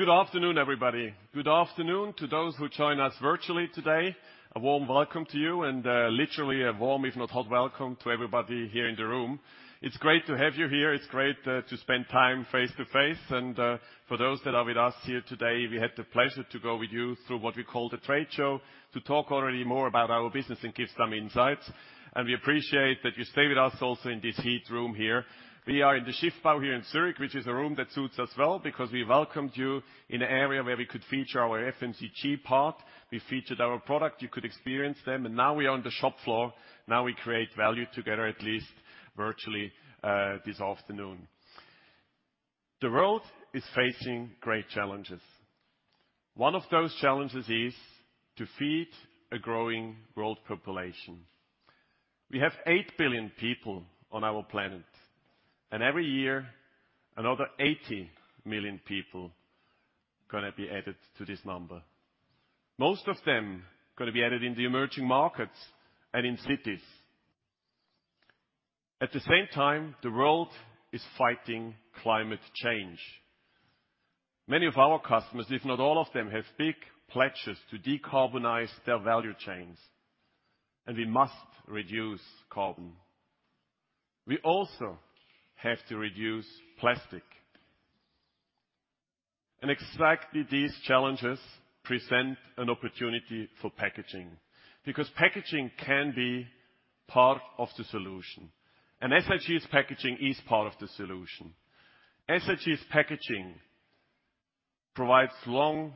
Good afternoon, everybody. Good afternoon to those who join us virtually today. A warm welcome to you and literally a warm, if not hot, welcome to everybody here in the room. It's great to have you here. It's great to spend time face-to-face and for those that are with us here today, we had the pleasure to go with you through what we call the trade show, to talk already more about our business and give some insights. We appreciate that you stay with us also in this heat room here. We are in the Schiffbau here in Zurich, which is a room that suits us well because we welcomed you in an area where we could feature our FMCG part. We featured our product, you could experience them, and now we are on the shop floor. Now we create value together, at least virtually, this afternoon. The world is facing great challenges. One of those challenges is to feed a growing world population. We have 8 billion people on our planet, and every year, another 80 million people gonna be added to this number. Most of them gonna be added in the emerging markets and in cities. At the same time, the world is fighting climate change. Many of our customers, if not all of them, have big pledges to decarbonize their value chains, and we must reduce carbon. We also have to reduce plastic. Exactly these challenges present an opportunity for packaging, because packaging can be part of the solution. SIG's packaging is part of the solution. SIG's packaging provides long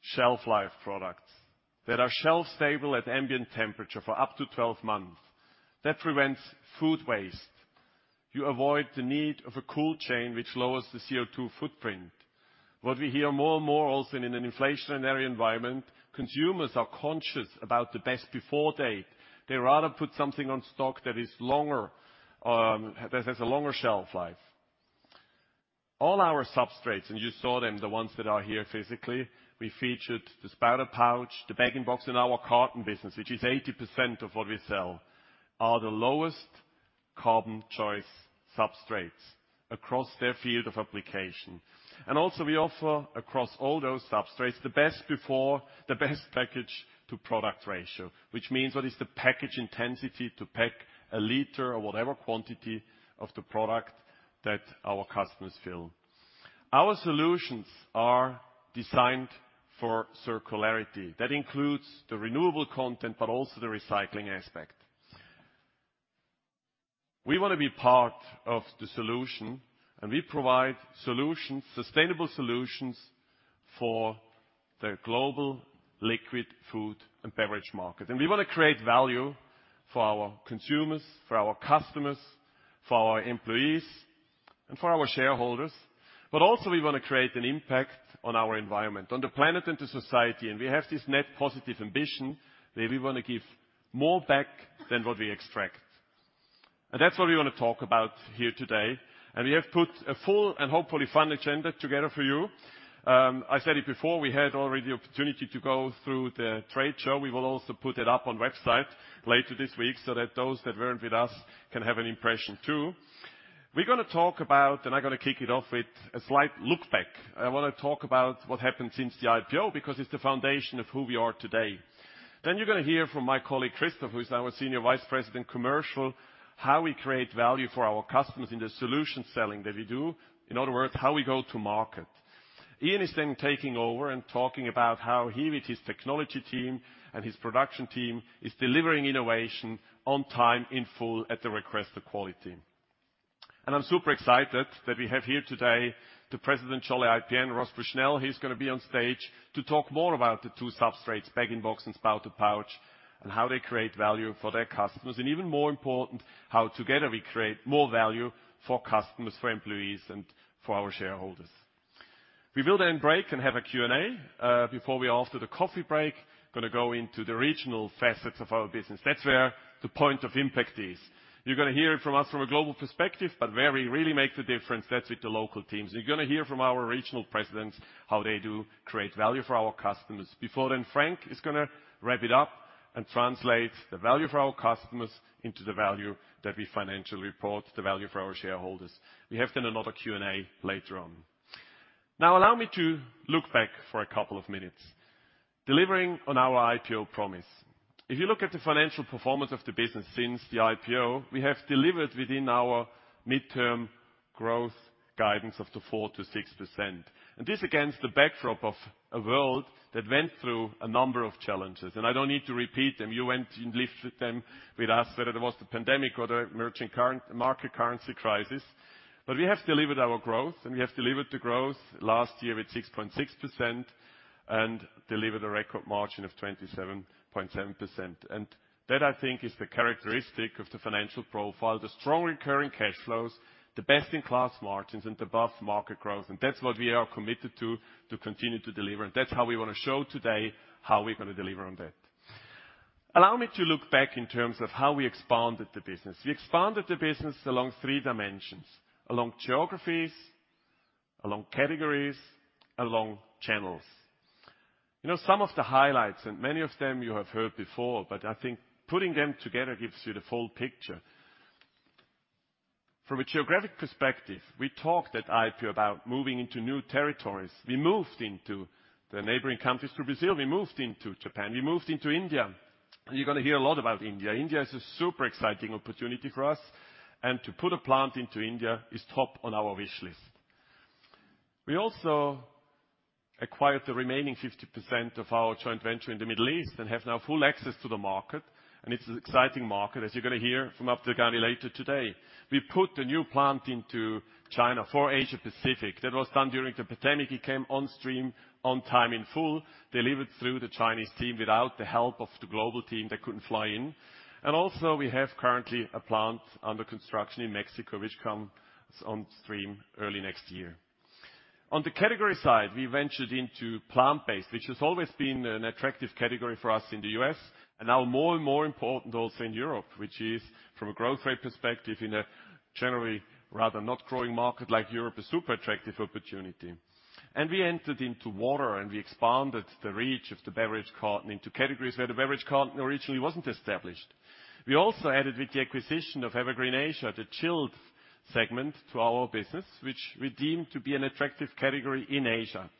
shelf life products that are shelf stable at ambient temperature for up to 12 months. That prevents food waste. You avoid the need of a cold chain, which lowers the CO2 footprint. What we hear more and more also in an inflationary environment, consumers are conscious about the best before date. They rather put something in stock that is longer, that has a longer shelf life. All our substrates, and you saw them, the ones that are here physically, we featured the spouted pouch, the Bag-in-Box in our carton business, which is 80% of what we sell, are the lowest carbon choice substrates across their field of application. We offer across all those substrates the best before, the best package-to-product ratio, which means what is the package intensity to pack a liter or whatever quantity of the product that our customers fill. Our solutions are designed for circularity. That includes the renewable content, but also the recycling aspect. We wanna be part of the solution, and we provide solutions, sustainable solutions for the global liquid food and beverage market. We wanna create value for our consumers, for our customers, for our employees, and for our shareholders. We wanna create an impact on our environment, on the planet and to society. We have this net-positive ambition where we wanna give more back than what we extract. That's what we wanna talk about here today. We have put a full and hopefully fun agenda together for you. I said it before, we had already opportunity to go through the trade show. We will also put it up on website later this week so that those that weren't with us can have an impression too. We're gonna talk about, and I'm gonna kick it off with a slight look back. I wanna talk about what happened since the IPO, because it's the foundation of who we are today. You're gonna hear from my colleague, Christoph, who is our Senior Vice President, Commercial, how we create value for our customers in the solution selling that we do. In other words, how we go to market. Ian is then taking over and talking about how he with his technology team and his production team is delivering innovation on time, in full, at the request of quality. I'm super excited that we have here today the President, Scholle IPN, Ross Bushnell, who's gonna be on stage to talk more about the two substrates, Bag-in-Box and spouted pouch, and how they create value for their customers. Even more important, how together we create more value for customers, for employees, and for our shareholders. We will then break and have a Q&A, before, after the coffee break, gonna go into the regional facets of our business. That's where the point of impact is. You're gonna hear it from us from a global perspective, but where we really make the difference, that's with the local teams. You're gonna hear from our regional presidents how they do create value for our customers. Before then Frank is gonna wrap it up and translate the value for our customers into the value that we financially report, the value for our shareholders. We have then another Q&A later on. Now allow me to look back for a couple of minutes. Delivering on our IPO promise. If you look at the financial performance of the business since the IPO, we have delivered within our midterm growth guidance of 4%-6%. This against the backdrop of a world that went through a number of challenges, and I don't need to repeat them. You went and lived with them, with us, whether it was the pandemic or the emerging current market currency crisis. We have delivered our growth, and we have delivered the growth last year with 6.6% and delivered a record margin of 27.7%. That I think is the characteristic of the financial profile. The strong recurring cash flows, the best-in-class margins and above market growth. That's what we are committed to continue to deliver, and that's how we wanna show today how we're gonna deliver on that. Allow me to look back in terms of how we expanded the business. We expanded the business along three dimensions, along geographies, along categories, along channels. You know some of the highlights, and many of them you have heard before, but I think putting them together gives you the full picture. From a geographic perspective, we talked at IPO about moving into new territories. We moved into the neighboring countries to Brazil, we moved into Japan, we moved into India. You're gonna hear a lot about India. India is a super exciting opportunity for us, and to put a plant into India is top on our wish list. We also acquired the remaining 50% of our joint venture in the Middle East, and have now full access to the market, and it's an exciting market, as you're gonna hear from Abdelghany later today. We put a new plant into China for Asia-Pacific. That was done during the pandemic. It came on stream on time, in full, delivered through the Chinese team without the help of the global team that couldn't fly in. We have currently a plant under construction in Mexico, which comes on stream early next year. On the category side, we ventured into plant-based, which has always been an attractive category for us in the U.S., and now more and more important also in Europe, which is from a growth rate perspective in a generally rather not growing market like Europe, a super attractive opportunity. We entered into water and we expanded the reach of the beverage carton into categories where the beverage carton originally wasn't established. We also added with the acquisition of Evergreen Asia, the chilled segment to our business, which we deem to be an attractive category in Asia.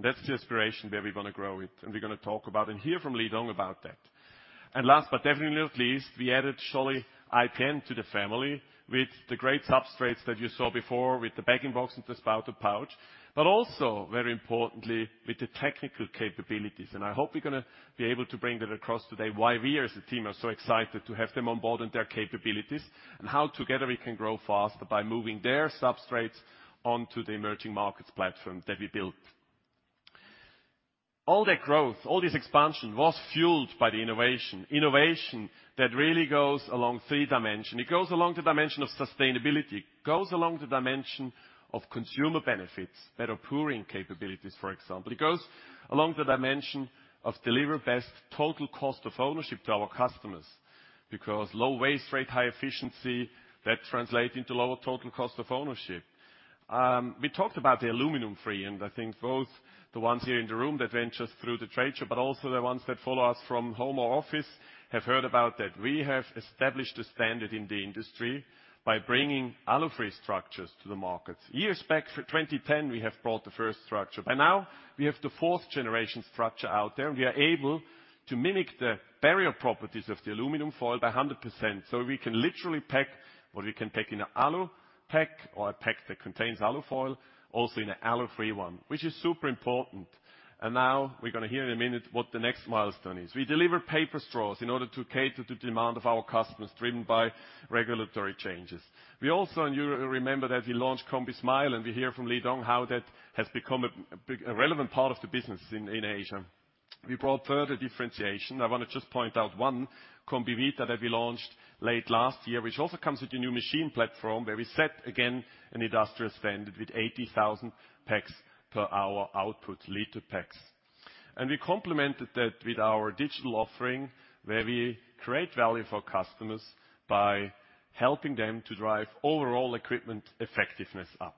That's the aspiration where we wanna grow it. We're gonna talk about and hear from Fan Lidong about that. Last but definitely not least, we added Scholle IPN to the family with the great substrates that you saw before with the Bag-in-Box and spouted pouch, but also very importantly with the technical capabilities. I hope we're gonna be able to bring that across today, why we as a team are so excited to have them on board and their capabilities, and how together we can grow faster by moving their substrates onto the emerging markets platform that we built. All that growth, all this expansion, was fueled by the innovation. Innovation that really goes along three dimensions. It goes along the dimension of sustainability, goes along the dimension of consumer benefits, better pouring capabilities, for example. It goes along the dimension of deliver best total cost of ownership to our customers, because low waste rate, high efficiency, that translate into lower total cost of ownership. We talked about the aluminum-free, and I think both the ones here in the room that ventures through the trade show, but also the ones that follow us from home or office, have heard about that. We have established a standard in the industry by bringing alu-free structures to the markets. Years back for 2010, we have brought the first structure. By now, we have the fourth generation structure out there, and we are able to mimic the barrier properties of the aluminum foil by 100%. We can literally pack what we can pack in an alu pack or a pack that contains alu foil, also in an alu-free one, which is super important. Now we're gonna hear in a minute what the next milestone is. We deliver paper straws in order to cater to demand of our customers driven by regulatory changes. We also, and you remember that we launched combismile, and we hear from Fan Lidong how that has become a relevant part of the business in Asia. We brought further differentiation. I wanna just point out one combivita that we launched late last year, which also comes with a new machine platform where we set again an industrial standard with 80,000 packs per hour output liter packs. We complemented that with our digital offering, where we create value for customers by helping them to drive overall equipment effectiveness up.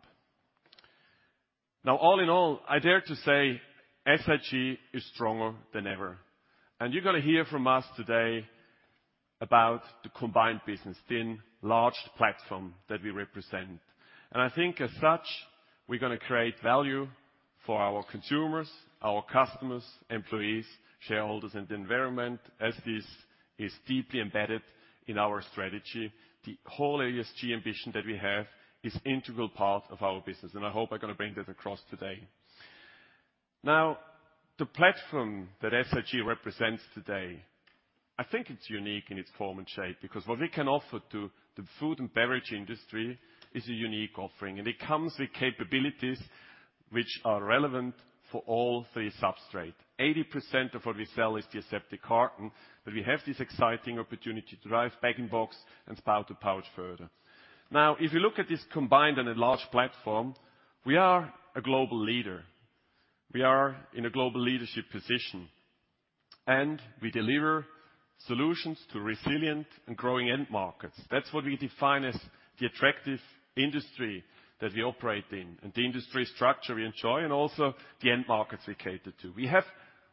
Now all in all, I dare to say SIG is stronger than ever. You're gonna hear from us today about the combined business, the enlarged platform that we represent. I think as such, we're gonna create value for our consumers, our customers, employees, shareholders and the environment as this is deeply embedded in our strategy. The whole ESG ambition that we have is integral part of our business, and I hope I gonna bring that across today. Now, the platform that SIG represents today, I think it's unique in its form and shape, because what we can offer to the food and beverage industry is a unique offering. It comes with capabilities which are relevant for all three substrate. 80% of what we sell is the aseptic carton, but we have this exciting opportunity to drive bag-in-box and spouted pouch further. Now, if you look at this combined and enlarged platform, we are a global leader. We are in a global leadership position, and we deliver solutions to resilient and growing end markets. That's what we define as the attractive industry that we operate in and the industry structure we enjoy, and also the end markets we cater to. We have,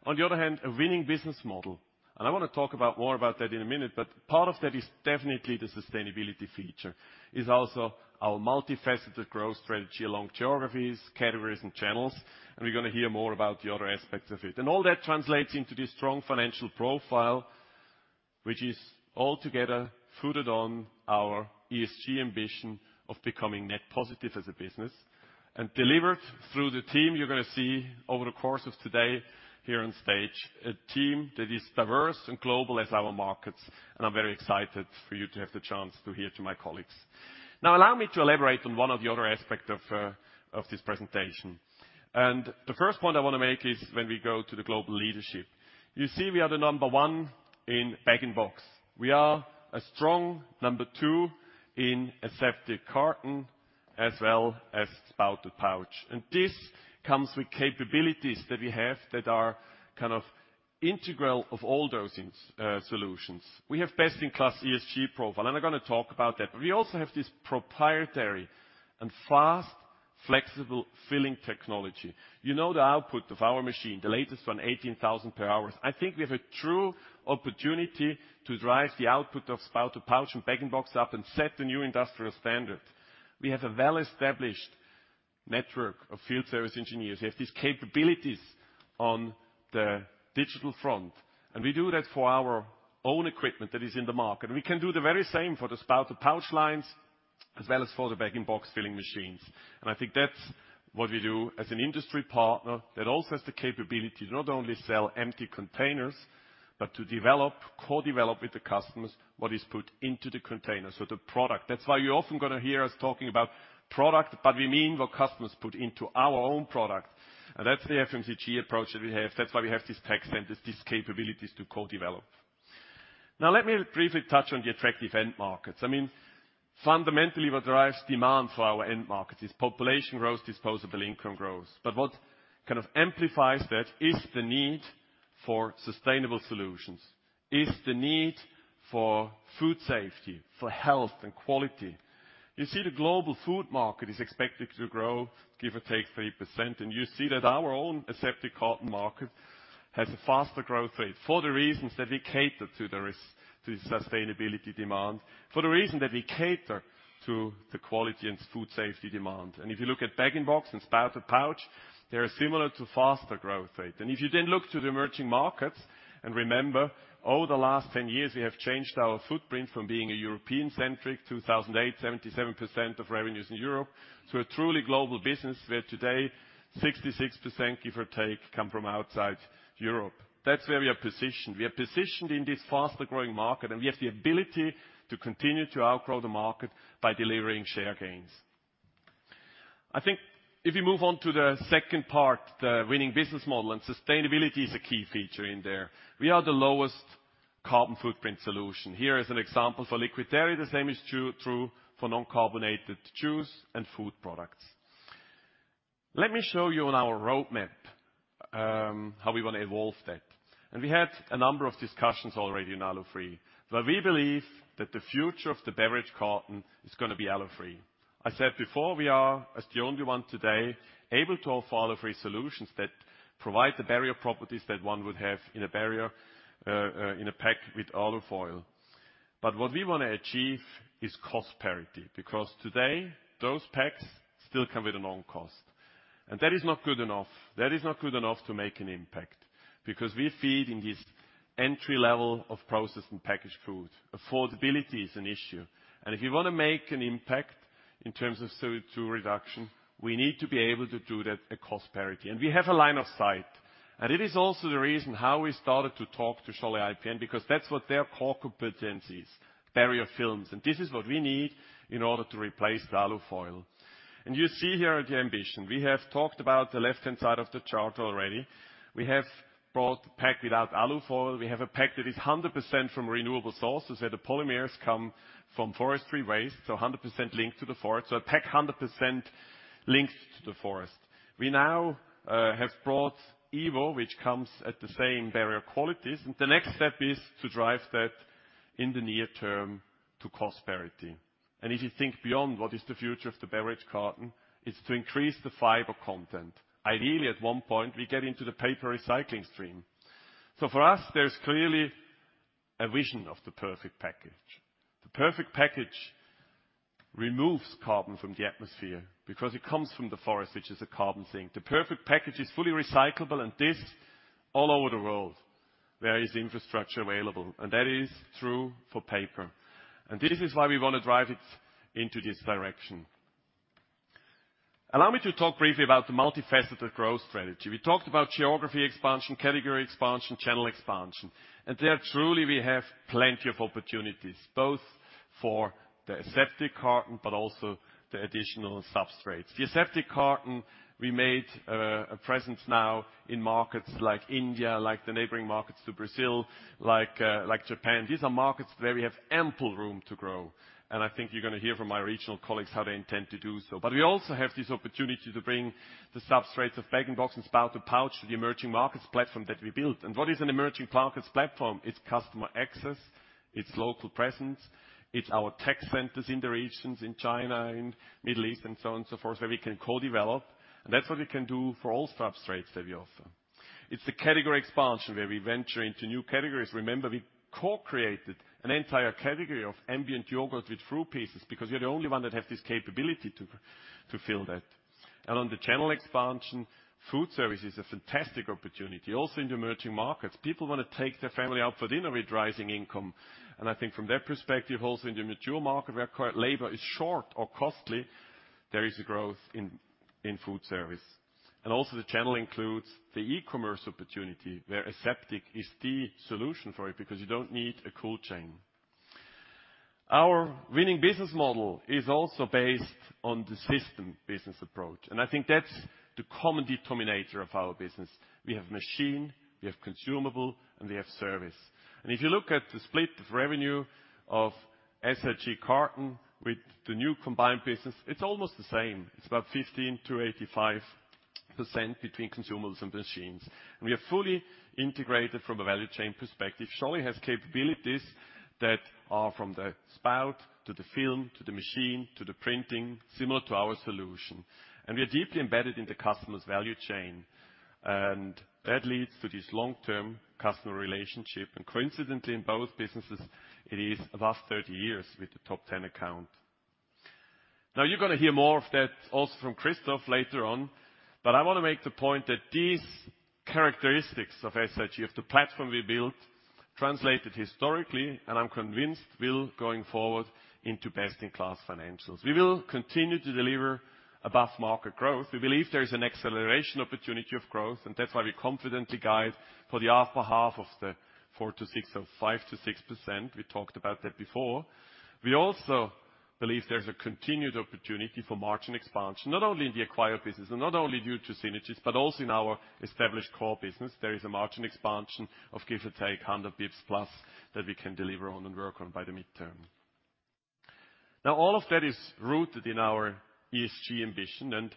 on the other hand, a winning business model. I wanna talk more about that in a minute, but part of that is definitely the sustainability feature. It's also our multifaceted growth strategy along geographies, categories and channels, and we're gonna hear more about the other aspects of it. All that translates into this strong financial profile, which is altogether footed on our ESG ambition of becoming net positive as a business and delivered through the team you're gonna see over the course of today here on stage, a team that is diverse and global as our markets, and I'm very excited for you to have the chance to hear to my colleagues. Now allow me to elaborate on one of the other aspect of this presentation. The first point I wanna make is when we go to the global leadership. You see we are number 1 in Bag-in-Box. We are a strong number 2 in aseptic carton as well as spouted pouch. This comes with capabilities that we have that are kind of integral of all dosing solutions. We have best-in-class ESG profile, and I'm gonna talk about that. We also have this proprietary and fast flexible filling technology. You know the output of our machine, the latest one, 18,000 per hour. I think we have a true opportunity to drive the output of spouted pouch and bag-in-box up and set the new industrial standard. We have a well-established network of field service engineers. We have these capabilities on the digital front, and we do that for our own equipment that is in the market. We can do the very same for the spouted pouch lines as well as for the bag-in-box filling machines. I think that's what we do as an industry partner that also has the capability to not only sell empty containers, but to develop, co-develop with the customers what is put into the container, so the product. That's why you're often gonna hear us talking about product, but we mean what customers put into our own product. That's the FMCG approach that we have. That's why we have these tech centers, these capabilities to co-develop. Now let me briefly touch on the attractive end markets. I mean, fundamentally, what drives demand for our end market is population growth, disposable income growth. What kind of amplifies that is the need for sustainable solutions, is the need for food safety, for health and quality. You see the global food market is expected to grow, give or take, 3%, and you see that our own aseptic carton market has a faster growth rate for the reasons that we cater to the sustainability demand, for the reason that we cater to the quality and food safety demand. If you look at bag-in-box and spouted pouch, they are similar to faster growth rate. If you then look to the emerging markets and remember, over the last 10 years, we have changed our footprint from being a European-centric, 2008, 77% of revenues in Europe, to a truly global business where today 66%, give or take, come from outside Europe. That's where we are positioned. We are positioned in this faster-growing market, and we have the ability to continue to outgrow the market by delivering share gains. I think if you move on to the second part, the winning business model, and sustainability is a key feature in there. We are the lowest carbon footprint solution. Here is an example for liquid dairy. The same is true for non-carbonated juice and food products. Let me show you on our roadmap, how we want to evolve that. We had a number of discussions already on Alu-free, where we believe that the future of the beverage carton is gonna be Alu-free. I said before, we are, as the only one today, able to offer Alu-free solutions that provide the barrier properties that one would have in a barrier, in a pack with alu foil. But what we wanna achieve is cost parity, because today, those packs still come with a cost. That is not good enough. That is not good enough to make an impact, because we feed into this entry-level of processed and packaged food. Affordability is an issue. If you wanna make an impact in terms of CO2 reduction, we need to be able to do that at cost parity. We have a line of sight. It is also the reason how we started to talk to Scholle IPN, because that's what their core competence is, barrier films. This is what we need in order to replace the alu foil. You see here the ambition. We have talked about the left-hand side of the chart already. We have brought the pack without alu foil. We have a pack that is 100% from renewable sources, where the polymers come from forestry waste, so 100% linked to the forest. A pack 100% linked to the forest. We now have brought EVO, which comes at the same barrier qualities. The next step is to drive that in the near term to cost parity. If you think beyond what is the future of the beverage carton, it's to increase the fiber content. Ideally, at one point, we get into the paper recycling stream. For us, there's clearly a vision of the perfect package. The perfect package removes carbon from the atmosphere because it comes from the forest, which is a carbon sink. The perfect package is fully recyclable, and this all over the world, there is infrastructure available, and that is true for paper. This is why we wanna drive it into this direction. Allow me to talk briefly about the multifaceted growth strategy. We talked about geography expansion, category expansion, channel expansion. There truly, we have plenty of opportunities, both for the aseptic carton, but also the additional substrates. The aseptic carton, we made a presence now in markets like India, like the neighboring markets to Brazil, like Japan. These are markets where we have ample room to grow, and I think you're gonna hear from my regional colleagues how they intend to do so. We also have this opportunity to bring the substrates of bag-in-box and spouted pouch to the emerging markets platform that we built. What is an emerging markets platform? It's customer access, it's local presence, it's our tech centers in the regions, in China, in Middle East, and so on and so forth, where we can co-develop. That's what we can do for all substrates that we offer. It's the category expansion, where we venture into new categories. Remember, we co-created an entire category of ambient yogurt with fruit pieces because we're the only one that have this capability to fill that. On the channel expansion, food service is a fantastic opportunity. In the emerging markets, people want to take their family out for dinner with rising income. I think from their perspective, also in the mature market where current labor is short or costly, there is a growth in food service. The channel includes the e-commerce opportunity, where aseptic is the solution for it because you don't need a cold chain. Our winning business model is also based on the system business approach, and I think that's the common denominator of our business. We have machine, we have consumable, and we have service. If you look at the split of revenue of SIG Carton with the new combined business, it's almost the same. It's about 15%-85% between consumables and machines. We are fully integrated from a value chain perspective. Scholle has capabilities that are from the spout, to the film, to the machine, to the printing, similar to our solution. We are deeply embedded in the customer's value chain. That leads to this long-term customer relationship. Coincidentally, in both businesses, it is the last 30 years with the top ten account. Now, you're gonna hear more of that also from Christoph later on, but I wanna make the point that these characteristics of SIG, of the platform we built, translated historically, and I'm convinced will, going forward, into best-in-class financials. We will continue to deliver above-market growth. We believe there is an acceleration opportunity of growth, and that's why we confidently guide for the upper half of the 4%-6% or 5%-6%. We talked about that before. We also believe there's a continued opportunity for margin expansion, not only in the acquired business and not only due to synergies, but also in our established core business. There is a margin expansion of give or take 100+ basis points that we can deliver on and work on by the midterm. Now, all of that is rooted in our ESG ambition.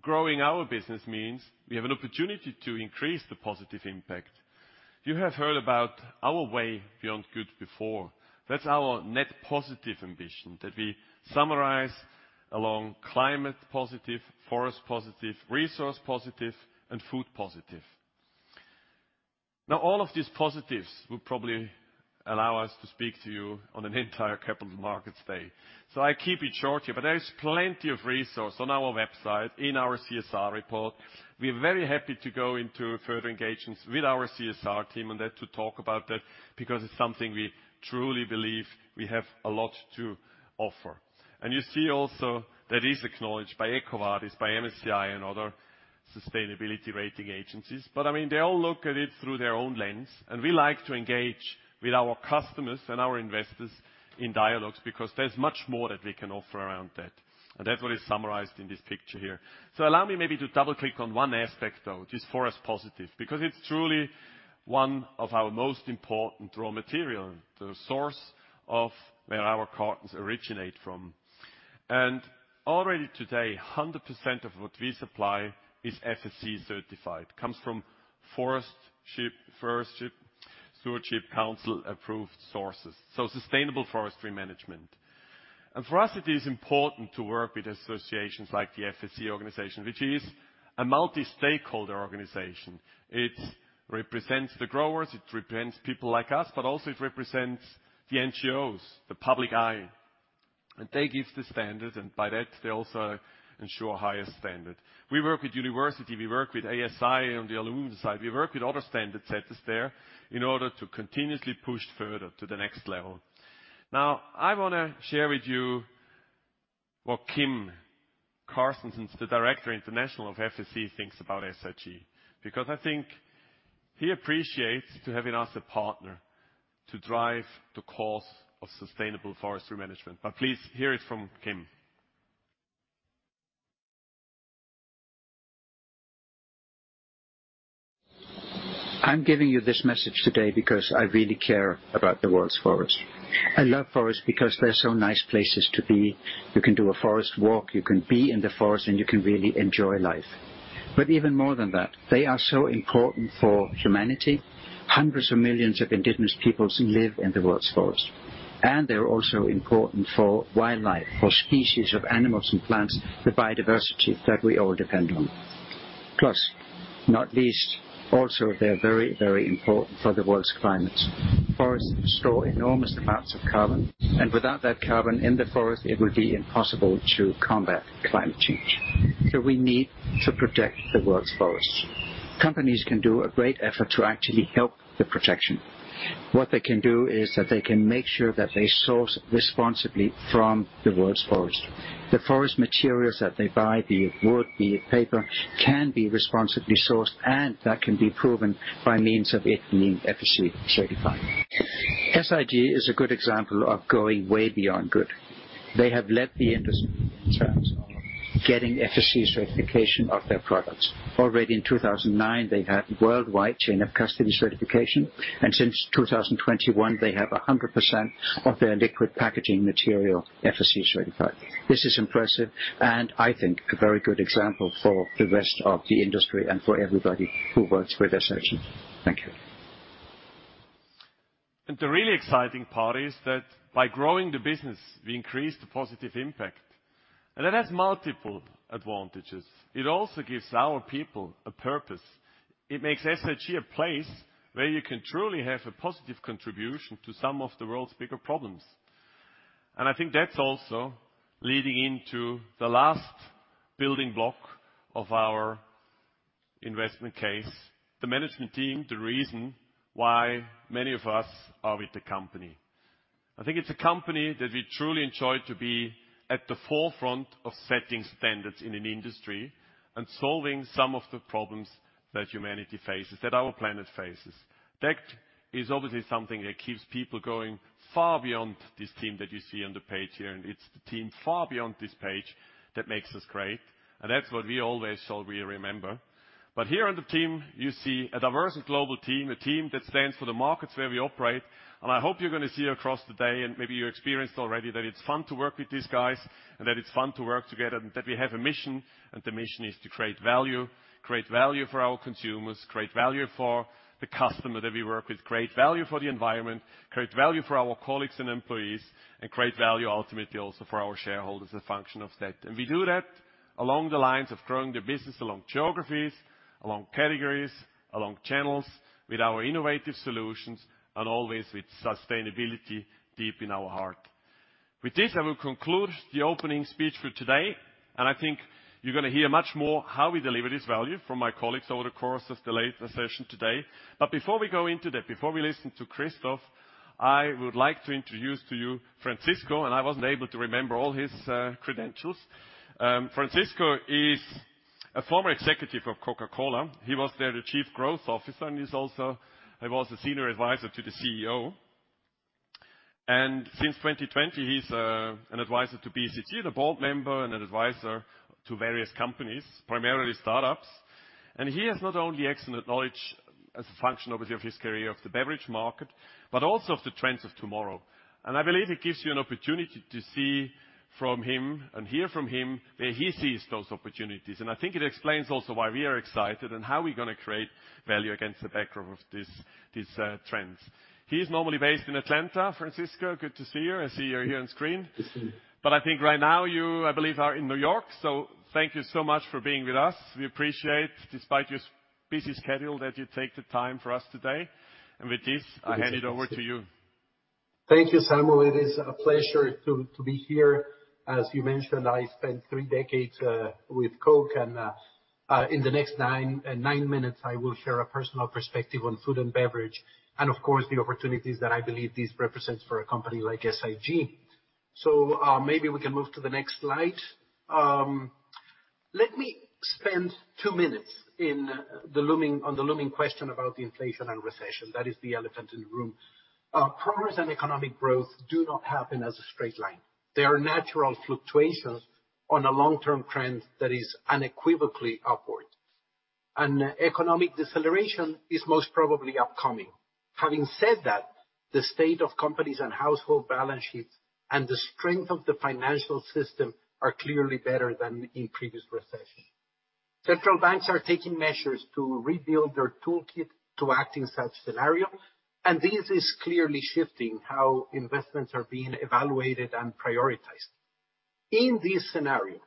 Growing our business means we have an opportunity to increase the positive impact. You have heard about our Way Beyond Good before. That's our net positive ambition that we summarize along climate positive, forest positive, resource positive, and food positive. Now, all of these positives will probably allow us to speak to you on an entire capital markets day. I keep it short here, but there is plenty of resource on our website, in our CSR report. We're very happy to go into further engagements with our CSR team on that to talk about that, because it's something we truly believe we have a lot to offer. You see also that is acknowledged by EcoVadis, by MSCI and other sustainability rating agencies. I mean, they all look at it through their own lens, and we like to engage with our customers and our investors in dialogues because there's much more that we can offer around that. That's what is summarized in this picture here. Allow me maybe to double-click on one aspect, though, this forest positive, because it's truly one of our most important raw material, the source of where our cartons originate from. Already today, 100% of what we supply is FSC-certified, comes from Forest Stewardship Council approved sources. Sustainable forestry management. For us, it is important to work with associations like the FSC organization, which is a multi-stakeholder organization. It represents the growers, it represents people like us, but also it represents the NGOs, the public eye. They give the standard, and by that, they also ensure higher standard. We work with university, we work with ASI on the aluminum side. We work with other standard setters there in order to continuously push further to the next level. Now, I wanna share with you what Kim Carstensen, the Director General of FSC, thinks about SIG, because I think he appreciates to having us a partner to drive the cause of sustainable forestry management. Please, hear it from Kim. I'm giving you this message today because I really care about the world's forests. I love forests because they're so nice places to be. You can do a forest walk, you can be in the forest, and you can really enjoy life. Even more than that, they are so important for humanity. Hundreds of millions of indigenous peoples live in the world's forests. They're also important for wildlife, for species of animals and plants, the biodiversity that we all depend on. Plus, not least, also, they're very, very important for the world's climates. Forests store enormous amounts of carbon, and without that carbon in the forest, it would be impossible to combat climate change. We need to protect the world's forests. Companies can do a great effort to actually help the protection. What they can do is that they can make sure that they source responsibly from the world's forests. The forest materials that they buy, be it wood, be it paper, can be responsibly sourced, and that can be proven by means of it being FSC-certified. SIG is a good example of going Way Beyond Good. They have led the industry getting FSC certification of their products. Already in 2009, they had worldwide chain of custody certification, and since 2021, they have 100% of their liquid packaging material FSC-certified. This is impressive and I think a very good example for the rest of the industry and for everybody who works with SIG. Thank you. The really exciting part is that by growing the business, we increase the positive impact. That has multiple advantages. It also gives our people a purpose. It makes SIG a place where you can truly have a positive contribution to some of the world's bigger problems. I think that's also leading into the last building block of our investment case, the management team, the reason why many of us are with the company. I think it's a company that we truly enjoy to be at the forefront of setting standards in an industry and solving some of the problems that humanity faces, that our planet faces. That is obviously something that keeps people going far beyond this team that you see on the page here, and it's the team far beyond this page that makes us great. That's what we always should remember. Here on the team, you see a diverse global team, a team that stands for the markets where we operate. I hope you're gonna see across the day, and maybe you experienced already, that it's fun to work with these guys, and that it's fun to work together, and that we have a mission. The mission is to create value, create value for our consumers, create value for the customer that we work with, create value for the environment, create value for our colleagues and employees, and create value ultimately also for our shareholders as a function of that. We do that along the lines of growing the business along geographies, along categories, along channels with our innovative solutions and always with sustainability deep in our heart. With this, I will conclude the opening speech for today, and I think you're gonna hear much more how we deliver this value from my colleagues over the course of the later session today. Before we go into that, before we listen to Christoph, I would like to introduce to you Francisco. I wasn't able to remember all his credentials. Francisco is a former executive of Coca-Cola. He was their Chief Growth Officer, and he was also the Senior Advisor to the CEO. Since 2020, he's an advisor to BCG, the board member and an advisor to various companies, primarily startups. He has not only excellent knowledge as a function, obviously, of his career of the beverage market, but also of the trends of tomorrow. I believe it gives you an opportunity to see from him and hear from him where he sees those opportunities. I think it explains also why we are excited and how we're gonna create value against the background of these trends. He's normally based in Atlanta. Francisco, good to see you. I see you here on screen. Good to see you. I think right now you, I believe, are in New York. Thank you so much for being with us. We appreciate, despite your busy schedule, that you take the time for us today. With this, I hand it over to you. Thank you, Samuel. It is a pleasure to be here. As you mentioned, I spent three decades with Coke and in the next nine minutes, I will share a personal perspective on food and beverage and, of course, the opportunities that I believe this represents for a company like SIG. Maybe we can move to the next slide. Let me spend two minutes on the looming question about the inflation and recession. That is the elephant in the room. Progress and economic growth do not happen as a straight line. There are natural fluctuations on a long-term trend that is unequivocally upward. Economic deceleration is most probably upcoming. Having said that, the state of companies and household balance sheets and the strength of the financial system are clearly better than in previous recession. Central banks are taking measures to rebuild their toolkit to act in such scenario, and this is clearly shifting how investments are being evaluated and prioritized. In this scenario,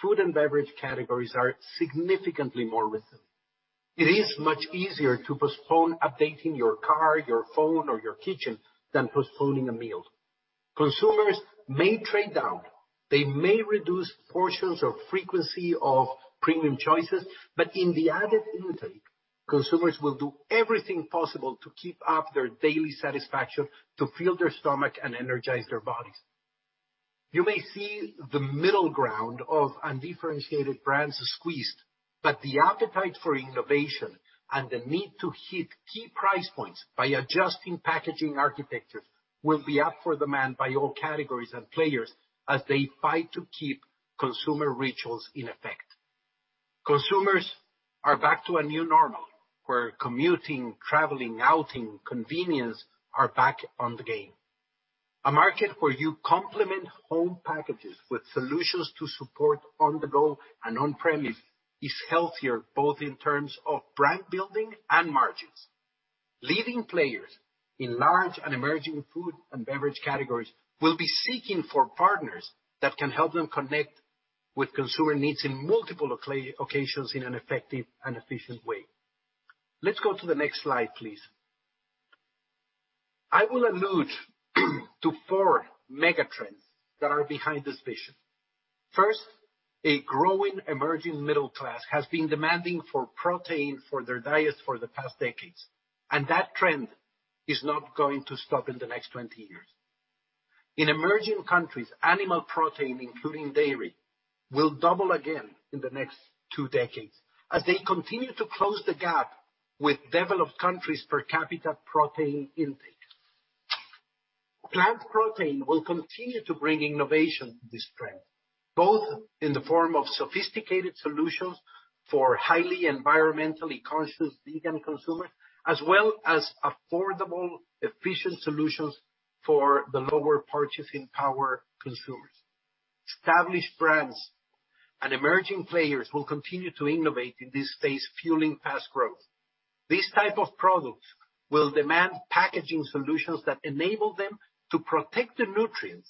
food and beverage categories are significantly more resilient. It is much easier to postpone updating your car, your phone or your kitchen than postponing a meal. Consumers may trade down, they may reduce portions or frequency of premium choices, but in the added intake, consumers will do everything possible to keep up their daily satisfaction to fill their stomach and energize their bodies. You may see the middle ground of undifferentiated brands squeezed, but the appetite for innovation and the need to hit key price points by adjusting packaging architecture will be up for demand by all categories and players as they fight to keep consumer rituals in effect. Consumers are back to a new normal where commuting, traveling, outings, convenience are back in the game. A market where you complement home packages with solutions to support on-the-go and on-premise is healthier, both in terms of brand building and margins. Leading players in large and emerging food and beverage categories will be seeking for partners that can help them connect with consumer needs in multiple occasions in an effective and efficient way. Let's go to the next slide, please. I will allude to four megatrends that are behind this vision. First, a growing emerging middle class has been demanding for protein for their diets for the past decades, and that trend is not going to stop in the next 20 years. In emerging countries, animal protein, including dairy, will double again in the next two decades as they continue to close the gap with developed countries per capita protein intake. Plant protein will continue to bring innovation to this trend, both in the form of sophisticated solutions for highly environmentally conscious vegan consumers, as well as affordable, efficient solutions for the lower purchasing power consumers. Established brands and emerging players will continue to innovate in this space, fueling fast growth. These type of products will demand packaging solutions that enable them to protect the nutrients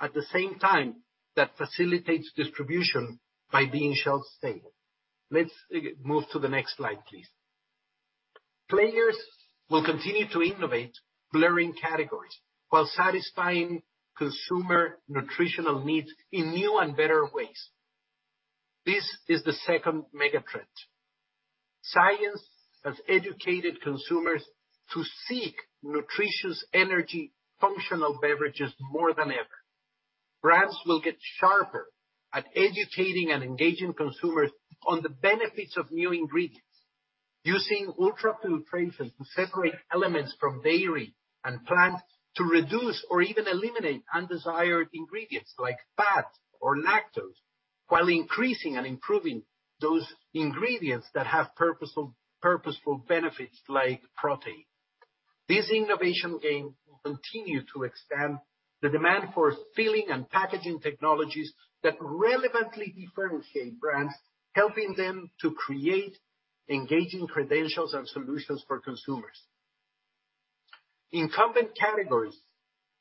at the same time that facilitates distribution by being shelf stable. Let's move to the next slide, please. Players will continue to innovate, blurring categories while satisfying consumer nutritional needs in new and better ways. This is the second mega trend. Science has educated consumers to seek nutritious energy functional beverages more than ever. Brands will get sharper at educating and engaging consumers on the benefits of new ingredients. Using ultrafiltration to separate elements from dairy and plant to reduce or even eliminate undesired ingredients like fat or lactose, while increasing and improving those ingredients that have purposeful benefits like protein. This innovation game will continue to expand the demand for filling and packaging technologies that relevantly differentiate brands, helping them to create engaging credentials and solutions for consumers. Incumbent categories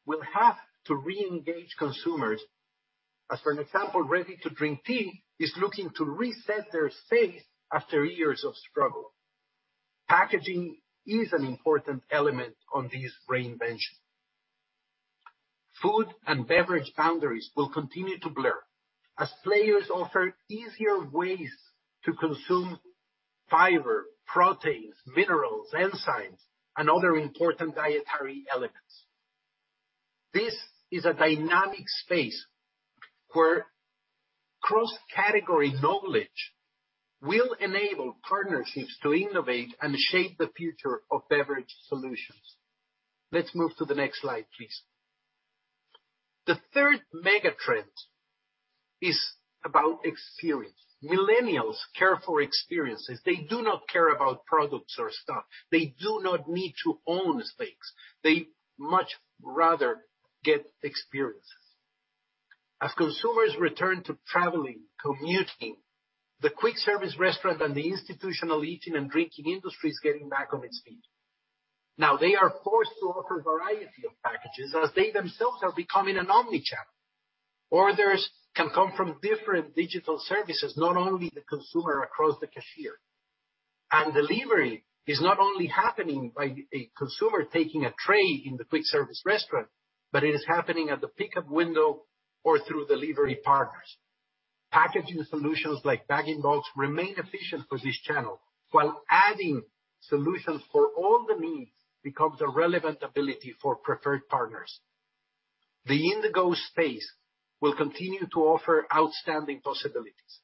will have to reengage consumers. As for an example, ready-to-drink tea is looking to reset their space after years of struggle. Packaging is an important element on this reinvention. Food and beverage boundaries will continue to blur as players offer easier ways to consume fiber, proteins, minerals, enzymes, and other important dietary elements. This is a dynamic space where cross-category knowledge will enable partnerships to innovate and shape the future of beverage solutions. Let's move to the next slide, please. The third mega trend is about experience. Millennials care for experiences. They do not care about products or stuff. They do not need to own things. They much rather get experiences. As consumers return to traveling, commuting, the quick service restaurant and the institutional eating and drinking industry is getting back on its feet. Now they are forced to offer a variety of packages as they themselves are becoming an omnichannel. Orders can come from different digital services, not only the consumer across the cashier. Delivery is not only happening by a consumer taking a tray in the quick service restaurant, but it is happening at the pickup window or through delivery partners. Packaging solutions like Bag-in-Box remain efficient for this channel while adding solutions for all the needs becomes a relevant ability for preferred partners. The Indigo space will continue to offer outstanding possibilities.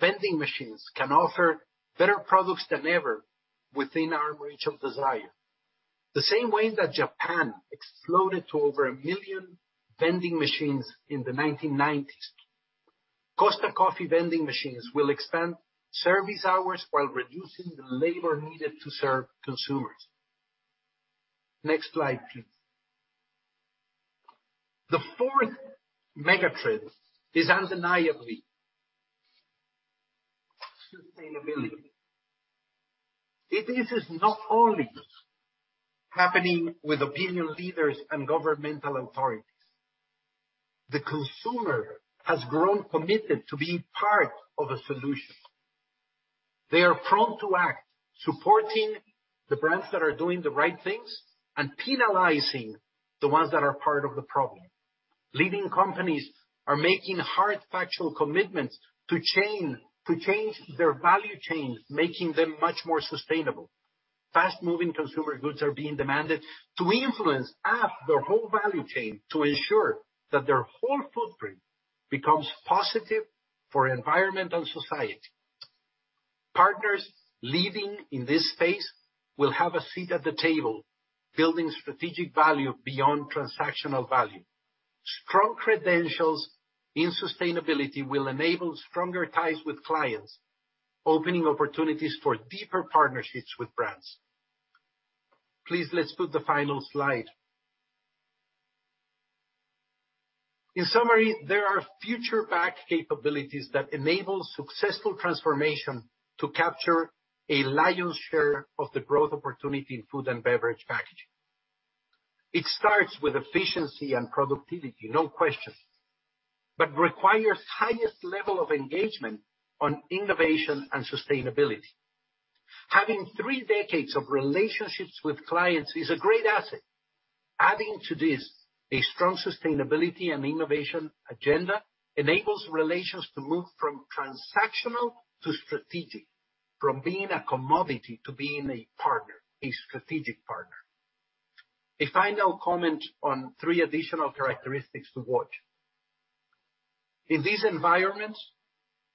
Vending machines can offer better products than ever within arm's reach of desire. The same way that Japan exploded to over 1 million vending machines in the 1990s. Costa Coffee vending machines will expand service hours while reducing the labor needed to serve consumers. Next slide, please. The fourth mega trend is undeniably sustainability. It is not only happening with opinion leaders and governmental authorities. The consumer has grown committed to being part of a solution. They are prone to act, supporting the brands that are doing the right things and penalizing the ones that are part of the problem. Leading companies are making hard factual commitments to change their value chains, making them much more sustainable. Fast-moving consumer goods are being demanded to clean up their whole value chain to ensure that their whole footprint becomes positive for environment and society. Partners leading in this space will have a seat at the table, building strategic value beyond transactional value. Strong credentials in sustainability will enable stronger ties with clients, opening opportunities for deeper partnerships with brands. Please, let's put the final slide. In summary, there are future pack capabilities that enable successful transformation to capture a lion's share of the growth opportunity in food and beverage packaging. It starts with efficiency and productivity, no question, but requires highest level of engagement on innovation and sustainability. Having three decades of relationships with clients is a great asset. Adding to this, a strong sustainability and innovation agenda enables relations to move from transactional to strategic, from being a commodity to being a partner, a strategic partner. A final comment on three additional characteristics to watch. In these environments,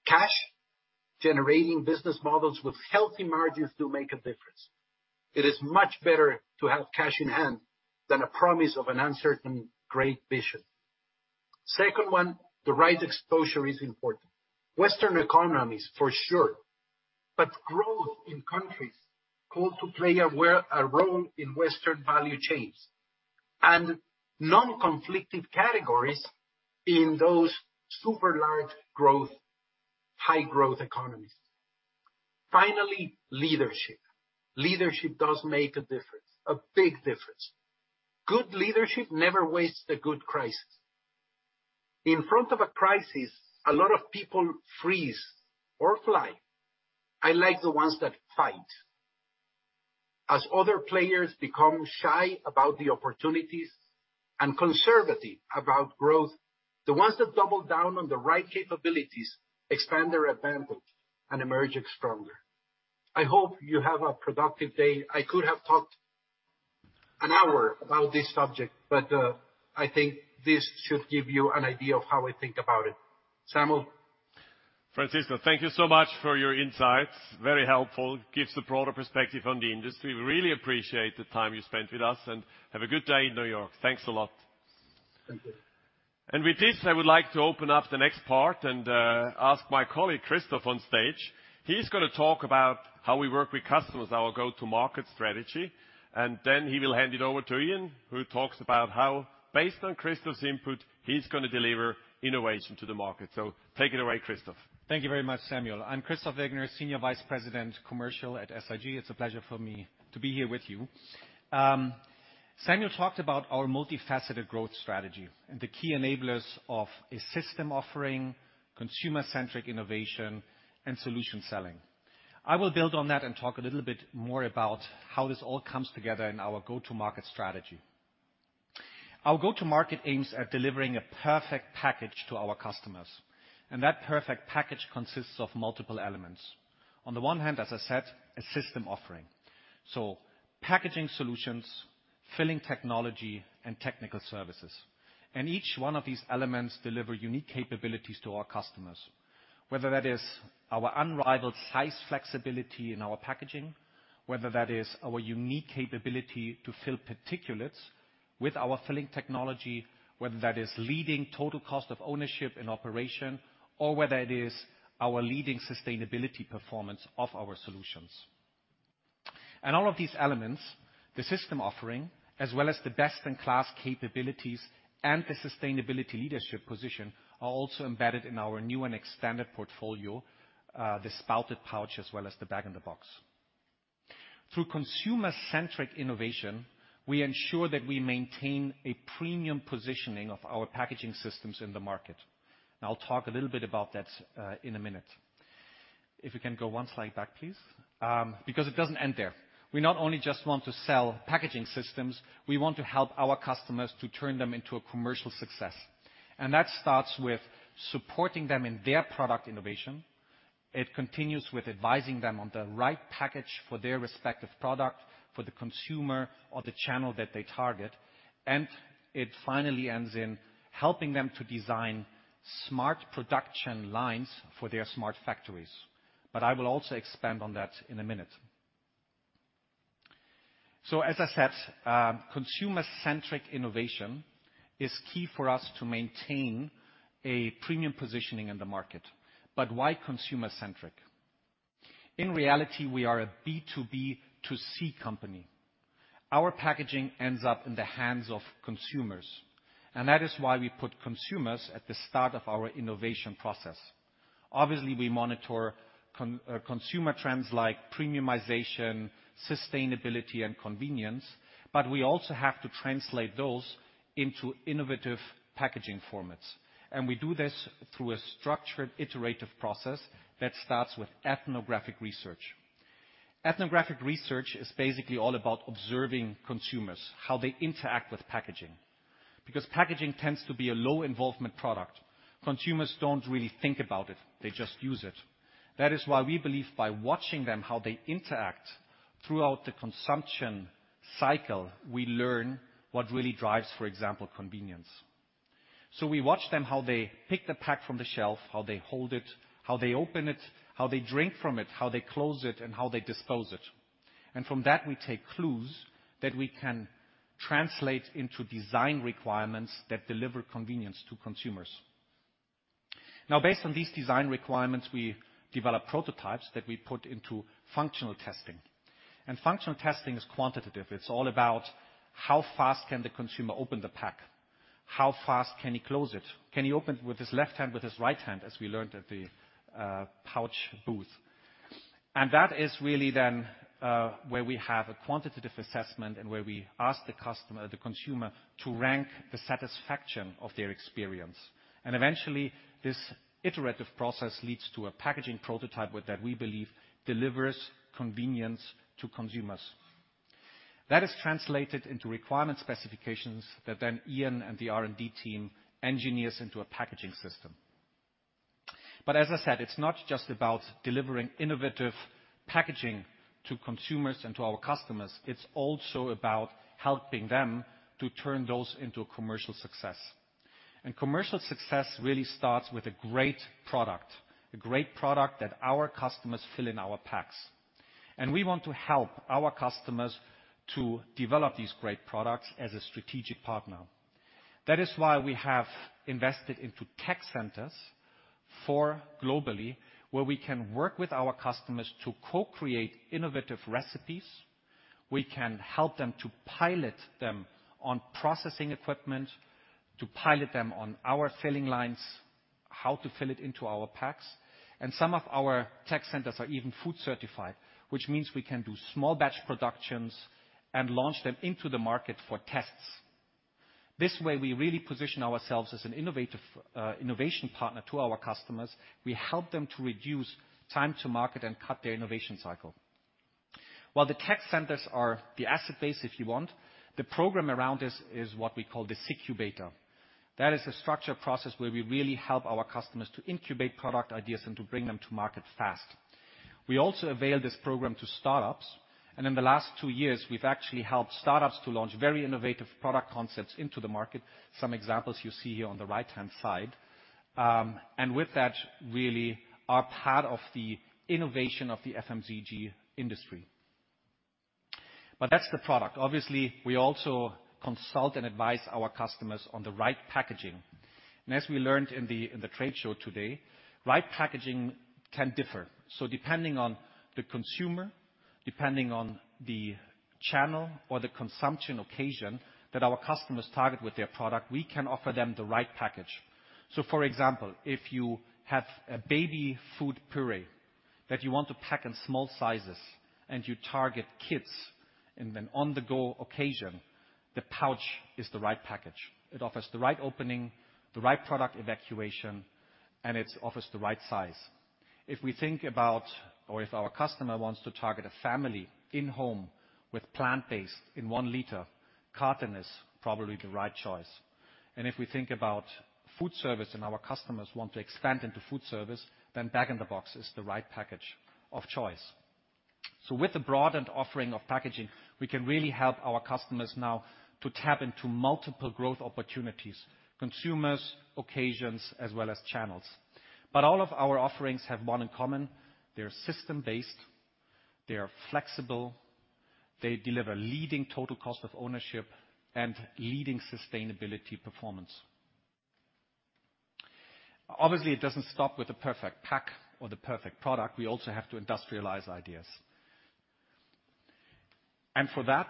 cash-generating business models with healthy margins do make a difference. It is much better to have cash in hand than a promise of an uncertain great vision. Second one, the right exposure is important. Western economies for sure, but growth in countries called to play a role in Western value chains and non-conflicted categories in those super large growth, high growth economies. Finally, leadership. Leadership does make a difference, a big difference. Good leadership never wastes a good crisis. In front of a crisis, a lot of people freeze or fly. I like the ones that fight. As other players become shy about the opportunities and conservative about growth, the ones that double down on the right capabilities expand their advantage and emerge stronger. I hope you have a productive day. I could have talked. An hour about this subject, but, I think this should give you an idea of how I think about it. Samuel? Francisco, thank you so much for your insights. Very helpful. Gives a broader perspective on the industry. We really appreciate the time you spent with us, and have a good day in New York. Thanks a lot. Thank you. With this, I would like to open up the next part and ask my colleague, Christoph, on stage. He's gonna talk about how we work with customers, our go-to-market strategy, and then he will hand it over to Ian, who talks about how, based on Christoph's input, he's gonna deliver innovation to the market. Take it away, Christoph. Thank you very much, Samuel. I'm Christoph Wegener, Senior Vice President, Commercial at SIG. It's a pleasure for me to be here with you. Samuel talked about our multifaceted growth strategy and the key enablers of a system offering, consumer-centric innovation, and solution selling. I will build on that and talk a little bit more about how this all comes together in our go-to-market strategy. Our go-to-market aims at delivering a perfect package to our customers, and that perfect package consists of multiple elements. On the one hand, as I said, a system offering. So packaging solutions, filling technology, and technical services. Each one of these elements deliver unique capabilities to our customers, whether that is our unrivaled size flexibility in our packaging, whether that is our unique capability to fill particulates with our filling technology, whether that is leading total cost of ownership and operation, or whether it is our leading sustainability performance of our solutions. All of these elements, the system offering, as well as the best-in-class capabilities and the sustainability leadership position, are also embedded in our new and expanded portfolio, the spouted pouch, as well as the bag-in-box. Through consumer-centric innovation, we ensure that we maintain a premium positioning of our packaging systems in the market. I'll talk a little bit about that in a minute. If we can go one slide back, please. Because it doesn't end there. We not only just want to sell packaging systems, we want to help our customers to turn them into a commercial success, and that starts with supporting them in their product innovation. It continues with advising them on the right package for their respective product, for the consumer or the channel that they target. It finally ends in helping them to design smart production lines for their smart factories. I will also expand on that in a minute. As I said, consumer-centric innovation is key for us to maintain a premium positioning in the market. Why consumer-centric? In reality, we are a B2B2C company. Our packaging ends up in the hands of consumers, and that is why we put consumers at the start of our innovation process. Obviously, we monitor consumer trends like premiumization, sustainability, and convenience, but we also have to translate those into innovative packaging formats. We do this through a structured, iterative process that starts with ethnographic research. Ethnographic research is basically all about observing consumers, how they interact with packaging. Because packaging tends to be a low-involvement product, consumers don't really think about it, they just use it. That is why we believe by watching them, how they interact throughout the consumption cycle, we learn what really drives, for example, convenience. We watch them, how they pick the pack from the shelf, how they hold it, how they open it, how they drink from it, how they close it, and how they dispose it. From that, we take clues that we can translate into design requirements that deliver convenience to consumers. Now, based on these design requirements, we develop prototypes that we put into functional testing. Functional testing is quantitative. It's all about how fast can the consumer open the pack? How fast can he close it? Can he open with his left hand, with his right hand, as we learned at the pouch booth. That is really then where we have a quantitative assessment and where we ask the customer, the consumer, to rank the satisfaction of their experience. Eventually, this iterative process leads to a packaging prototype with that we believe delivers convenience to consumers. That is translated into requirement specifications that then Ian and the R&D team engineers into a packaging system. As I said, it's not just about delivering innovative packaging to consumers and to our customers. It's also about helping them to turn those into a commercial success. Commercial success really starts with a great product, a great product that our customers fill in our packs. We want to help our customers to develop these great products as a strategic partner. That is why we have invested into tech centers, four globally, where we can work with our customers to co-create innovative recipes. We can help them to pilot them on processing equipment, to pilot them on our filling lines, how to fill it into our packs. Some of our tech centers are even food-certified, which means we can do small batch productions and launch them into the market for tests. This way, we really position ourselves as an innovative, innovation partner to our customers. We help them to reduce time to market and cut their innovation cycle. While the tech centers are the asset base, if you want, the program around this is what we call the SIGCUBATOR. That is a structured process where we really help our customers to incubate product ideas and to bring them to market fast. We also avail this program to startups, and in the last two years, we've actually helped startups to launch very innovative product concepts into the market. Some examples you see here on the right-hand side. With that, really are part of the innovation of the FMCG industry. That's the product. Obviously, we also consult and advise our customers on the right packaging. As we learned in the trade show today, right packaging can differ. Depending on the consumer, depending on the channel or the consumption occasion that our customers target with their product, we can offer them the right package. For example, if you have a baby food puree that you want to pack in small sizes, and you target kids in an on-the-go occasion, the pouch is the right package. It offers the right opening, the right product evacuation, and it offers the right size. If we think about or if our customer wants to target a family in-home with plant-based in 1 l, carton is probably the right choice. If we think about food service and our customers want to expand into food service, then bag-in-box is the right package of choice. With the broadened offering of packaging, we can really help our customers now to tap into multiple growth opportunities, consumers, occasions, as well as channels. All of our offerings have one in common. They're system-based, they're flexible, they deliver leading total cost of ownership, and leading sustainability performance. Obviously, it doesn't stop with the perfect pack or the perfect product. We also have to industrialize ideas. For that,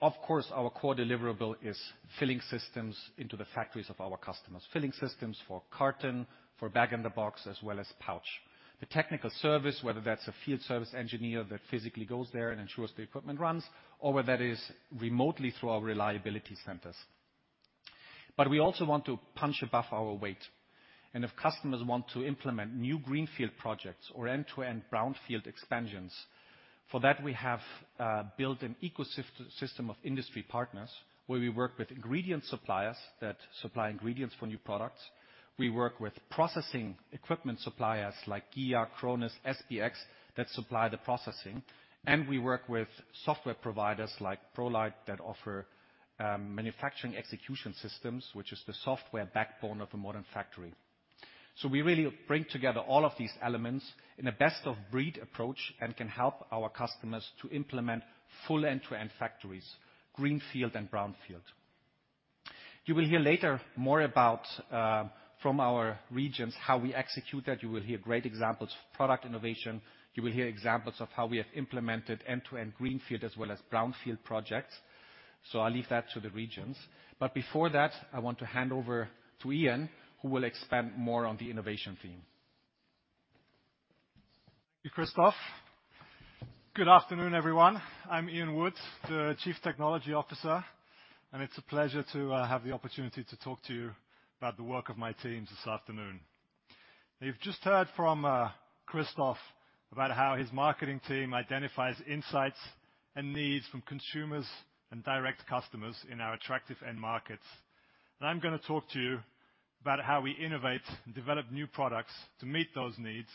of course, our core deliverable is filling systems into the factories of our customers. Filling systems for carton, for bag-in-box, as well as pouch. The technical service, whether that's a field service engineer that physically goes there and ensures the equipment runs, or whether that is remotely through our reliability centers. We also want to punch above our weight. If customers want to implement new greenfield projects or end-to-end brownfield expansions, for that, we have built an ecosystem of industry partners, where we work with ingredient suppliers that supply ingredients for new products. We work with processing equipment suppliers like GEA, Krones, SPX, that supply the processing. We work with software providers like ProLeiT that offer manufacturing execution systems, which is the software backbone of the modern factory. We really bring together all of these elements in a best-of-breed approach and can help our customers to implement full end-to-end factories, greenfield and brownfield. You will hear later more about from our regions how we execute that. You will hear great examples of product innovation. You will hear examples of how we have implemented end-to-end greenfield as well as brownfield projects. I'll leave that to the regions. Before that, I want to hand over to Ian, who will expand more on the innovation theme. Thank you, Christoph. Good afternoon, everyone. I'm Ian Wood, the Chief Technology Officer, and it's a pleasure to have the opportunity to talk to you about the work of my team this afternoon. You've just heard from Christoph about how his marketing team identifies insights and needs from consumers and direct customers in our attractive end markets. I'm gonna talk to you about how we innovate and develop new products to meet those needs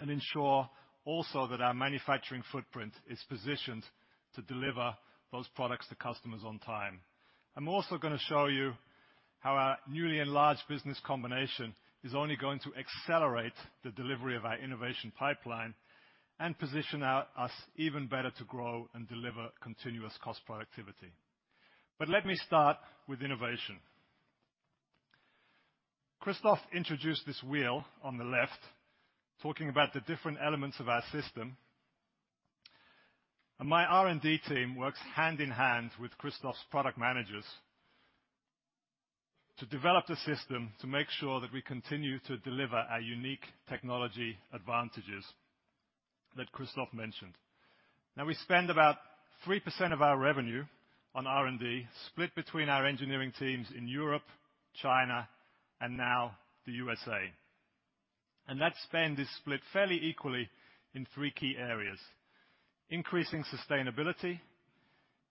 and ensure also that our manufacturing footprint is positioned to deliver those products to customers on time. I'm also gonna show you how our newly enlarged business combination is only going to accelerate the delivery of our innovation pipeline and position us even better to grow and deliver continuous cost productivity. Let me start with innovation. Christoph introduced this wheel on the left, talking about the different elements of our system. My R&D team works hand in hand with Christoph's product managers to develop the system to make sure that we continue to deliver our unique technology advantages that Christoph mentioned. Now, we spend about 3% of our revenue on R&D, split between our engineering teams in Europe, China, and now the U.S. That spend is split fairly equally in three key areas. Increasing sustainability,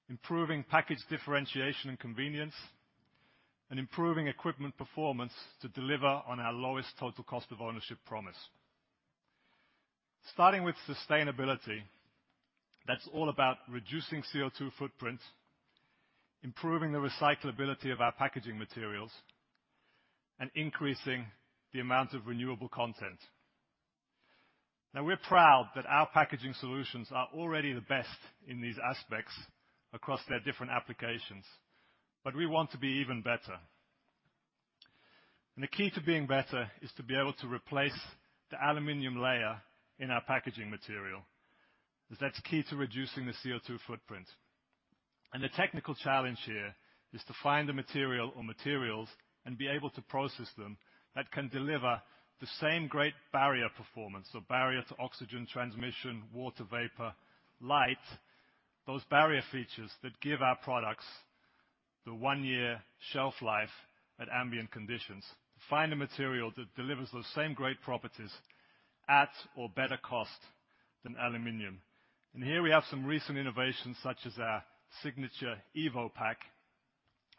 improving package differentiation and convenience, and improving equipment performance to deliver on our lowest total cost of ownership promise. Starting with sustainability, that's all about reducing CO2 footprints, improving the recyclability of our packaging materials, and increasing the amount of renewable content. Now, we're proud that our packaging solutions are already the best in these aspects across their different applications, but we want to be even better. The key to being better is to be able to replace the aluminum layer in our packaging material, 'cause that's key to reducing the CO2 footprint. The technical challenge here is to find the material or materials and be able to process them that can deliver the same great barrier performance or barrier to oxygen transmission, water vapor, light. Those barrier features that give our products the one-year shelf life at ambient conditions. To find a material that delivers those same great properties at or better cost than aluminum. Here we have some recent innovations such as our SIGNATURE EVO pack,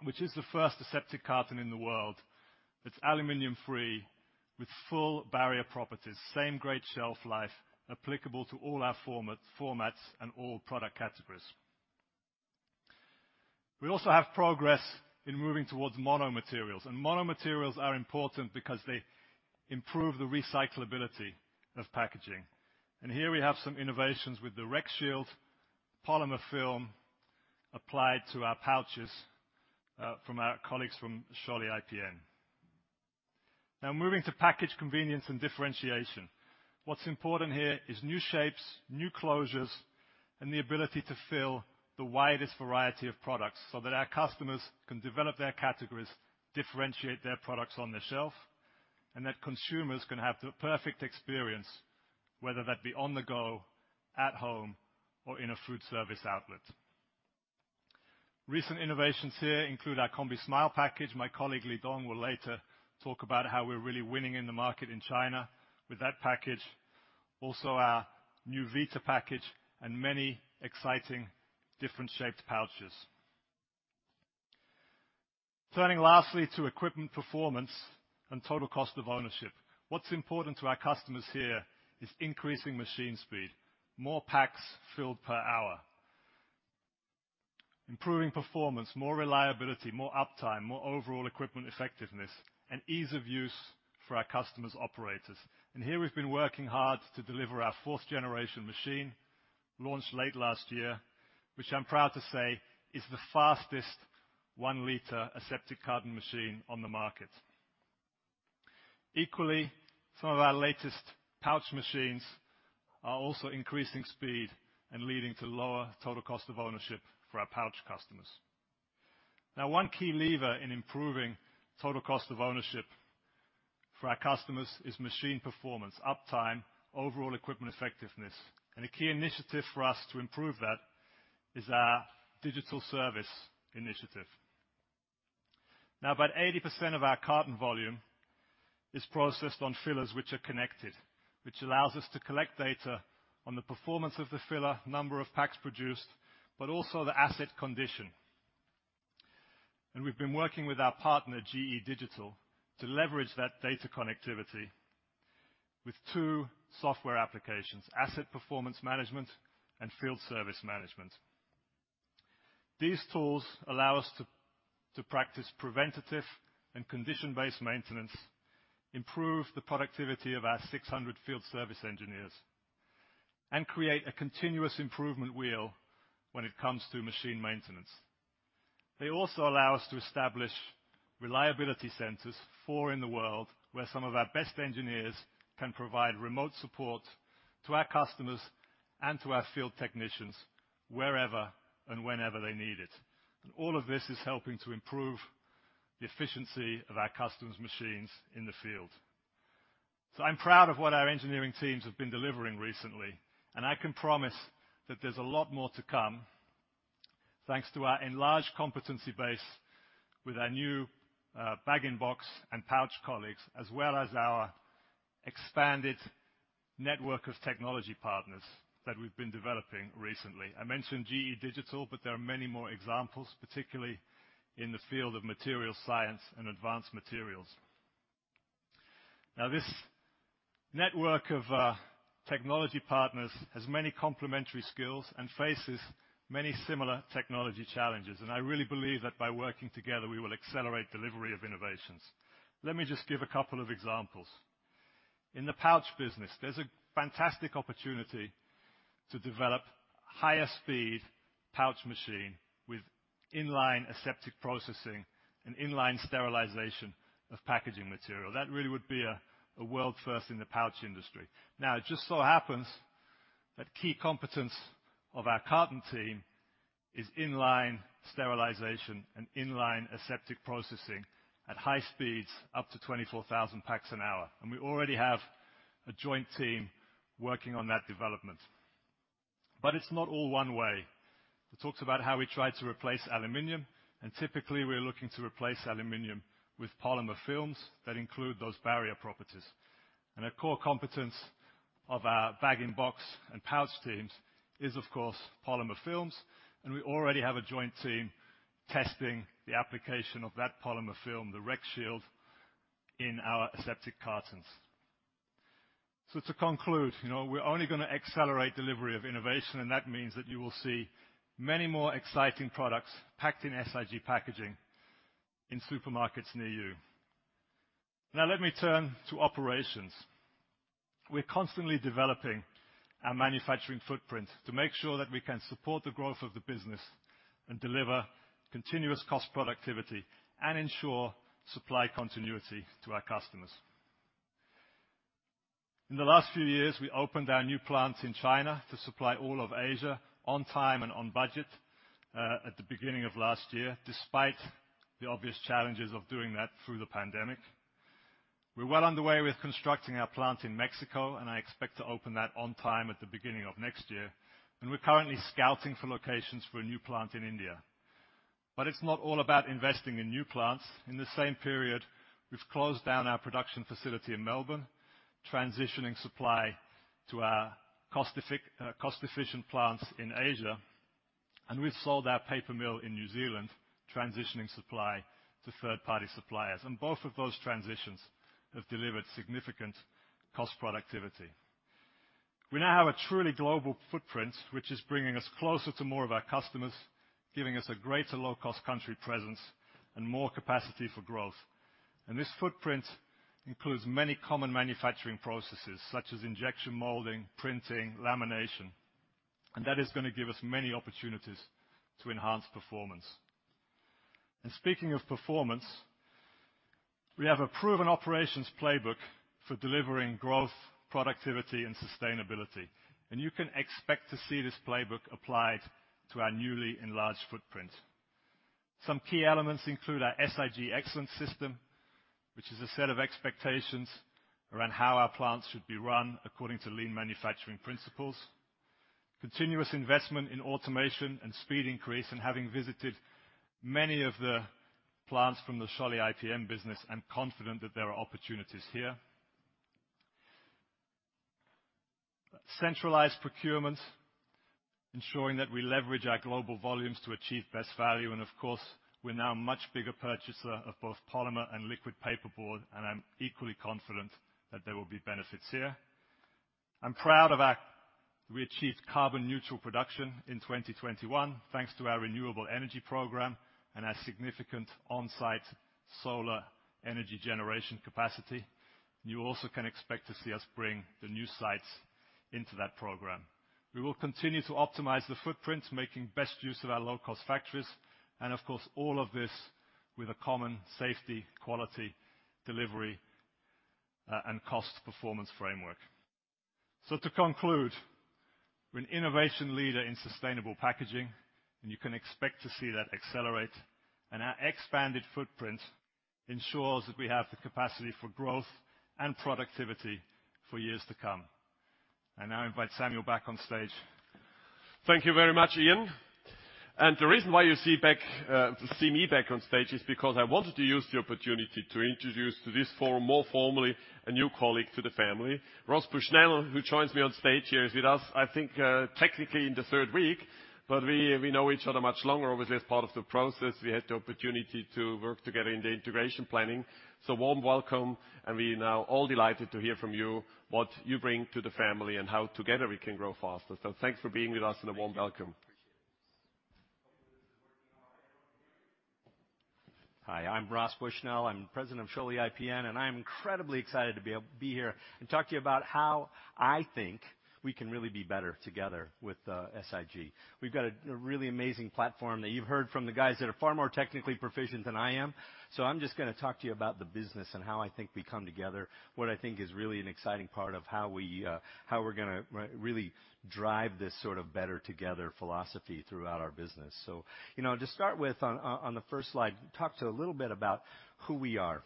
which is the first aseptic carton in the world that's aluminum-free with full barrier properties, same great shelf life applicable to all our formats and all product categories. We also have progress in moving towards mono-materials. Mono materials are important because they improve the recyclability of packaging. Here we have some innovations with the RecShield polymer film applied to our pouches from our colleagues from Scholle IPN. Now moving to package convenience and differentiation. What's important here is new shapes, new closures, and the ability to fill the widest variety of products so that our customers can develop their categories, differentiate their products on the shelf, and that consumers can have the perfect experience, whether that be on the go, at home, or in a food service outlet. Recent innovations here include our combismile package. My colleague, Fan Lidong, will later talk about how we're really winning in the market in China with that package. Also, our new combivita package and many exciting different shaped pouches. Turning lastly to equipment performance and total cost of ownership. What's important to our customers here is increasing machine speed, more packs filled per hour. Improving performance, more reliability, more uptime, more overall equipment effectiveness, and ease of use for our customers' operators. Here we've been working hard to deliver our fourth generation machine, launched late last year, which I'm proud to say is the fastest 1 l aseptic carton machine on the market. Equally, some of our latest pouch machines are also increasing speed and leading to lower total cost of ownership for our pouch customers. Now, one key lever in improving total cost of ownership for our customers is machine performance, uptime, overall equipment effectiveness. A key initiative for us to improve that is our digital service initiative. Now, about 80% of our carton volume is processed on fillers which are connected, which allows us to collect data on the performance of the filler, number of packs produced, but also the asset condition. We've been working with our partner, GE Digital, to leverage that data connectivity with two software applications, Asset Performance Management and Field Service Management. These tools allow us to practice preventative and condition-based maintenance, improve the productivity of our 600 field service engineers, and create a continuous improvement wheel when it comes to machine maintenance. They also allow us to establish reliability centers, four in the world, where some of our best engineers can provide remote support to our customers and to our field technicians wherever and whenever they need it. All of this is helping to improve the efficiency of our customers' machines in the field. I'm proud of what our engineering teams have been delivering recently, and I can promise that there's a lot more to come thanks to our enlarged competency base with our new bag-in-box and pouch colleagues, as well as our expanded network of technology partners that we've been developing recently. I mentioned GE Digital, but there are many more examples, particularly in the field of materials science and advanced materials. Now this network of technology partners has many complementary skills and faces many similar technology challenges. I really believe that by working together, we will accelerate delivery of innovations. Let me just give a couple of examples. In the pouch business, there's a fantastic opportunity to develop higher speed pouch machine with in-line aseptic processing and in-line sterilization of packaging material. That really would be a world first in the pouch industry. Now, it just so happens that key competence of our carton team is in-line sterilization and in-line aseptic processing at high speeds, up to 24,000 packs an hour. We already have a joint team working on that development. It's not all one way. We talked about how we tried to replace aluminum, and typically, we're looking to replace aluminum with polymer films that include those barrier properties. A core competence of our bag-in-box and pouch teams is, of course, polymer films. We already have a joint team testing the application of that polymer film, the RecShield, in our aseptic cartons. To conclude, you know, we're only gonna accelerate delivery of innovation, and that means that you will see many more exciting products packed in SIG packaging in supermarkets near you. Now let me turn to operations. We're constantly developing our manufacturing footprint to make sure that we can support the growth of the business and deliver continuous cost productivity and ensure supply continuity to our customers. In the last few years, we opened our new plant in China to supply all of Asia on time and on budget, at the beginning of last year, despite the obvious challenges of doing that through the pandemic. We're well underway with constructing our plant in Mexico, and I expect to open that on time at the beginning of next year. We're currently scouting for locations for a new plant in India. It's not all about investing in new plants. In the same period, we've closed down our production facility in Melbourne, transitioning supply to our cost-efficient plants in Asia. We've sold our paper mill in New Zealand, transitioning supply to third-party suppliers. Both of those transitions have delivered significant cost productivity. We now have a truly global footprint, which is bringing us closer to more of our customers, giving us a greater low-cost country presence and more capacity for growth. This footprint includes many common manufacturing processes such as injection molding, printing, lamination, and that is gonna give us many opportunities to enhance performance. Speaking of performance, we have a proven operations playbook for delivering growth, productivity, and sustainability. You can expect to see this playbook applied to our newly enlarged footprint. Some key elements include our SIG Excellence System, which is a set of expectations around how our plants should be run according to lean manufacturing principles. Continuous investment in automation and speed increase, and having visited many of the plants from the Scholle IPN business, I'm confident that there are opportunities here. Centralized procurements, ensuring that we leverage our global volumes to achieve best value, and of course, we're now a much bigger purchaser of both polymer and liquid paper board, and I'm equally confident that there will be benefits here. We achieved carbon-neutral production in 2021 thanks to our renewable energy program and our significant on-site solar energy generation capacity. You also can expect to see us bring the new sites into that program. We will continue to optimize the footprint, making best use of our low-cost factories, and of course, all of this with a common safety, quality, delivery, and cost performance framework. To conclude, we're an innovation leader in sustainable packaging, and you can expect to see that accelerate. Our expanded footprint ensures that we have the capacity for growth and productivity for years to come. I now invite Samuel back on stage. Thank you very much, Ian. The reason why you see me back on stage is because I wanted to use the opportunity to introduce to this forum more formally a new colleague to the family. Ross Bushnell, who joins me on stage here, is with us, I think, technically in the third week, but we know each other much longer. Obviously, as part of the process, we had the opportunity to work together in the integration planning. Warm welcome, and we're now all delighted to hear from you what you bring to the family and how together we can grow faster. Thanks for being with us and a warm welcome. Appreciate it. Hi, I'm Ross Bushnell. I'm President of Scholle IPN, and I am incredibly excited to be able to be here and talk to you about how I think we can really be better together with SIG. We've got a really amazing platform that you've heard from the guys that are far more technically proficient than I am. I'm just gonna talk to you about the business and how I think we come together, what I think is really an exciting part of how we're gonna really drive this sort of better together philosophy throughout our business. You know, to start with on the first slide, talk to a little bit about who we are.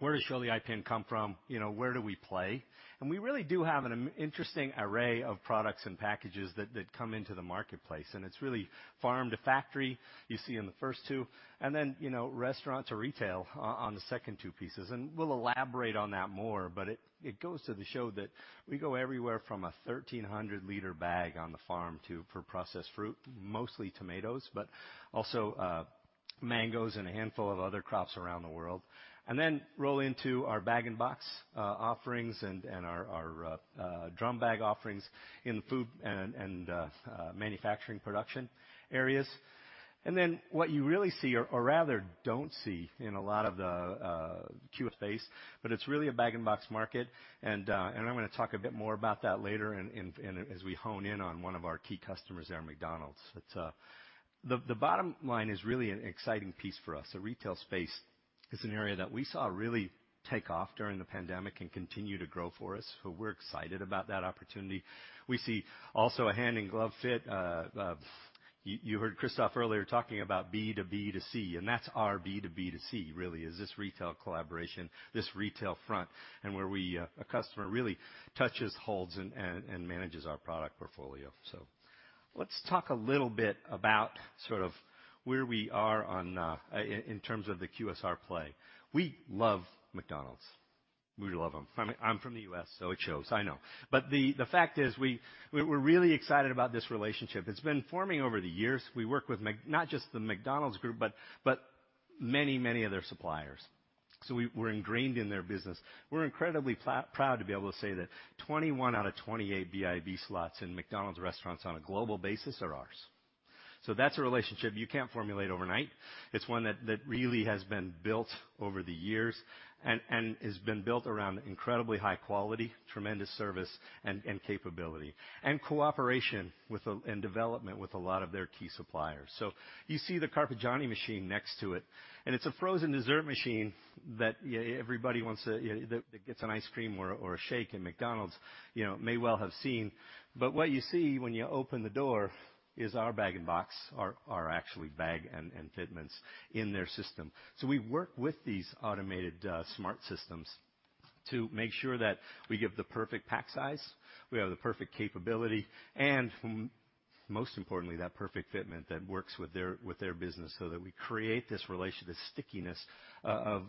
Where does Scholle IPN come from? You know, where do we play? We really do have an interesting array of products and packages that come into the marketplace, and it's really farm to factory, you see in the first two, and then, you know, restaurants or retail on the second two pieces. We'll elaborate on that more, but it goes to show that we go everywhere from a 1,300 l bag on the farm for processed fruit, mostly tomatoes, but also mangoes and a handful of other crops around the world. Then roll into our bag and box offerings and our drum bag offerings in food and manufacturing production areas. Then what you really see or rather don't see in a lot of the QF space, but it's really a bag and box market. I'm gonna talk a bit more about that later as we hone in on one of our key customers there, McDonald's. The bottom line is really an exciting piece for us. The retail space is an area that we saw really take off during the pandemic and continue to grow for us. We're excited about that opportunity. We see also a hand in glove fit. You heard Christoph earlier talking about B2B2C, and that's our B2B2C really is this retail collaboration, this retail front, and where a customer really touches, holds, and manages our product portfolio. Let's talk a little bit about sort of where we are on in terms of the QSR play. We love McDonald's. We love them. I'm from the U.S., so it shows, I know. The fact is we're really excited about this relationship. It's been forming over the years. We work with not just the McDonald's group, but many of their suppliers. We're ingrained in their business. We're incredibly proud to be able to say that 21 out of 28 BIB slots in McDonald's restaurants on a global basis are ours. That's a relationship you can't formulate overnight. It's one that really has been built over the years and has been built around incredibly high quality, tremendous service, and capability, and cooperation with, and development with a lot of their key suppliers. You see the Carpigiani machine next to it, and it's a frozen dessert machine that everybody wants, that gets an ice cream or a shake in McDonald's, you know, may well have seen. What you see when you open the door is our Bag-in-Box, actually Bag-in-Box and fitments in their system. We work with these automated, smart systems to make sure that we give the perfect pack size, we have the perfect capability, and most importantly, that perfect fitment that works with their business so that we create this relationship, stickiness of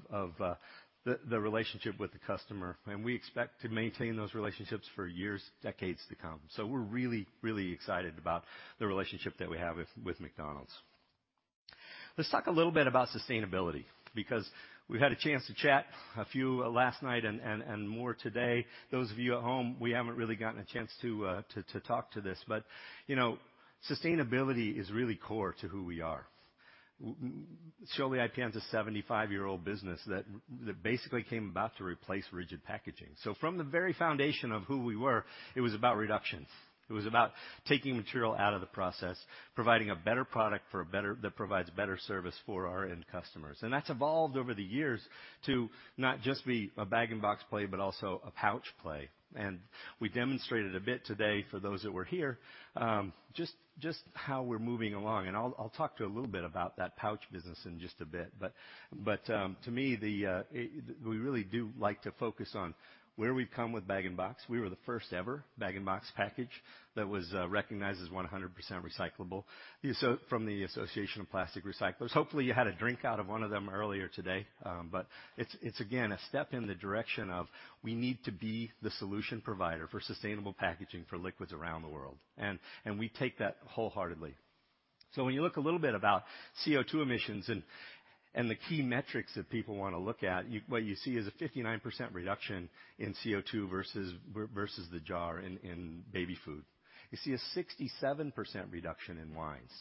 the relationship with the customer. We expect to maintain those relationships for years, decades to come. We're really, really excited about the relationship that we have with McDonald's. Let's talk a little bit about sustainability, because we've had a chance to chat a few last night and more today. Those of you at home, we haven't really gotten a chance to talk about this. You know, sustainability is really core to who we are. Scholle IPN is a 75-year-old business that basically came about to replace rigid packaging. From the very foundation of who we were, it was about reductions. It was about taking material out of the process, providing a better product that provides better service for our end customers. That's evolved over the years to not just be a Bag-in-Box play, but also a pouch play. We demonstrated a bit today for those that were here, just how we're moving along. I'll talk to you a little bit about that pouch business in just a bit. To me, we really do like to focus on where we've come with Bag-in-Box. We were the first ever Bag-in-Box package that was recognized as 100% recyclable. From the Association of Plastic Recyclers. Hopefully, you had a drink out of one of them earlier today. It's again a step in the direction of we need to be the solution provider for sustainable packaging for liquids around the world. We take that wholeheartedly. When you look a little bit about CO2 emissions and the key metrics that people wanna look at, what you see is a 59% reduction in CO2 versus the jar in baby food. You see a 67% reduction in wines.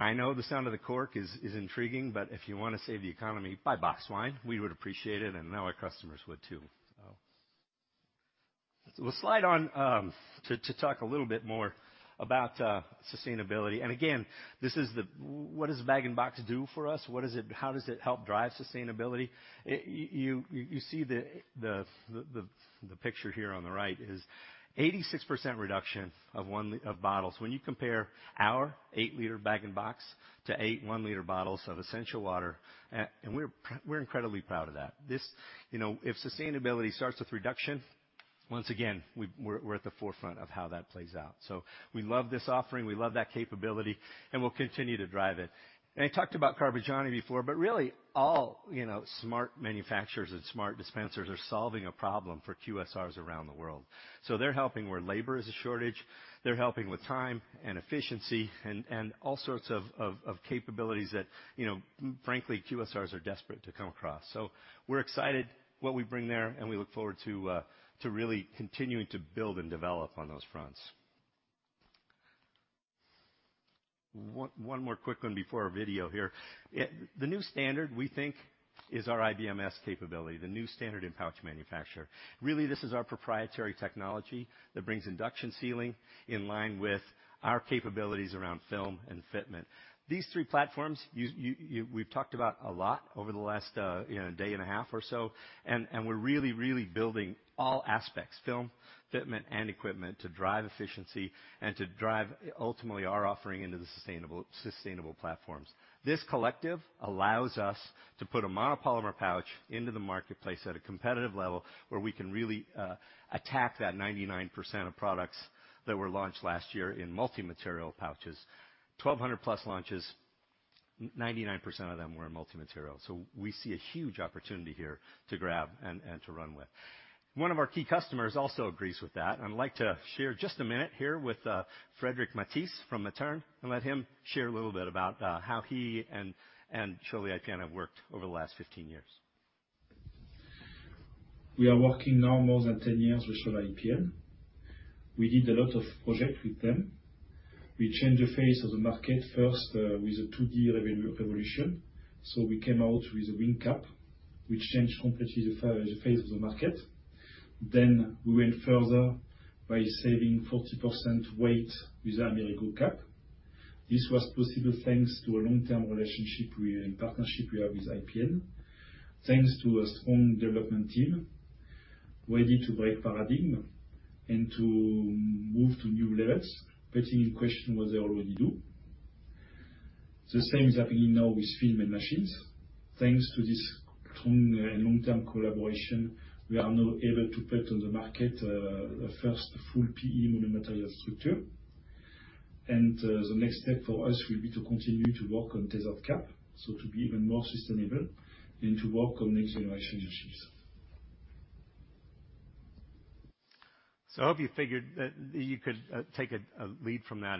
I know the sound of the cork is intriguing, but if you wanna save the economy, buy box wine, we would appreciate it, and know our customers would too. We'll slide on to talk a little bit more about sustainability. Again, this is what does Bag-in-Box do for us? What does it how does it help drive sustainability? You see the picture here on the right is 86% reduction of 1 l bottles. When you compare our 8 l Bag-in-Box to eight 1 l bottles of Essentia Water. And we're incredibly proud of that. This. You know, if sustainability starts with reduction, once again, we're at the forefront of how that plays out. We love this offering, we love that capability, and we'll continue to drive it. I talked about Carpigiani before, but really all, you know, smart manufacturers and smart dispensers are solving a problem for QSRs around the world. They're helping where labor is a shortage, they're helping with time and efficiency, and all sorts of capabilities that, you know, frankly, QSRs are desperate to come across. We're excited what we bring there, and we look forward to really continuing to build and develop on those fronts. One more quick one before our video here. The new standard, we think, is our IBMS capability, the new standard in pouch manufacture. Really, this is our proprietary technology that brings induction sealing in line with our capabilities around film and fitment. These three platforms, you—we've talked about a lot over the last, you know, day and a half or so, and we're really building all aspects, film, fitment, and equipment to drive efficiency and to drive ultimately our offering into the sustainable platforms. This collective allows us to put a monopolymer pouch into the marketplace at a competitive level where we can really attack that 99% of products that were launched last year in multi-material pouches. 1,200+ launches, 99% of them were in multi-material. We see a huge opportunity here to grab and to run with. One of our key customers also agrees with that. I'd like to share just a minute here with Frederic Mathis from Materne and let him share a little bit about how he and Scholle IPN have worked over the last 15 years. We are working now more than 10 years with Scholle IPN. We did a lot of projects with them. We changed the face of the market first with the 2D revolution. We came out with a wing cap, which changed completely the face of the market. Then we went further by saving 40% weight with tethered cap. This was possible thanks to a long-term relationship and partnership we have with IPN. Thanks to a strong development team ready to break paradigm and to move to new levels, putting in question what they already do. The same is happening now with film and machines. Thanks to this strong and long-term collaboration, we are now able to put on the market a first full PE mono-material structure. The next step for us will be to continue to work on tethered cap, so to be even more sustainable and to work on next generation machines. I hope you figured that you could take a lead from that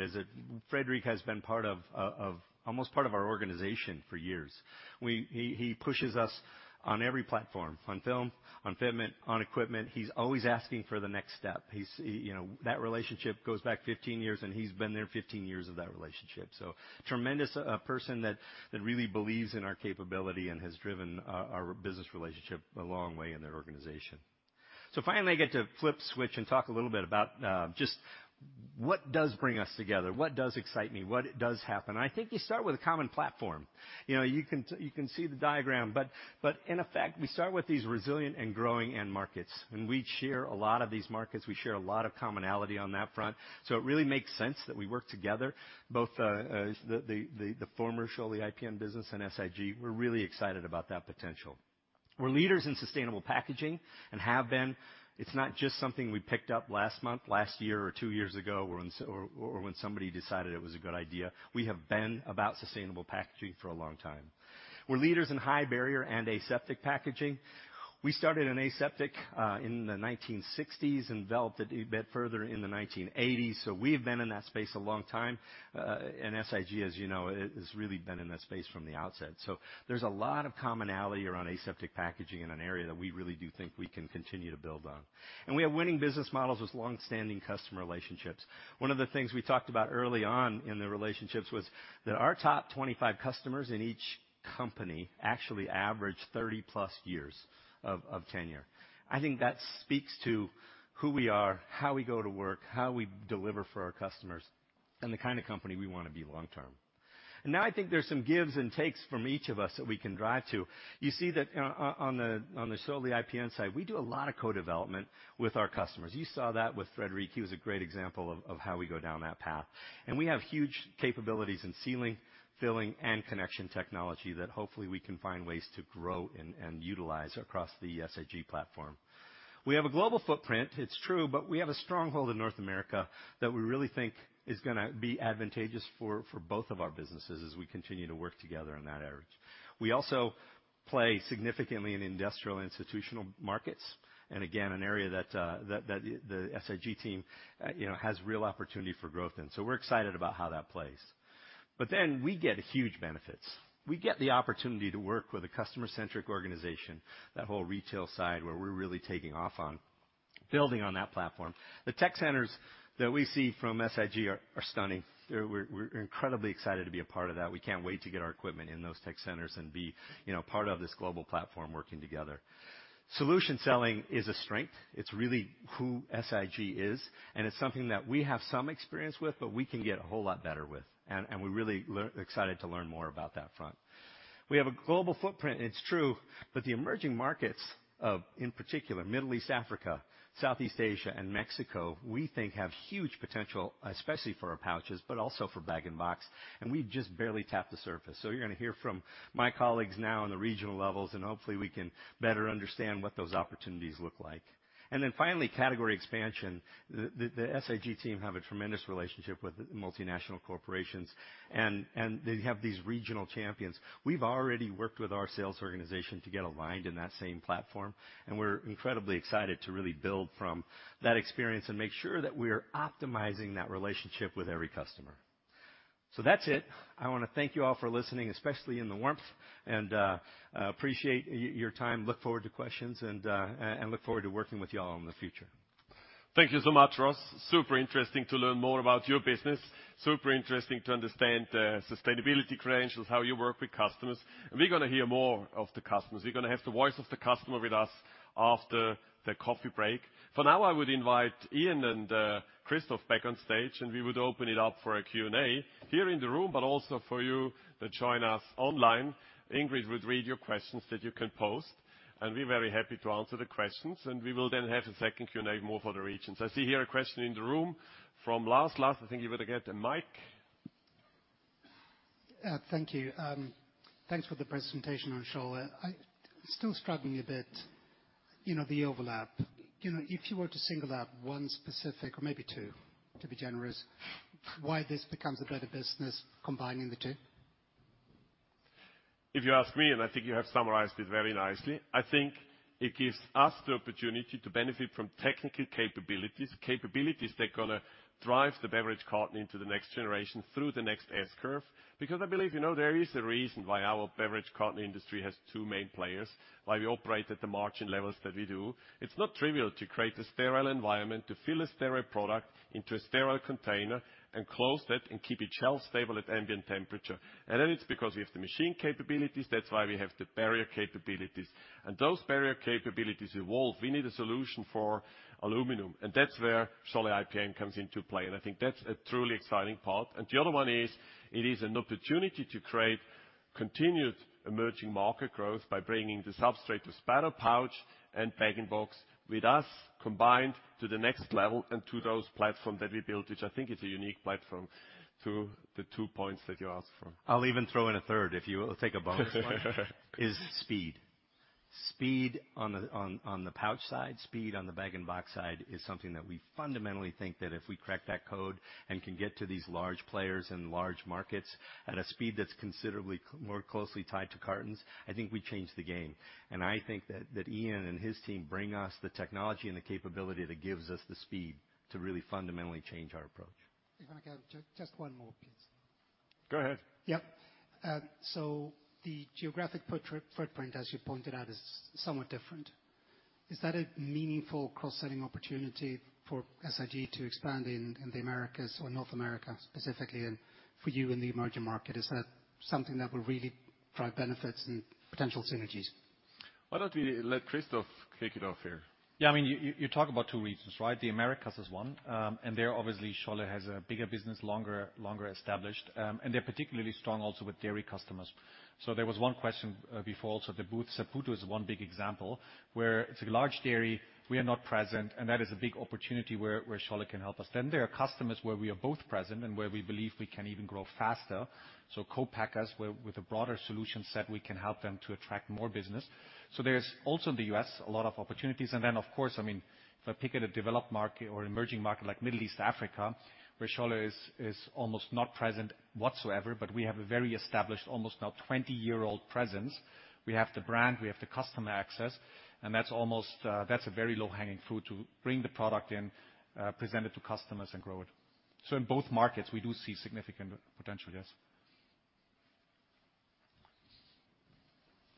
Frederic has been part of almost our organization for years. He pushes us on every platform, on film, on fitment, on equipment. He's always asking for the next step. That relationship goes back 15 years, and he's been there 15 years of that relationship. Tremendous person that really believes in our capability and has driven our business relationship a long way in their organization. Finally, I get to flip switch and talk a little bit about just what does bring us together, what does excite me, what does happen. I think you start with a common platform. You know, you can see the diagram, but in effect, we start with these resilient and growing end markets. We share a lot of these markets, we share a lot of commonality on that front. It really makes sense that we work together, both the former Scholle IPN business and SIG. We're really excited about that potential. We're leaders in sustainable packaging and have been. It's not just something we picked up last month, last year, or two years ago when somebody decided it was a good idea. We have been about sustainable packaging for a long time. We're leaders in high barrier and aseptic packaging. We started in aseptic in the 1960s and developed it a bit further in the 1980s, so we have been in that space a long time. SIG, as you know, has really been in that space from the outset. There's a lot of commonality around aseptic packaging in an area that we really do think we can continue to build on. We have winning business models with long-standing customer relationships. One of the things we talked about early on in the relationships was that our top 25 customers in each company actually average 30+ years of tenure. I think that speaks to who we are, how we go to work, how we deliver for our customers, and the kind of company we wanna be long term. Now I think there's some gives and takes from each of us that we can drive to. You see that on the Scholle IPN side, we do a lot of co-development with our customers. You saw that with Frederic. He was a great example of how we go down that path. We have huge capabilities in sealing, filling, and connection technology that hopefully we can find ways to grow and utilize across the SIG platform. We have a global footprint, it's true, but we have a stronghold in North America that we really think is gonna be advantageous for both of our businesses as we continue to work together on that avenue. We also play significantly in industrial institutional markets, and again, an area that the SIG team, you know, has real opportunity for growth in. We're excited about how that plays. We get huge benefits. We get the opportunity to work with a customer-centric organization, that whole retail side where we're really taking off on building on that platform. The tech centers that we see from SIG are stunning. They're stunning. We're incredibly excited to be a part of that. We can't wait to get our equipment in those tech centers and be, you know, part of this global platform working together. Solution selling is a strength. It's really who SIG is, and it's something that we have some experience with but we can get a whole lot better with, and we're really excited to learn more about that front. We have a global footprint, it's true, but the emerging markets of, in particular Middle East & Africa, Southeast Asia and Mexico, we think have huge potential, especially for our pouches, but also for bag-in-box, and we've just barely tapped the surface. You're gonna hear from my colleagues now in the regional levels, and hopefully we can better understand what those opportunities look like. Finally, category expansion. The SIG team have a tremendous relationship with multinational corporations, and they have these regional champions. We've already worked with our sales organization to get aligned in that same platform, and we're incredibly excited to really build from that experience and make sure that we're optimizing that relationship with every customer. So that's it. I wanna thank you all for listening, especially in the warmth, and appreciate your time. Look forward to questions and look forward to working with y'all in the future. Thank you so much, Ross. Super interesting to learn more about your business. Super interesting to understand the sustainability credentials, how you work with customers. We're gonna hear more of the customers. We're gonna have the voice of the customer with us after the coffee break. For now, I would invite Ian and Christoph back on stage, and we would open it up for a Q&A here in the room, but also for you that join us online. Ingrid would read your questions that you can post, and we're very happy to answer the questions, and we will then have a second Q&A more for the regions. I see here a question in the room from Lars. Lars, I think you better get a mic. Thank you. Thanks for the presentation on Scholle IPN. I'm still struggling a bit, you know, the overlap. You know, if you were to single out one specific or maybe two, to be generous, why this becomes a better business combining the two? If you ask me, and I think you have summarized it very nicely, I think it gives us the opportunity to benefit from technical capabilities. Capabilities that gonna drive the beverage carton into the next generation through the next S-curve. Because I believe, you know, there is a reason why our beverage carton industry has two main players, why we operate at the margin levels that we do. It's not trivial to create a sterile environment to fill a sterile product into a sterile container and close that and keep it shelf stable at ambient temperature. That it's because we have the machine capabilities, that's why we have the barrier capabilities. Those barrier capabilities evolve. We need a solution for aluminum, and that's where Scholle IPN comes into play, and I think that's a truly exciting part. The other one is, it is an opportunity to create continued emerging market growth by bringing the substrate, the spouted pouch and Bag-in-Box with us combined to the next level and to those platform that we built, which I think is a unique platform to the two points that you asked from. I'll even throw in a third, if you will take a bonus one. Is speed. Speed on the pouch side, speed on the bag and box side is something that we fundamentally think that if we crack that code and can get to these large players in large markets at a speed that's considerably more closely tied to cartons, I think we change the game. I think that Ian and his team bring us the technology and the capability that gives us the speed to really fundamentally change our approach. If I can, just one more, please. Go ahead. Yep. The geographic footprint, as you pointed out, is somewhat different. Is that a meaningful cross-selling opportunity for SIG to expand in the Americas or North America specifically, and for you in the emerging market? Is that something that will really drive benefits and potential synergies? Why don't we let Christoph kick it off here? Yeah, I mean, you talk about two reasons, right? The Americas is one, and there obviously Scholle has a bigger business, longer established. They're particularly strong also with dairy customers. So there was one question before also the booth. Saputo is one big example where it's a large dairy, we are not present, and that is a big opportunity where Scholle can help us. Then there are customers where we are both present and where we believe we can even grow faster. So co-packers where with a broader solution set, we can help them to attract more business. So there's also in the U.S. a lot of opportunities. Of course, I mean, if I pick a developed market or emerging market like Middle East & Africa, where Scholle IPN is almost not present whatsoever, but we have a very established almost now 20-year-old presence. We have the brand, we have the customer access, and that's almost that's a very low-hanging fruit to bring the product in, present it to customers and grow it. In both markets, we do see significant potential, yes.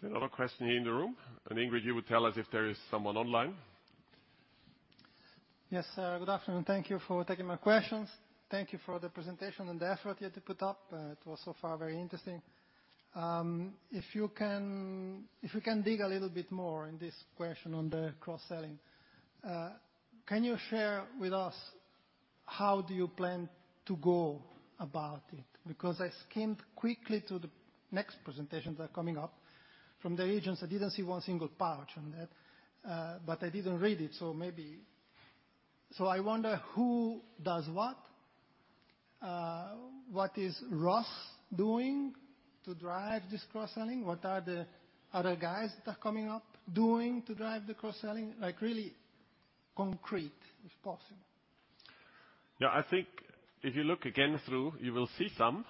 Another question here in the room. Ingrid, you would tell us if there is someone online. Yes, sir. Good afternoon. Thank you for taking my questions. Thank you for the presentation and the effort you had to put up. It was so far very interesting. If you can dig a little bit more in this question on the cross-selling, can you share with us how do you plan to go about it? Because I skimmed quickly to the next presentations that are coming up from the analysts. I didn't see one single pouch on that, but I didn't read it, so maybe. I wonder who does what. What is Ross doing to drive this cross-selling? What are the other guys that are coming up doing to drive the cross-selling? Like really concrete, if possible. Yeah. I think if you look again through, you will see some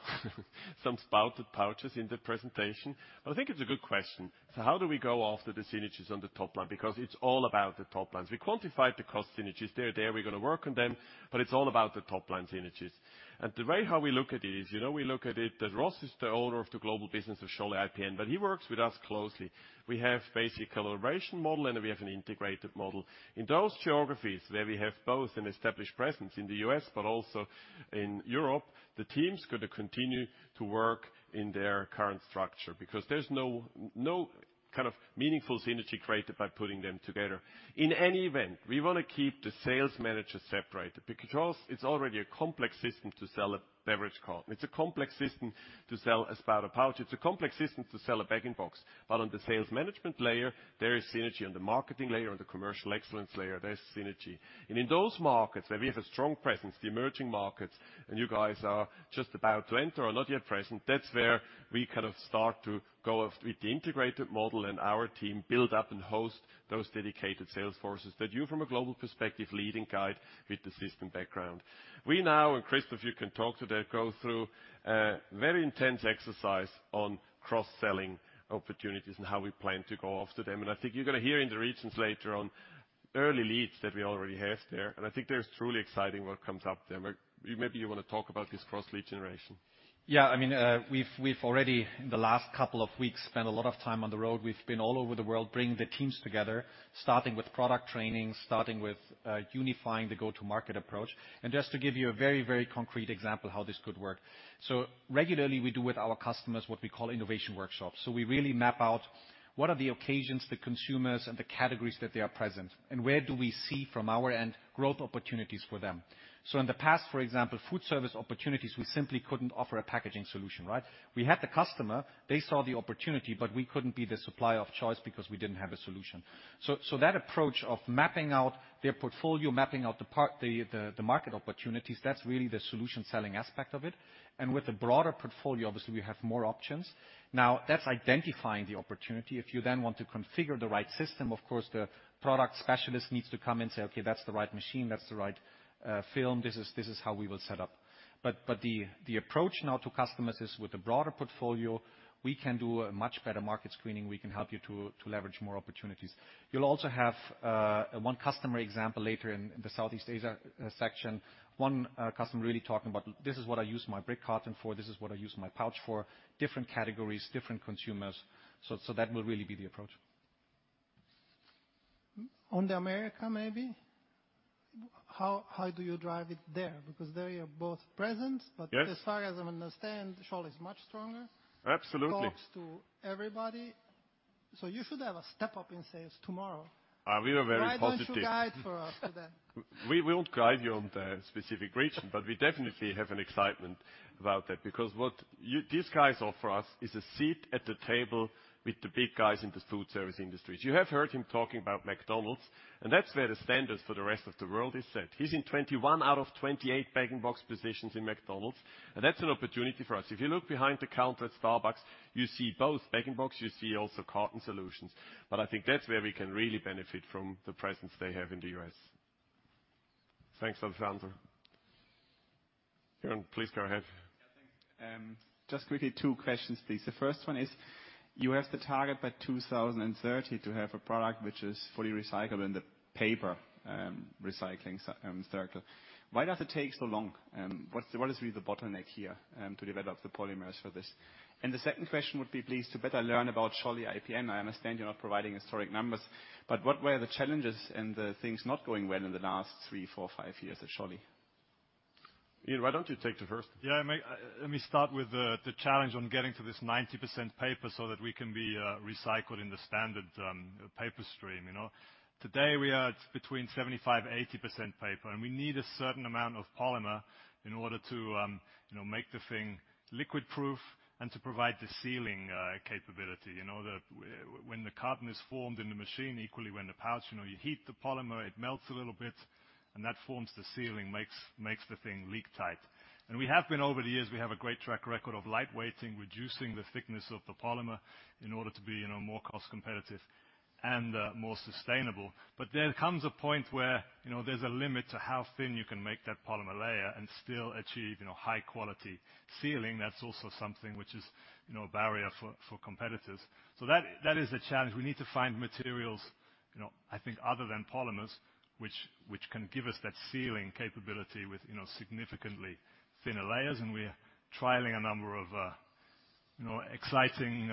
spouted pouches in the presentation. I think it's a good question. How do we go after the synergies on the top line? Because it's all about the top lines. We quantified the cost synergies. They're there, we're gonna work on them, but it's all about the top line synergies. The way how we look at it is, you know, we look at it that Ross is the owner of the global business of Scholle IPN, but he works with us closely. We have basic collaboration model, and we have an integrated model. In those geographies where we have both an established presence in the U.S. but also in Europe, the teams gonna continue to work in their current structure because there's no kind of meaningful synergy created by putting them together. In any event, we wanna keep the sales managers separated because it's already a complex system to sell a beverage carton. It's a complex system to sell a spouted pouch. It's a complex system to sell a Bag-in-Box. On the sales management layer, there is synergy. On the marketing layer and the commercial excellence layer, there's synergy. In those markets where we have a strong presence, the emerging markets, and you guys are just about to enter or not yet present, that's where we kind of start to go with the integrated model and our team build up and host those dedicated sales forces that you from a global perspective lead and guide with the system background. We now, and Christoph you can talk to that, go through a very intense exercise on cross-selling opportunities and how we plan to go after them. I think you're gonna hear in the regions later on early leads that we already have there. I think there's truly exciting work comes up there. Maybe you wanna talk about this cross-lead generation. Yeah. I mean, we've already in the last couple of weeks spent a lot of time on the road. We've been all over the world bringing the teams together, starting with product training, starting with unifying the go-to-market approach. Just to give you a very, very concrete example how this could work. Regularly we do with our customers what we call innovation workshops. We really map out what are the occasions the consumers and the categories that they are present, and where do we see from our end growth opportunities for them. In the past, for example, food service opportunities, we simply couldn't offer a packaging solution, right? We had the customer, they saw the opportunity, but we couldn't be the supplier of choice because we didn't have a solution. That approach of mapping out their portfolio, mapping out the part. The market opportunities, that's really the solution selling aspect of it. With a broader portfolio, obviously we have more options. Now, that's identifying the opportunity. If you then want to configure the right system, of course, the product specialist needs to come and say, "Okay, that's the right machine, that's the right film. This is how we will set up." The approach now to customers is with a broader portfolio, we can do a much better market screening. We can help you to leverage more opportunities. You'll also have one customer example later in the Southeast Asia section. One customer really talking about, "This is what I use my brick carton for, this is what I use my pouch for." Different categories, different consumers. That will really be the approach. On the Americas, maybe, how do you drive it there? Because there you're both present- Yes. As far as I understand, Scholle is much stronger. Absolutely. Talks to everybody. You should have a step-up in sales tomorrow. We are very positive. Why don't you guide for us today? We won't guide you on the specific region, but we definitely have an excitement about that because what these guys offer us is a seat at the table with the big guys in the food service industries. You have heard him talking about McDonald's, and that's where the standards for the rest of the world is set. He's in 21 out of 28 Bag-in-Box positions in McDonald's, and that's an opportunity for us. If you look behind the counter at Starbucks, you see both Bag-in-Box, you see also carton solutions. I think that's where we can really benefit from the presence they have in the U.S. Thanks, Alessandro. Jeroen, please go ahead. Yeah, thanks. Just quickly two questions, please. The first one is, you have the target by 2030 to have a product which is fully recycled in the paper recycling cycle. Why does it take so long? What is really the bottleneck here to develop the polymers for this? The second question would be, please, to better learn about Scholle IPN. I understand you're not providing historic numbers, but what were the challenges and the things not going well in the last three, four, five years at Scholle IPN? Ian, why don't you take the first? Yeah. May, let me start with the challenge on getting to this 90% paper so that we can be recycled in the standard paper stream, you know? Today, we are between 75% and 80% paper, and we need a certain amount of polymer in order to, you know, make the thing liquid proof and to provide the sealing capability. You know that when the carton is formed in the machine, equally when the pouch, you know, you heat the polymer, it melts a little bit, and that forms the sealing, makes the thing leak tight. We have been over the years, we have a great track record of light weighting, reducing the thickness of the polymer in order to be, you know, more cost competitive and more sustainable. There comes a point where, you know, there's a limit to how thin you can make that polymer layer and still achieve, you know, high quality sealing. That's also something which is, you know, a barrier for competitors. That is a challenge. We need to find materials, you know, I think other than polymers, which can give us that sealing capability with, you know, significantly thinner layers, and we're trialing a number of, you know, exciting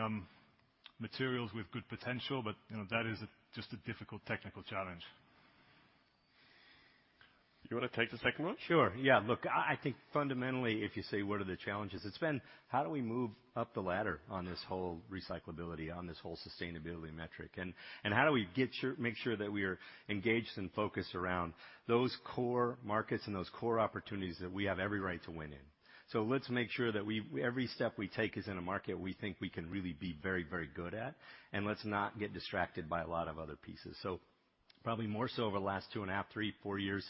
materials with good potential. You know, that is just a difficult technical challenge. You wanna take the second one? Sure, yeah. Look, I think fundamentally, if you say, what are the challenges? It's been how do we move up the ladder on this whole recyclability, on this whole sustainability metric? And how do we make sure that we are engaged and focused around those core markets and those core opportunities that we have every right to win in? Let's make sure that every step we take is in a market we think we can really be very, very good at, and let's not get distracted by a lot of other pieces. Probably more so over the last 2.5, 3, 4 years,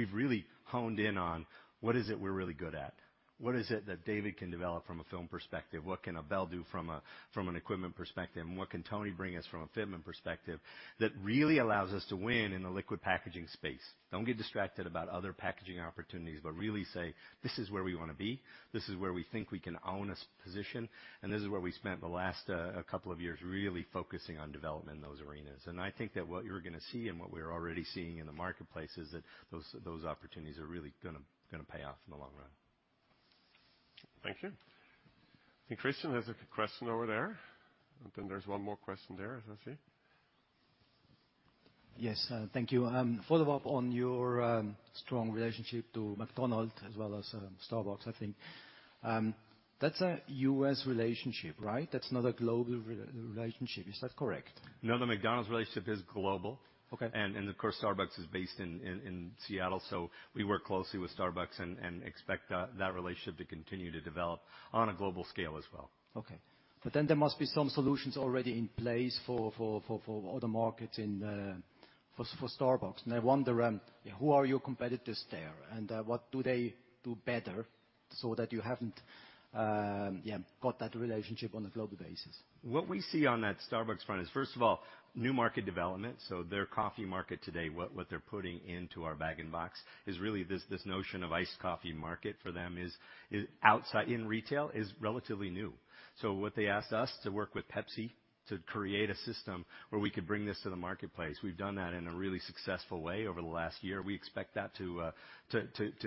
we've really honed in on what is it we're really good at. What is it that David can develop from a film perspective? What can Abel do from an equipment perspective? What can Tony bring us from a fitment perspective that really allows us to win in the liquid packaging space? Don't get distracted about other packaging opportunities, but really say, "This is where we wanna be. This is where we think we can own a strong position," and this is where we spent the last couple of years really focusing on development in those arenas. I think that what you're gonna see and what we're already seeing in the marketplace is that those opportunities are really gonna pay off in the long run. Thank you. I think Christian has a question over there, and then there's one more question there, as I see. Yes, thank you. Follow-up on your strong relationship to McDonald's as well as Starbucks, I think. That's a U.S. relationship, right? That's not a global relationship. Is that correct? No, the McDonald's relationship is global. Okay. Of course, Starbucks is based in Seattle, so we work closely with Starbucks and expect that relationship to continue to develop on a global scale as well. There must be some solutions already in place for other markets for Starbucks. I wonder who are your competitors there, and what do they do better so that you haven't got that relationship on a global basis? What we see on that Starbucks front is, first of all, new market development. Their coffee market today, what they're putting into our Bag-in-Box is really this notion of iced coffee market for them is outside, in retail is relatively new. What they asked us to work with PepsiCo to create a system where we could bring this to the marketplace. We've done that in a really successful way over the last year. We expect that to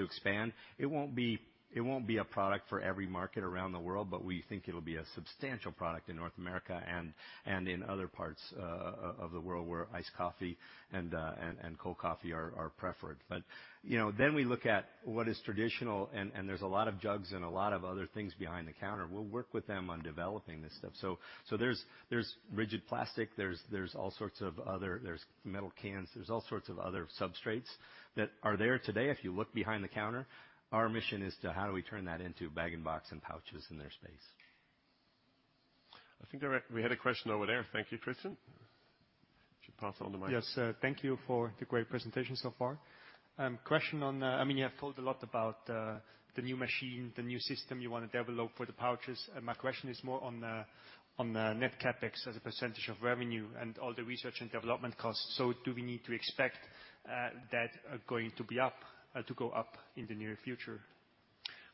expand. It won't be a product for every market around the world, but we think it'll be a substantial product in North America and in other parts of the world where iced coffee and cold coffee are preferred. You know, then we look at what is traditional, and there's a lot of jugs and a lot of other things behind the counter. We'll work with them on developing this stuff. So there's rigid plastic, there's all sorts of other. There's metal cans. There's all sorts of other substrates that are there today if you look behind the counter. Our mission is to how do we turn that into Bag-in-Box and pouches in their space. I think there we had a question over there. Thank you, Christian. Should pass on the mic. Yes, thank you for the great presentation so far. Question on, I mean, you have talked a lot about the new machine, the new system you wanna develop for the pouches, and my question is more on net CapEx as a percentage of revenue and all the research and development costs. Do we need to expect that going to go up in the near future?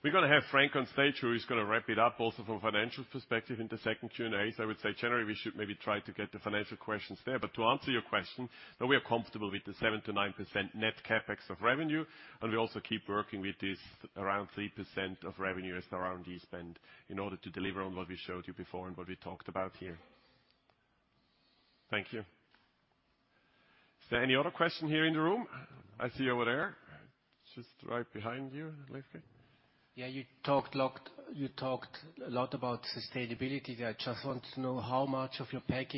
We're gonna have Frank on stage who is gonna wrap it up also from a financial perspective in the second Q&A. I would say generally, we should maybe try to get the financial questions there. To answer your question, no, we are comfortable with the 7%-9% net CapEx of revenue, and we also keep working with this around 3% of revenue as R&D spend in order to deliver on what we showed you before and what we talked about here. Thank you. Is there any other question here in the room? I see over there. Just right behind you, Leifke. Yeah, you talked a lot about sustainability. I just want to know how much of your financial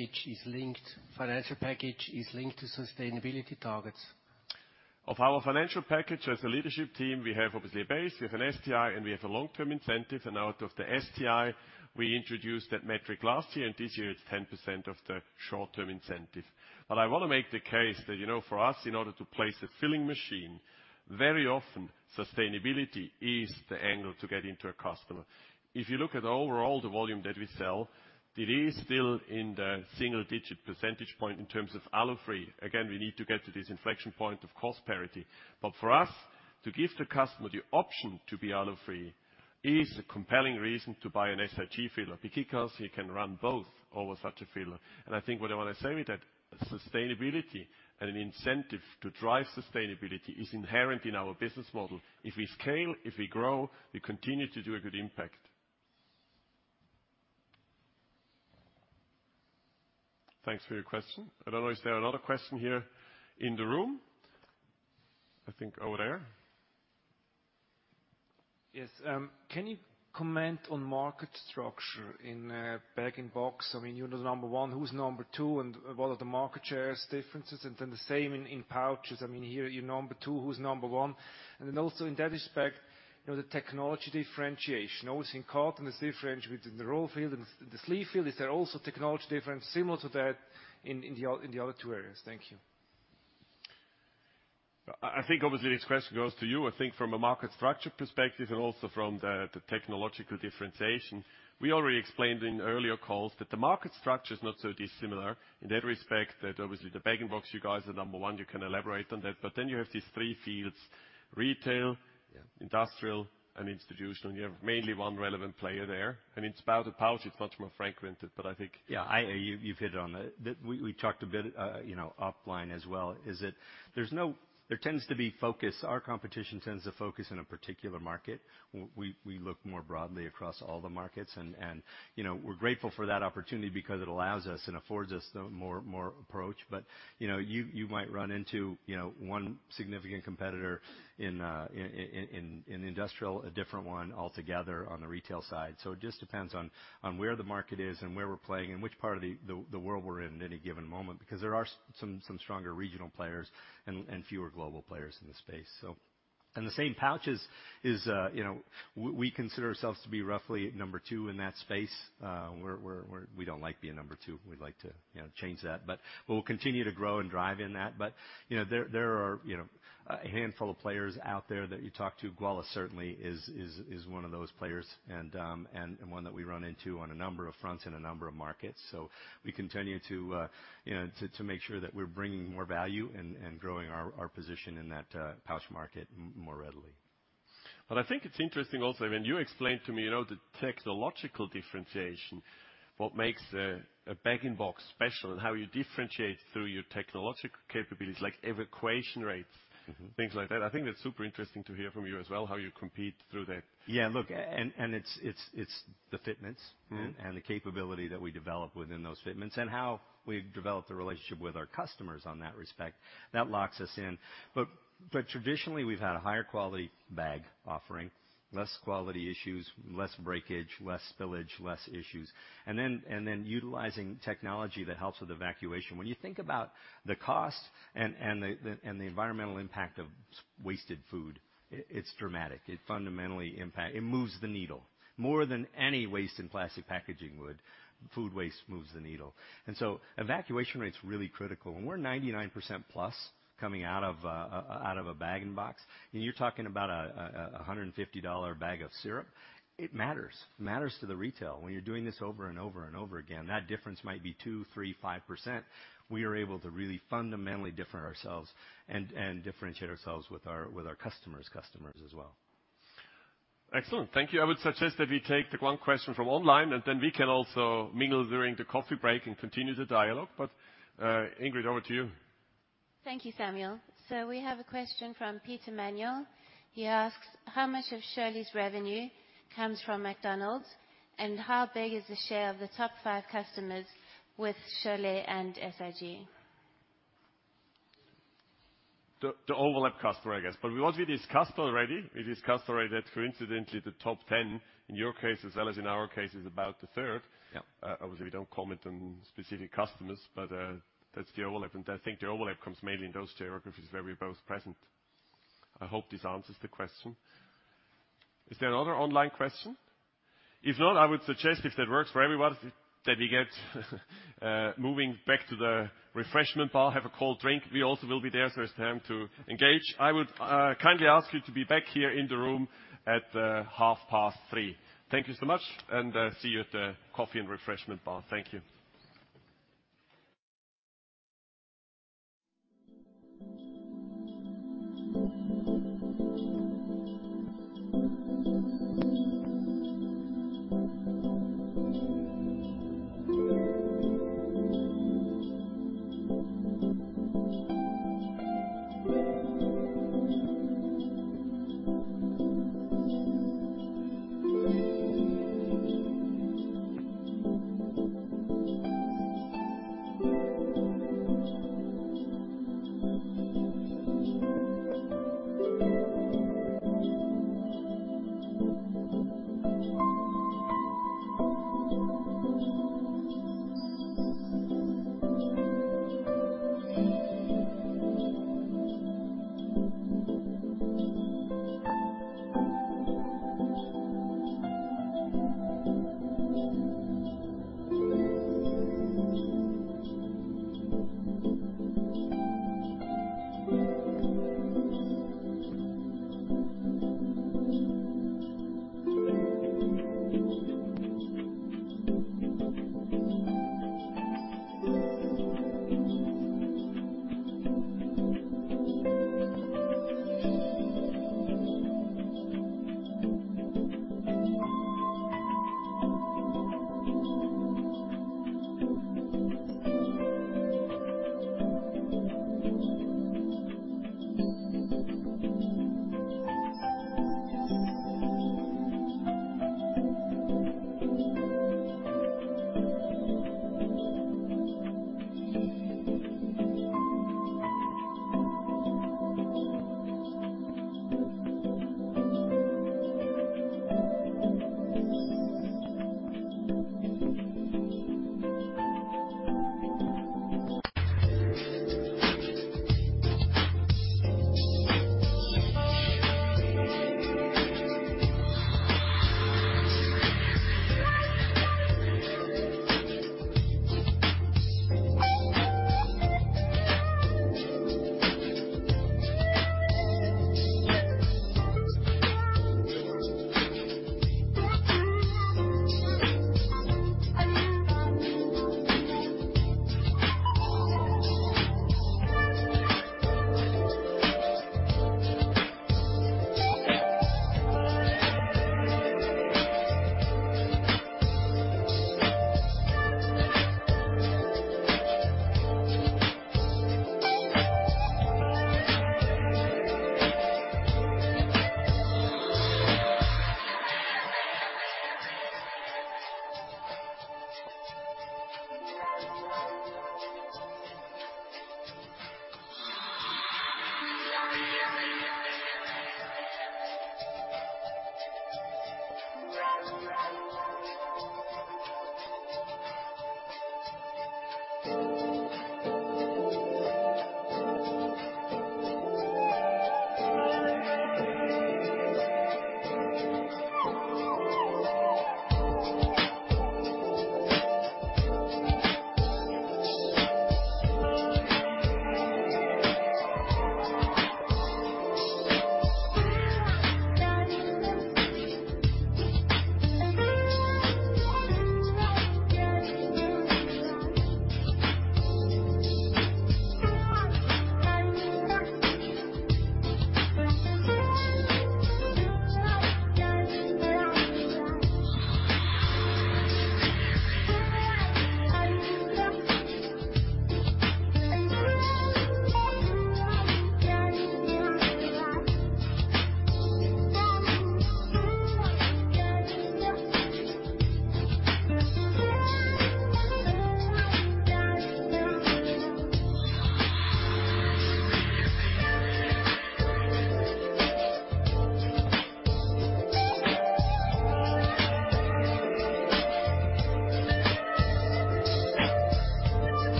package is linked to sustainability targets. Of our financial package as a leadership team, we have obviously a base, we have an STI, and we have a long-term incentive. Out of the STI, we introduced that metric last year, and this year it's 10% of the short-term incentive. I wanna make the case that, you know, for us, in order to place a filling machine, very often sustainability is the angle to get into a customer. If you look at overall the volume that we sell, it is still in the single-digit percentage point in terms of Alu-free. Again, we need to get to this inflection point of cost parity. For us, to give the customer the option to be Alu-free is a compelling reason to buy an SIG filler because you can run both over such a filler. I think what I wanna say with that, sustainability and an incentive to drive sustainability is inherent in our business model. If we scale, if we grow, we continue to do a good impact. Thanks for your question. I don't know, is there another question here in the room? I think over there. Yes. Can you comment on market structure in Bag-in-Box? I mean, you're the number one, who's number two, and what are the market share differences? Then the same in pouches. I mean, here you're number two, who's number one? Then also in that respect, you know, the technology differentiation. Obviously, in carton it's different between the roll-fed and the sleeve-fed. Is there also technology difference similar to that in the other two areas? Thank you. I think obviously this question goes to you. I think from a market structure perspective and also from the technological differentiation, we already explained in earlier calls that the market structure is not so dissimilar in that respect that obviously the Bag-in-Box, you guys are number one, you can elaborate on that. You have these three fields, retail- Yeah. industrial, and institutional, and you have mainly one relevant player there. I mean, spout and pouch, it's much more fragmented, but I think. Yeah, you've hit on the. We talked a bit, you know, offline as well. There tends to be focus. Our competition tends to focus in a particular market. We look more broadly across all the markets and, you know, we're grateful for that opportunity because it allows us and affords us the more approach. You know, you might run into, you know, one significant competitor in industrial, a different one altogether on the retail side. It just depends on where the market is and where we're playing and which part of the world we're in at any given moment, because there are some stronger regional players and fewer global players in the space. The same pouches is, you know, we consider ourselves to be roughly number two in that space. We're, we're-- We don't like being number two. We'd like to, you know, change that, but we'll continue to grow and drive in that. But, you know, there are, you know, a handful of players out there that you talk to. Gualapack certainly is one of those players and one that we run into on a number of fronts in a number of markets. So we continue to, you know, to make sure that we're bringing more value and growing our position in that pouch market more readily. I think it's interesting also when you explained to me, you know, the technological differentiation, what makes a Bag-in-Box special and how you differentiate through your technological capabilities like evacuation rates. Things like that. I think that's super interesting to hear from you as well, how you compete through that. Yeah, look, it's the fitments. The capability that we develop within those fitments and how we've developed a relationship with our customers in that respect. That locks us in. But traditionally, we've had a higher quality bag offering, less quality issues, less breakage, less spillage, less issues, and then utilizing technology that helps with evacuation. When you think about the cost and the environmental impact of wasted food, it's dramatic. It fundamentally impact. It moves the needle. More than any waste in plastic packaging would, food waste moves the needle. Evacuation rate's really critical. When we're 99%+ coming out of a bag-in-box, and you're talking about a $150 bag of syrup, it matters. Matters to the retail. When you're doing this over and over and over again, that difference might be 2, 3, 5%. We are able to really fundamentally differentiate ourselves with our customers' customers as well. Excellent. Thank you. I would suggest that we take the one question from online, and then we can also mingle during the coffee break and continue the dialogue. Ingrid, over to you. Thank you, Samuel. We have a question from Peter Manuel. He asks, "How much of Scholle IPN's revenue comes from McDonald's, and how big is the share of the top five customers with Scholle IPN and SIG? The overlap customer, I guess. What we discussed already that coincidentally the top 10 in your case as well as in our case is about 1/3. Yeah. Obviously, we don't comment on specific customers, but that's the overlap. I think the overlap comes mainly in those geographies where we're both present. I hope this answers the question. Is there another online question? If not, I would suggest if that works for everyone that we get moving back to the refreshment bar, have a cold drink. We also will be there, so it's time to engage. I would kindly ask you to be back here in the room at 3:30 P.M. Thank you so much and see you at the coffee and refreshment bar. Thank you.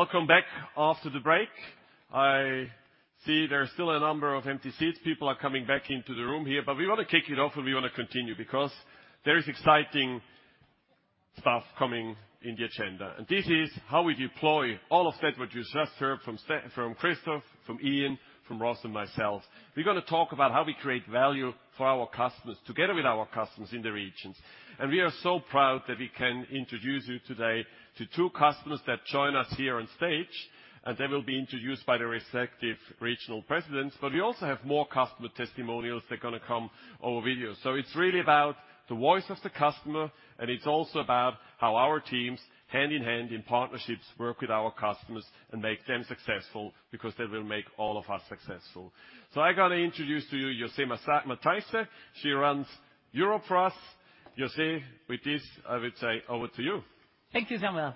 Welcome back after the break. I see there are still a number of empty seats. People are coming back into the room here, but we want to kick it off, and we want to continue because there is exciting stuff coming in the agenda. This is how we deploy all of that which you just heard from Christoph, from Ian, from Ross and myself. We're gonna talk about how we create value for our customers together with our customers in the regions. We are so proud that we can introduce you today to two customers that join us here on stage, and they will be introduced by their respective regional presidents. We also have more customer testimonials that are gonna come over video. It's really about the voice of the customer, and it's also about how our teams, hand-in-hand in partnerships, work with our customers and make them successful because they will make all of us successful. I gotta introduce to you José Matthijsse. She runs Europe. José, with this, I would say, over to you. Thank you, Samuel.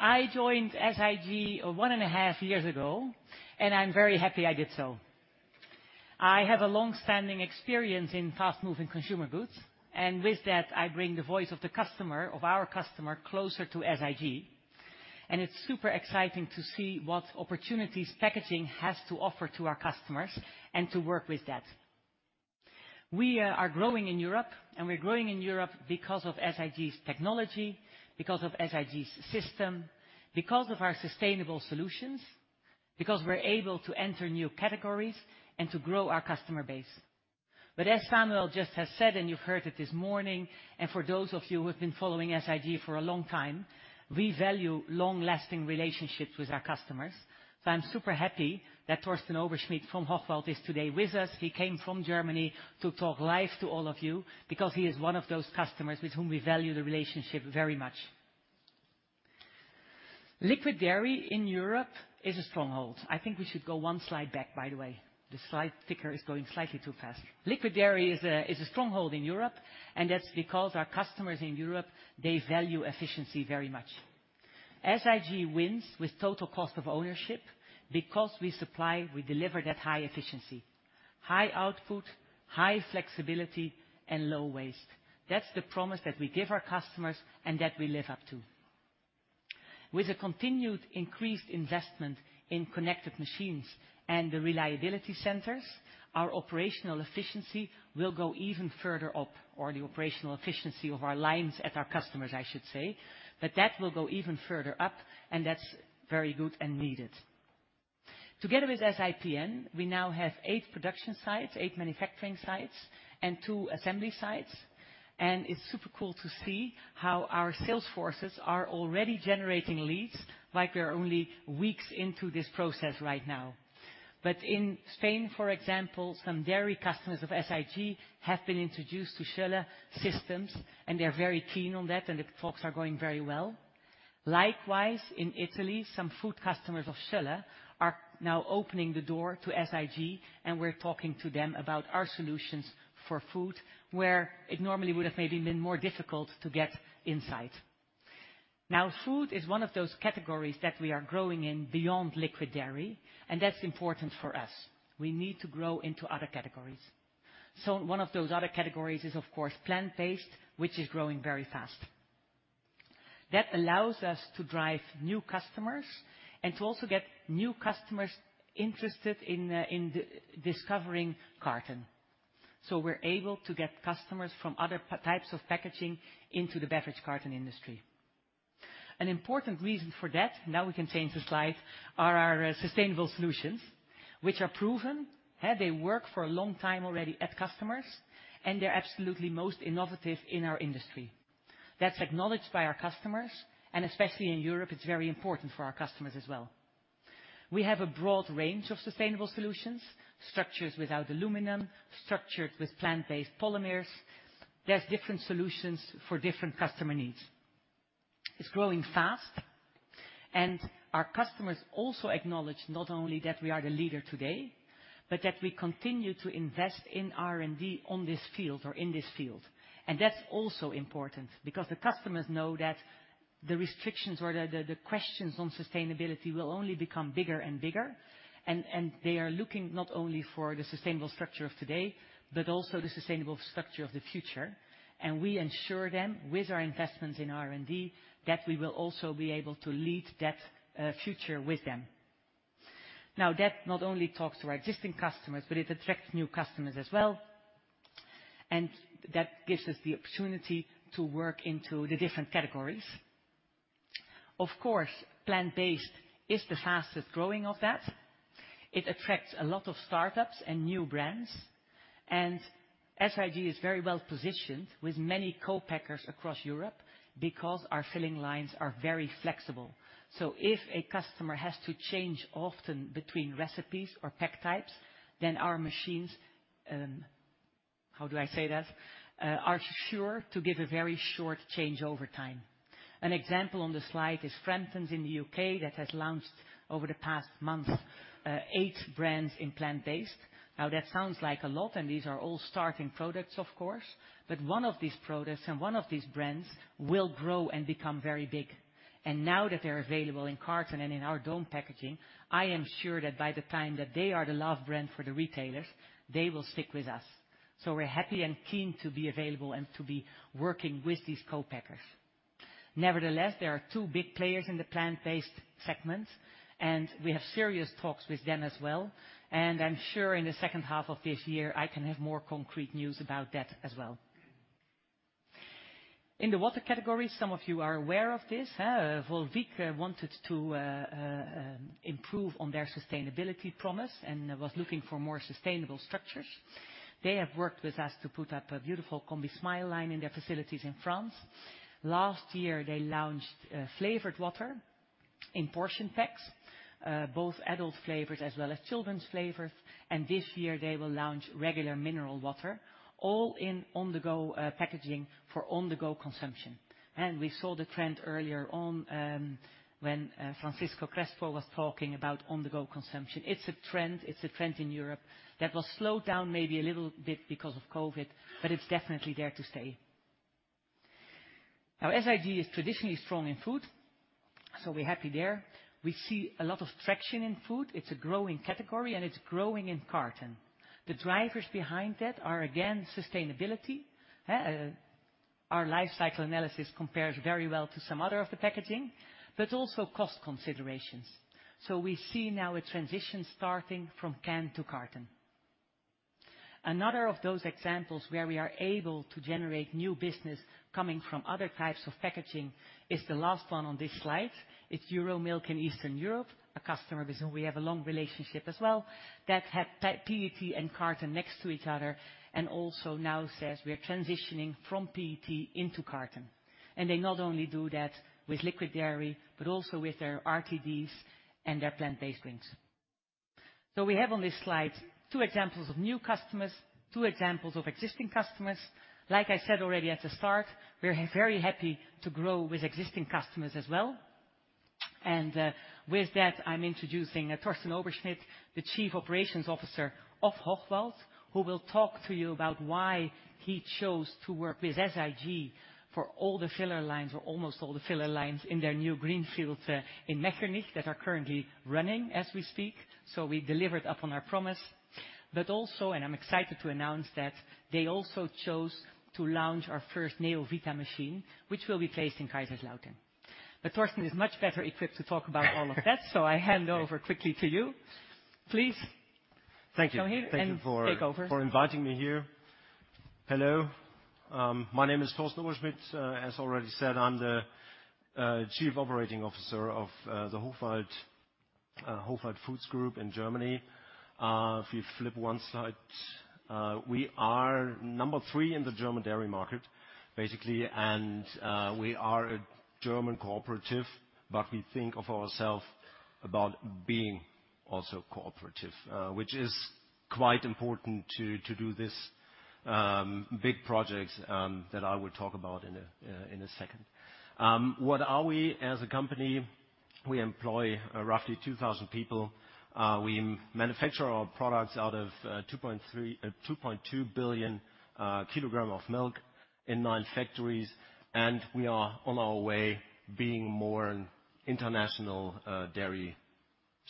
I joined SIG one and a half years ago, and I'm very happy I did so. I have a long-standing experience in fast-moving consumer goods, and with that, I bring the voice of the customer, of our customer, closer to SIG. It's super exciting to see what opportunities packaging has to offer to our customers and to work with that. We are growing in Europe, and we're growing in Europe because of SIG's technology, because of SIG's system, because of our sustainable solutions, because we're able to enter new categories and to grow our customer base. As Samuel just has said, and you've heard it this morning, and for those of you who've been following SIG for a long time, we value long-lasting relationships with our customers. I'm super happy that Thorsten Oberschmidt from Hochwald is today with us. He came from Germany to talk live to all of you because he is one of those customers with whom we value the relationship very much. Liquid dairy in Europe is a stronghold. I think we should go one slide back, by the way. The slide ticker is going slightly too fast. Liquid dairy is a stronghold in Europe, and that's because our customers in Europe value efficiency very much. SIG wins with total cost of ownership because we supply, we deliver that high efficiency, high output, high flexibility, and low waste. That's the promise that we give our customers and that we live up to. With a continued increased investment in connected machines and the reliability centers, our operational efficiency will go even further up, or the operational efficiency of our lines at our customers, I should say. That will go even further up, and that's very good and needed. Together with Scholle IPN, we now have eight production sites, eight manufacturing sites, and two assembly sites. It's super cool to see how our sales forces are already generating leads like we're only weeks into this process right now. In Spain, for example, some dairy customers of SIG have been introduced to Scholle systems, and they're very keen on that, and the talks are going very well. Likewise, in Italy, some food customers of Scholle are now opening the door to SIG, and we're talking to them about our solutions for food, where it normally would have maybe been more difficult to get insight. Now, food is one of those categories that we are growing in beyond liquid dairy, and that's important for us. We need to grow into other categories. One of those other categories is, of course, plant-based, which is growing very fast. That allows us to drive new customers and to also get new customers interested in discovering carton. We're able to get customers from other types of packaging into the beverage carton industry. An important reason for that, now we can change the slide, are our sustainable solutions, which are proven, have worked for a long time already at customers, and they're absolutely most innovative in our industry. That's acknowledged by our customers, and especially in Europe, it's very important for our customers as well. We have a broad range of sustainable solutions, structures without aluminum, structures with plant-based polymers. There's different solutions for different customer needs. It's growing fast, and our customers also acknowledge not only that we are the leader today, but that we continue to invest in R&D on this field or in this field. That's also important because the customers know that the restrictions or the questions on sustainability will only become bigger and bigger. They are looking not only for the sustainable structure of today, but also the sustainable structure of the future. We ensure them with our investments in R&D that we will also be able to lead that future with them. Now, that not only talks to our existing customers, but it attracts new customers as well, and that gives us the opportunity to work into the different categories. Of course, plant-based is the fastest-growing of that. It attracts a lot of startups and new brands. SIG is very well-positioned with many co-packers across Europe because our filling lines are very flexible. If a customer has to change often between recipes or pack types, then our machines are sure to give a very short changeover time. An example on the slide is Framptons in the U.K. that has launched over the past month, eight brands in plant-based. Now, that sounds like a lot, and these are all starting products, of course. One of these products and one of these brands will grow and become very big. Now that they're available in carton and in our dome packaging, I am sure that by the time that they are the love brand for the retailers, they will stick with us. We're happy and keen to be available and to be working with these co-packers. Nevertheless, there are two big players in the plant-based segment, and we have serious talks with them as well. I'm sure in the second half of this year, I can have more concrete news about that as well. In the water category, some of you are aware of this, Volvic wanted to improve on their sustainability promise and was looking for more sustainable structures. They have worked with us to put up a beautiful combismile line in their facilities in France. Last year, they launched flavored water in portion packs, both adult flavors as well as children's flavors. This year, they will launch regular mineral water, all in on-the-go packaging for on-the-go consumption. We saw the trend earlier on, when Francisco Crespo was talking about on-the-go consumption. It's a trend. It's a trend in Europe that was slowed down maybe a little bit because of COVID, but it's definitely there to stay. Now, SIG is traditionally strong in food, so we're happy there. We see a lot of traction in food. It's a growing category, and it's growing in carton. The drivers behind that are, again, sustainability. Our life cycle analysis compares very well to some other of the packaging, but also cost considerations. So we see now a transition starting from can to carton. Another of those examples where we are able to generate new business coming from other types of packaging is the last one on this slide. It's Euromilk in Eastern Europe, a customer with whom we have a long relationship as well, that had PET and carton next to each other and also now says we're transitioning from PET into carton. They not only do that with liquid dairy, but also with their RTDs and their plant-based drinks. We have on this slide two examples of new customers, two examples of existing customers. Like I said already at the start, we're very happy to grow with existing customers as well. With that, I'm introducing Thorsten Oberschmidt, the Chief Operating Officer of Hochwald, who will talk to you about why he chose to work with SIG for all the filler lines or almost all the filler lines in their new greenfields in Mechernich that are currently running as we speak. We delivered up on our promise. I'm excited to announce that they also chose to launch our first combivita machine, which will be placed in Kaiserslautern. Thorsten is much better equipped to talk about all of that, so I hand over quickly to you. Please. Thank you. Thorsten, and take over. Thank you for inviting me here. Hello. My name is Thorsten Oberschmidt. As already said, I'm the Chief Operating Officer of the Hochwald Foods Group in Germany. If you flip one slide. We are number three in the German dairy market, basically. We are a German cooperative, but we think of ourself about being also cooperative, which is quite important to do this big projects that I will talk about in a second. What are we as a company? We employ roughly 2,000 people. We manufacture our products out of 2.2 billion kg of milk in nine factories, and we are on our way being more an international dairy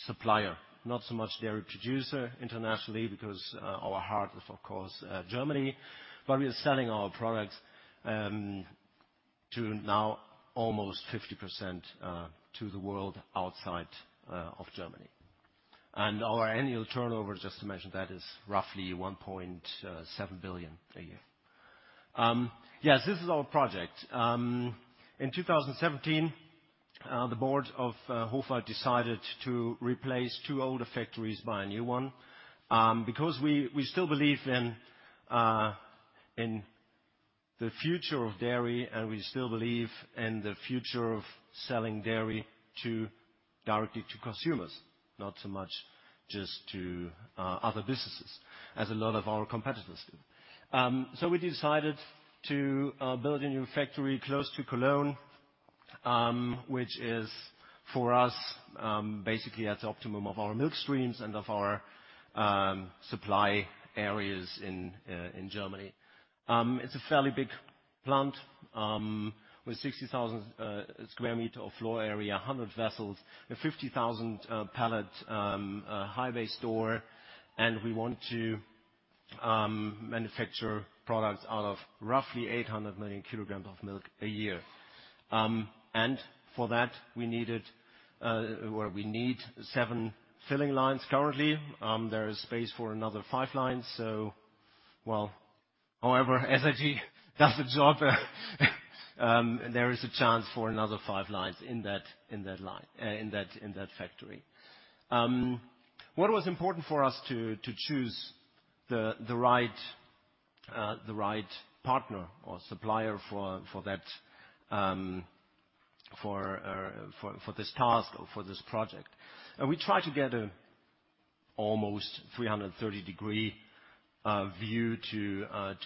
supplier. Not so much dairy producer internationally because our heart is, of course, Germany. We are selling our products to now almost 50% to the world outside of Germany. Our annual turnover, just to mention that, is roughly 1.7 billion a year. Yes, this is our project. In 2017 the board of Hochwald decided to replace two older factories by a new one. Because we still believe in the future of dairy, and we still believe in the future of selling dairy to directly to consumers, not so much just to other businesses, as a lot of our competitors do. We decided to build a new factory close to Cologne, which is for us basically at the optimum of our milk streams and of our supply areas in Germany. It's a fairly big plant with 60,000 sq m of floor area, 100 vessels, a 50,000-pallet high bay store, and we want to manufacture products out of roughly 800 million kg of milk a year. For that, we needed, or we need seven filling lines currently. There is space for another five lines, well, however, SIG does the job, there is a chance for another five lines in that factory. What was important for us to choose the right partner or supplier for that, for this task or for this project? We try to get an almost 330-degree view to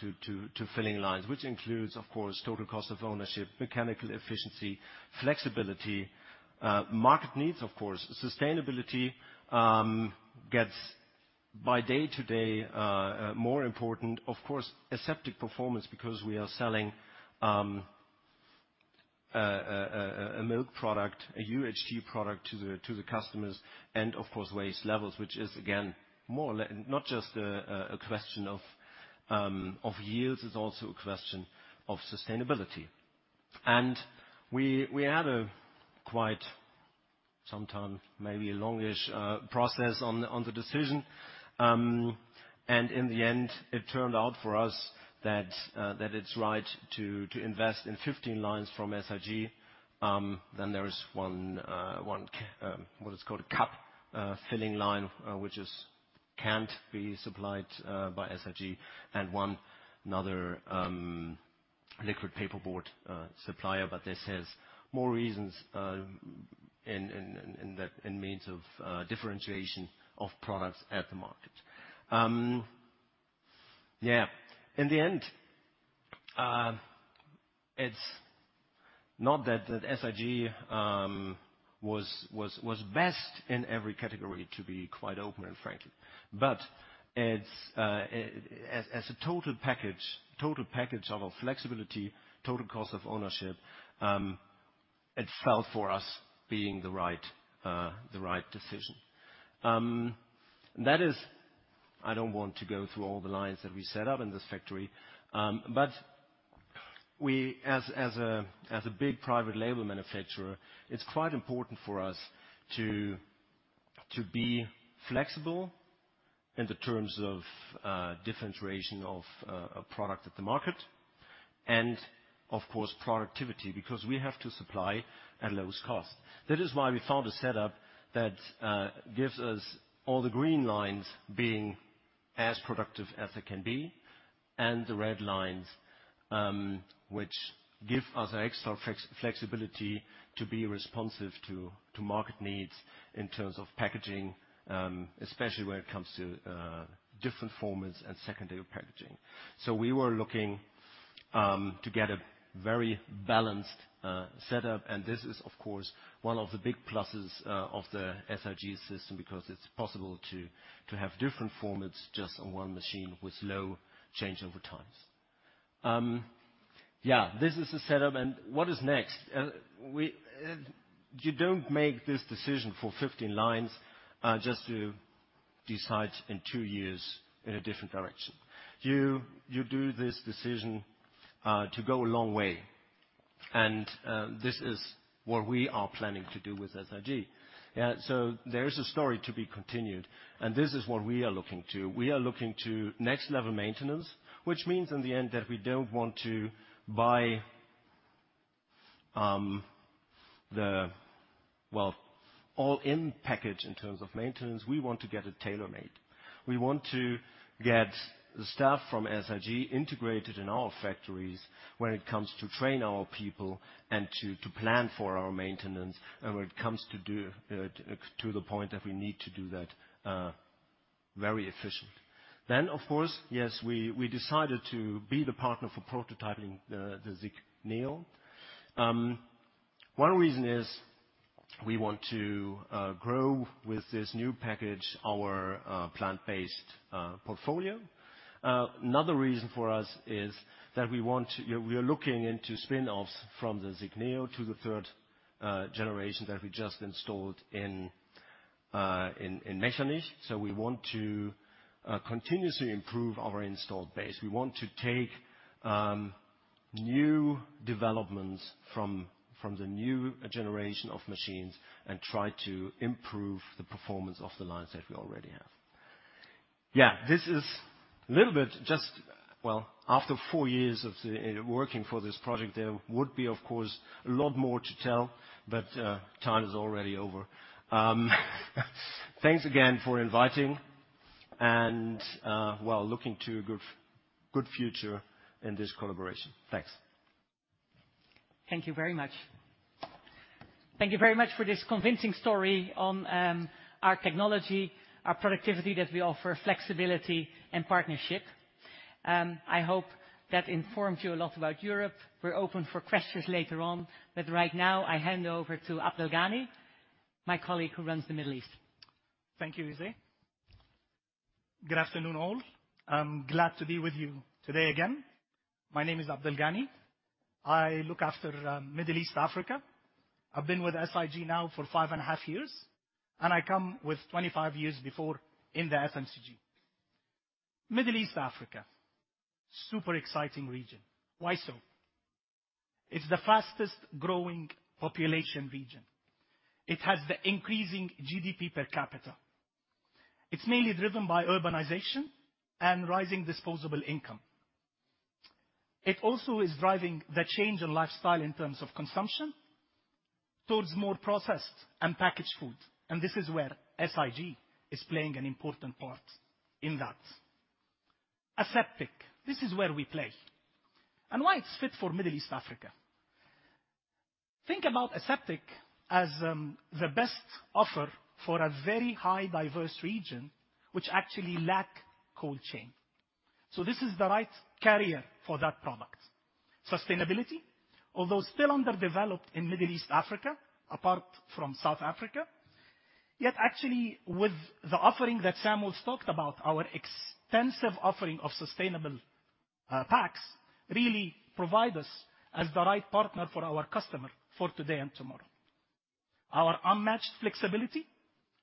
filling lines, which includes, of course, total cost of ownership, mechanical efficiency, flexibility, market needs, of course. Sustainability gets bigger by the day more important. Of course, aseptic performance because we are selling a milk product, a UHT product to the customers and of course waste levels, which is again more or less not just a question of years, it is also a question of sustainability. We had quite some time, maybe a longish process on the decision. In the end, it turned out for us that it's right to invest in 15 lines from SIG. There is one what is it called? A cap filling line which can't be supplied by SIG. One another liquid paperboard supplier, but this has more reasons in terms of differentiation of products at the market. In the end, it's not that the SIG was best in every category to be quite open and frankly. It's as a total package of flexibility, total cost of ownership, it felt for us being the right decision. I don't want to go through all the lines that we set up in this factory. We as a big private label manufacturer, it's quite important for us to be flexible in terms of differentiation of a product at the market and of course, productivity, because we have to supply at lowest cost. That is why we found a setup that gives us all the green lines being as productive as they can be, and the red lines, which give us extra flexibility to be responsive to market needs in terms of packaging, especially when it comes to different formats and secondary packaging. We were looking to get a very balanced setup, and this is of course one of the big pluses of the SIG system, because it's possible to have different formats just on one machine with low changeover times. This is the setup. What is next? You don't make this decision for 15 lines, just to decide in two years in a different direction. You do this decision to go a long way. This is what we are planning to do with SIG. Yeah. There's a story to be continued, and this is what we are looking to. We are looking to next level maintenance, which means in the end that we don't want to buy the well all-in package in terms of maintenance. We want to get it tailor-made. We want to get the staff from SIG integrated in our factories when it comes to train our people and to plan for our maintenance, and when it comes to do to the point that we need to do that very efficient. Of course, yes, we decided to be the partner for prototyping the SIG NEO. One reason is we want to grow with this new package, our plant-based portfolio. Another reason for us is that we want. We are looking into spin-offs from the SIG NEO to the third generation that we just installed in Mechernich. We want to continuously improve our installed base. We want to take new developments from the new generation of machines and try to improve the performance of the lines that we already have. Yeah, this is little bit just. Well, after four years of working for this project, there would be, of course, a lot more to tell, but time is already over. Thanks again for inviting and, well, looking to a good future in this collaboration. Thanks. Thank you very much. Thank you very much for this convincing story on our technology, our productivity that we offer, flexibility and partnership. I hope that informs you a lot about Europe. We're open for questions later on, but right now I hand over to Abdelghany, my colleague who runs the Middle East. Thank you, José Matthijsse. Good afternoon all. I'm glad to be with you today again. My name is Abdelghany. I look after Middle East & Africa. I've been with SIG now for five and a half years, and I come with 25 years before in the FMCG. Middle East & Africa, super exciting region. Why so? It's the fastest growing population region. It has the increasing GDP per capita. It also is driving the change in lifestyle in terms of consumption towards more processed and packaged food, and this is where SIG is playing an important part in that. Aseptic, this is where we play. Why it's fit for Middle East & Africa. Think about aseptic as the best offer for a very highly diverse region which actually lack cold chain. This is the right carrier for that product. Sustainability, although still underdeveloped in Middle East & Africa, apart from South Africa. Yet actually, with the offering that Samuel talked about, our extensive offering of sustainable packs really provide us as the right partner for our customer for today and tomorrow. Our unmatched flexibility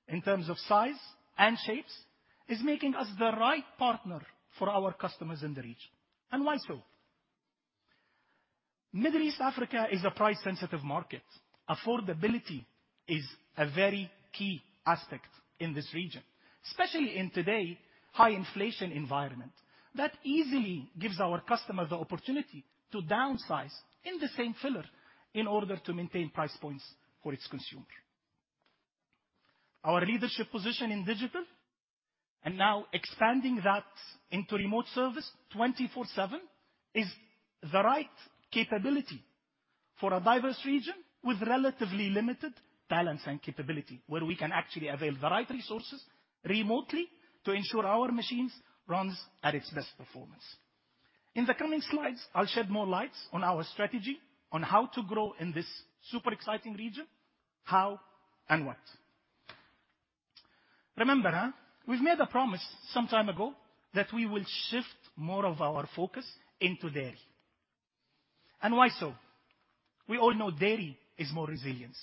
in terms of size and shapes is making us the right partner for our customers in the region. Why so? Middle East & Africa is a price-sensitive market. Affordability is a very key aspect in this region, especially in today's high inflation environment. That easily gives our customer the opportunity to downsize in the same filler in order to maintain price points for its consumer. Our leadership position in digital and now expanding that into remote service 24/7 is the right capability for a diverse region with relatively limited balance and capability, where we can actually avail the right resources remotely to ensure our machines runs at its best performance. In the coming slides, I'll shed more lights on our strategy on how to grow in this super exciting region, how and what. Remember, we've made a promise some time ago that we will shift more of our focus into dairy. Why so? We all know dairy is more resilience.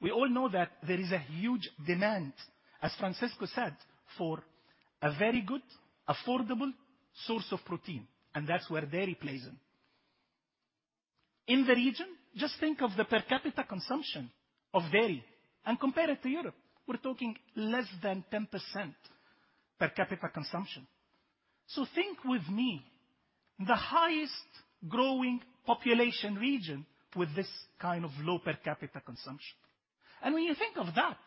We all know that there is a huge demand, as Francisco said, for a very good, affordable source of protein, and that's where dairy plays in. In the region, just think of the per capita consumption of dairy and compare it to Europe. We're talking less than 10% per capita consumption. Think with me, the highest growing population region with this kind of low per capita consumption. When you think of that,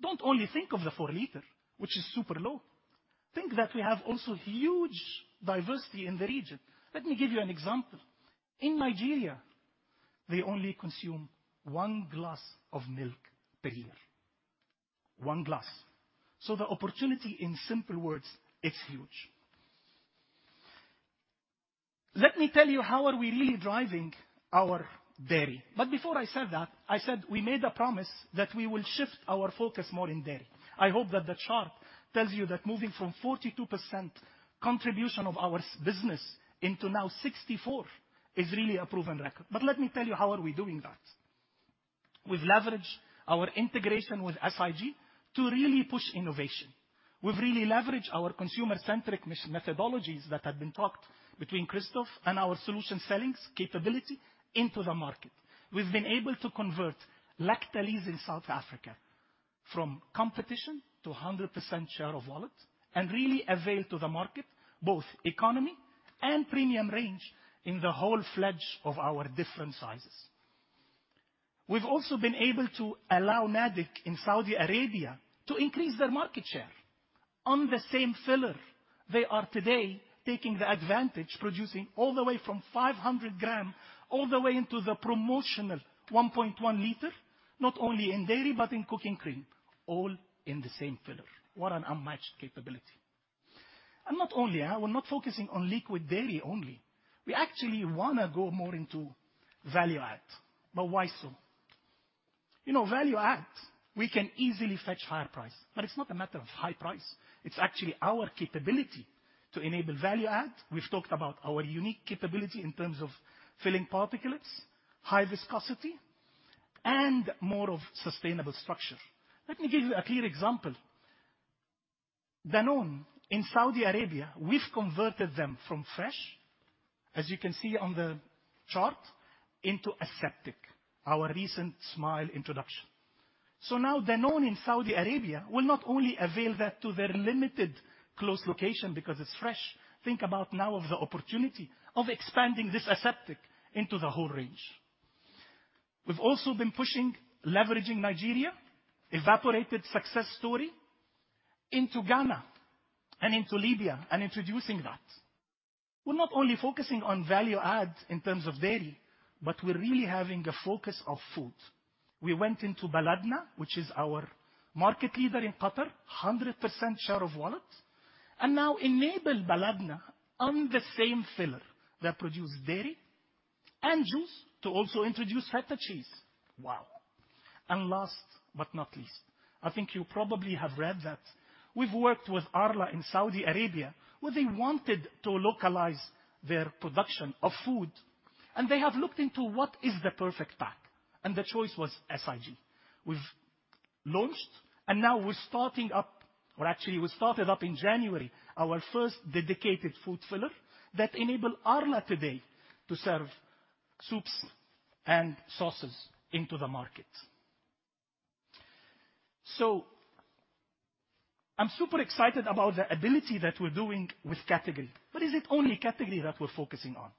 don't only think of the 4 l, which is super low. Think that we have also huge diversity in the region. Let me give you an example. In Nigeria, they only consume one glass of milk per year. One glass. The opportunity in simple words, it's huge. Let me tell you how are we really driving our dairy. Before I said that, I said we made a promise that we will shift our focus more in dairy. I hope that the chart tells you that moving from 42% contribution of our SIG business into now 64% is really a proven record. Let me tell you, how are we doing that. We've leveraged our integration with SIG to really push innovation. We've really leveraged our consumer-centric methodologies that have been talked between Christoph and our solution selling capability into the market. We've been able to convert Lactalis in South Africa from competition to 100% share of wallet and really avail to the market both economy and premium range in the full range of our different sizes. We've also been able to allow Nadec in Saudi Arabia to increase their market share. On the same filler, they are today taking the advantage, producing all the way from 500 g all the way into the promotional 1.1 l, not only in dairy but in cooking cream, all in the same filler. What an unmatched capability. Not only how we're not focusing on liquid dairy only, we actually wanna go more into value add, but why so? You know, value add, we can easily fetch higher price, but it's not a matter of high price. It's actually our capability to enable value add. We've talked about our unique capability in terms of filling particulates, high viscosity, and more of sustainable structure. Let me give you a clear example. Danone in Saudi Arabia, we've converted them from fresh, as you can see on the chart, into aseptic, our recent combismile introduction. Now Danone in Saudi Arabia will not only avail that to their limited close location because it's fresh. Think about now of the opportunity of expanding this aseptic into the whole range. We've also been pushing leveraging Nigeria, evaporated success story into Ghana and into Libya and introducing that. We're not only focusing on value add in terms of dairy, but we're really having a focus of food. We went into Baladna, which is our market leader in Qatar, 100% share of wallet, and now enable Baladna on the same filler that produce dairy and juice to also introduce feta cheese. Wow. Last but not least, I think you probably have read that we've worked with Arla in Saudi Arabia, where they wanted to localize their production of food, and they have looked into what is the perfect pack, and the choice was SIG. We've launched, and now we're starting up, or actually we started up in January, our first dedicated food filler that enable Arla today to serve soups and sauces into the market. I'm super excited about the ability that we're doing with category. Is it only category that we're focusing on?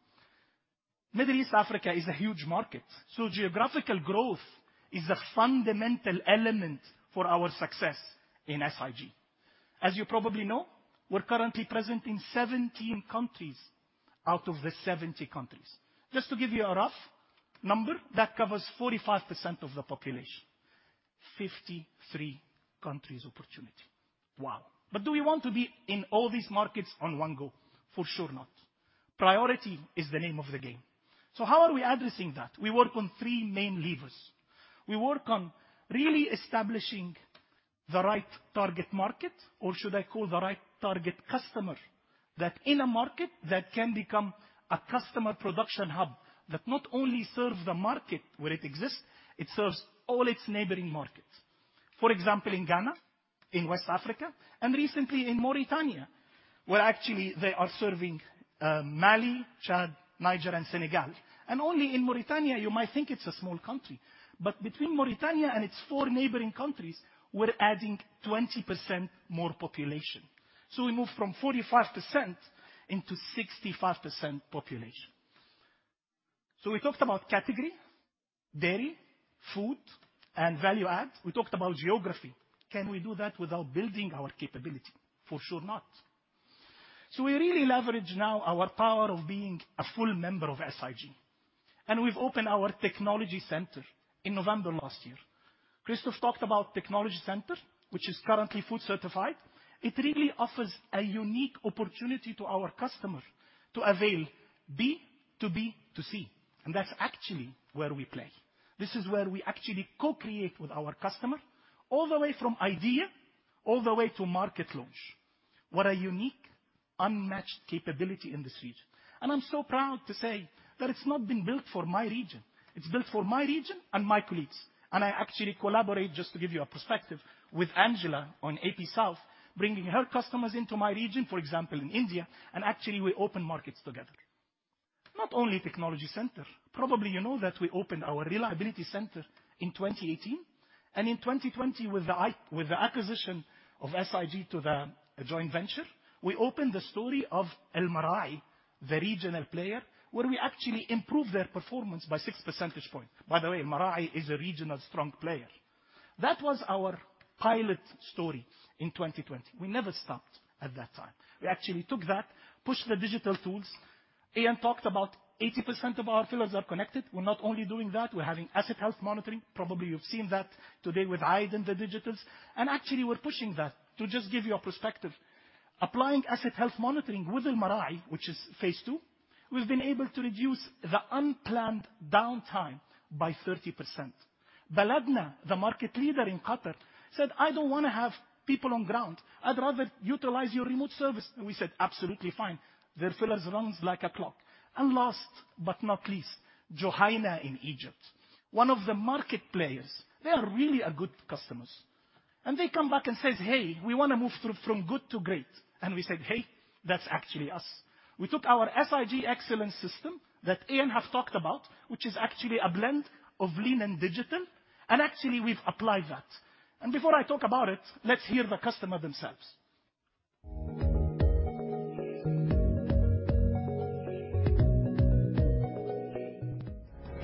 Middle East & Africa is a huge market, so geographical growth is a fundamental element for our success in SIG. As you probably know, we're currently present in 17 countries out of the 70 countries. Just to give you a rough number, that covers 45% of the population. 53 countries opportunity. Wow. Do we want to be in all these markets on one go? For sure not. Priority is the name of the game. How are we addressing that? We work on three main levers. We work on really establishing the right target market or should I call the right target customer. That in a market that can become a customer production hub that not only serves the market where it exists, it serves all its neighboring markets. For example, in Ghana, in West Africa, and recently in Mauritania, where actually they are serving Mali, Chad, Niger, and Senegal. Only in Mauritania, you might think it's a small country, but between Mauritania and its four neighboring countries, we're adding 20% more population. We move from 45% into 65% population. We talked about category, dairy, food, and value add. We talked about geography. Can we do that without building our capability? For sure not. We really leverage now our power of being a full member of SIG, and we've opened our technology center in November last year. Christoph talked about technology center, which is currently food certified. It really offers a unique opportunity to our customer to avail B2B2C, and that's actually where we play. This is where we actually co-create with our customer all the way from idea all the way to market launch. What a unique, unmatched capability in this region. I'm so proud to say that it's not been built for my region. It's built for my region and my colleagues. I actually collaborate, just to give you a perspective, with Angela on AP South, bringing her customers into my region, for example, in India, and actually we open markets together. Not only technology center. Probably you know that we opened our reliability center in 2018, and in 2020 with the acquisition to the joint venture, we opened the success story of Almarai, the regional player, where we actually improved their performance by 6 percentage points. By the way, Almarai is a strong regional player. That was our pilot story in 2020. We never stopped at that time. We actually took that, pushed the digital tools. Ian talked about 80% of our fillers are connected. We're not only doing that, we're having asset health monitoring. Probably you've seen that today with Ayed in the digitals. Actually we're pushing that. To just give you a perspective, applying asset health monitoring with Almarai, which is phase II, we've been able to reduce the unplanned downtime by 30%. Baladna, the market leader in Qatar, said, "I don't wanna have people on ground. I'd rather utilize your remote service." We said, "Absolutely fine." Their fillers runs like a clock. Last but not least, Juhayna in Egypt, one of the market players. They are really a good customers. They come back and says, "Hey, we wanna move through from good to great." We said, "Hey, that's actually us." We took our SIG Excellence System that Ian have talked about, which is actually a blend of lean and digital, and actually we've applied that. Before I talk about it, let's hear the customer themselves.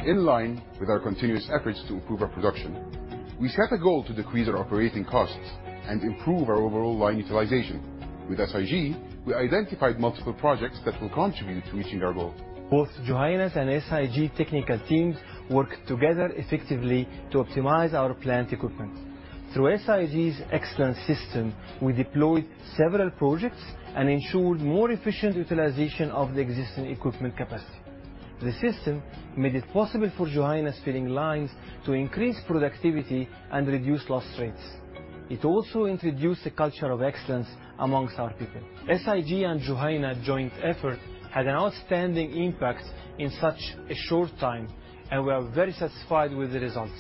In line with our continuous efforts to improve our production, we set a goal to decrease our operating costs and improve our overall line utilization. With SIG, we identified multiple projects that will contribute to reaching our goal. Both Juhayna's and SIG technical teams worked together effectively to optimize our plant equipment. Through SIG's Excellence System, we deployed several projects and ensured more efficient utilization of the existing equipment capacity. The system made it possible for Juhayna's filling lines to increase productivity and reduce loss rates. It also introduced a culture of excellence among our people. SIG and Juhayna joint effort had an outstanding impact in such a short time, and we are very satisfied with the results.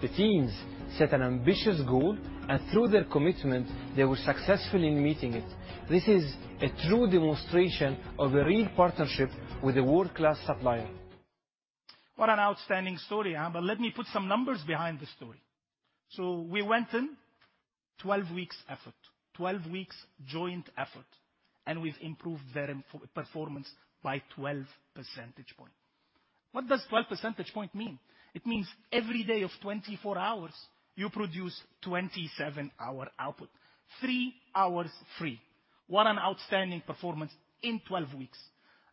The teams set an ambitious goal, and through their commitment, they were successful in meeting it. This is a true demonstration of a real partnership with a world-class supplier. What an outstanding story, huh? Let me put some numbers behind the story. We went in, 12 weeks joint effort, and we've improved their OEE performance by 12 percentage points. What does 12 percentage points mean? It means every day of 24 hours, you produce 27-hour output. Three hours free. What an outstanding performance in 12 weeks.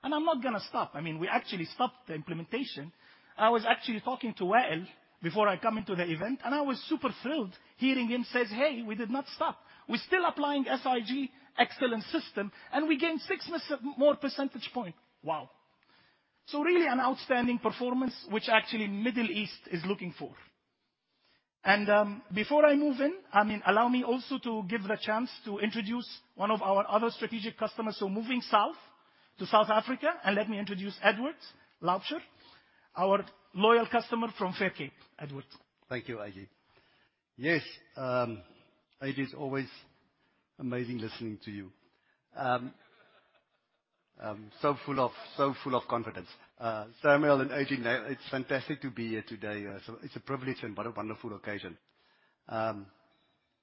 I'm not gonna stop. I mean, we actually stopped the implementation. I was actually talking to Wael before I come into the event, and I was super thrilled hearing him says, "Hey, we did not stop. We're still applying SIG Excellence System, and we gained six more percentage points." Wow. Really an outstanding performance which actually Middle East is looking for. Before I move in, I mean, allow me also to give the chance to introduce one of our other strategic customers. Moving south to South Africa, and let me introduce Eduard Loubser, our loyal customer from Fair Cape. Edward. Thank you, AG. Yes, AG, it is always amazing listening to you. So full of confidence. Samuel and AG, it's fantastic to be here today. It's a privilege and what a wonderful occasion.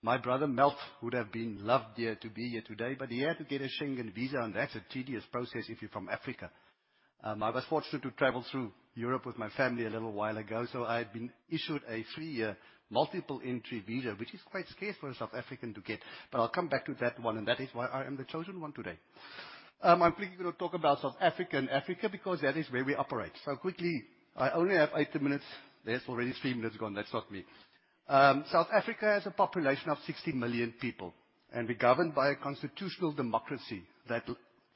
My brother Melf would have loved to be here today, but he had to get a Schengen visa, and that's a tedious process if you're from Africa. I was fortunate to travel through Europe with my family a little while ago, so I've been issued a three-year multiple entry visa, which is quite scarce for a South African to get. I'll come back to that one, and that is why I am the chosen one today. I'm briefly gonna talk about South Africa and Africa because that is where we operate. Quickly, I only have eight minutes. There's already three minutes gone. That's not me. South Africa has a population of 60 million people, and we're governed by a constitutional democracy that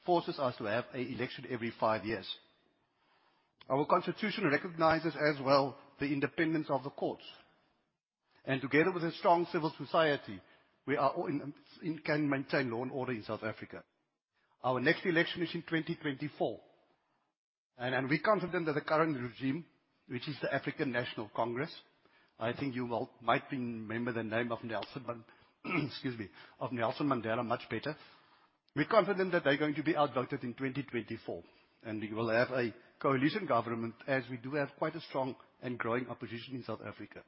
forces us to have an election every five years. Our constitution recognizes as well the independence of the courts. Together with a strong civil society, we can maintain law and order in South Africa. Our next election is in 2024. We're confident that the current regime, which is the African National Congress, I think you might remember the name of Nelson Mandela much better. We're confident that they're going to be outvoted in 2024, and we will have a coalition government as we do have quite a strong and growing opposition in South Africa.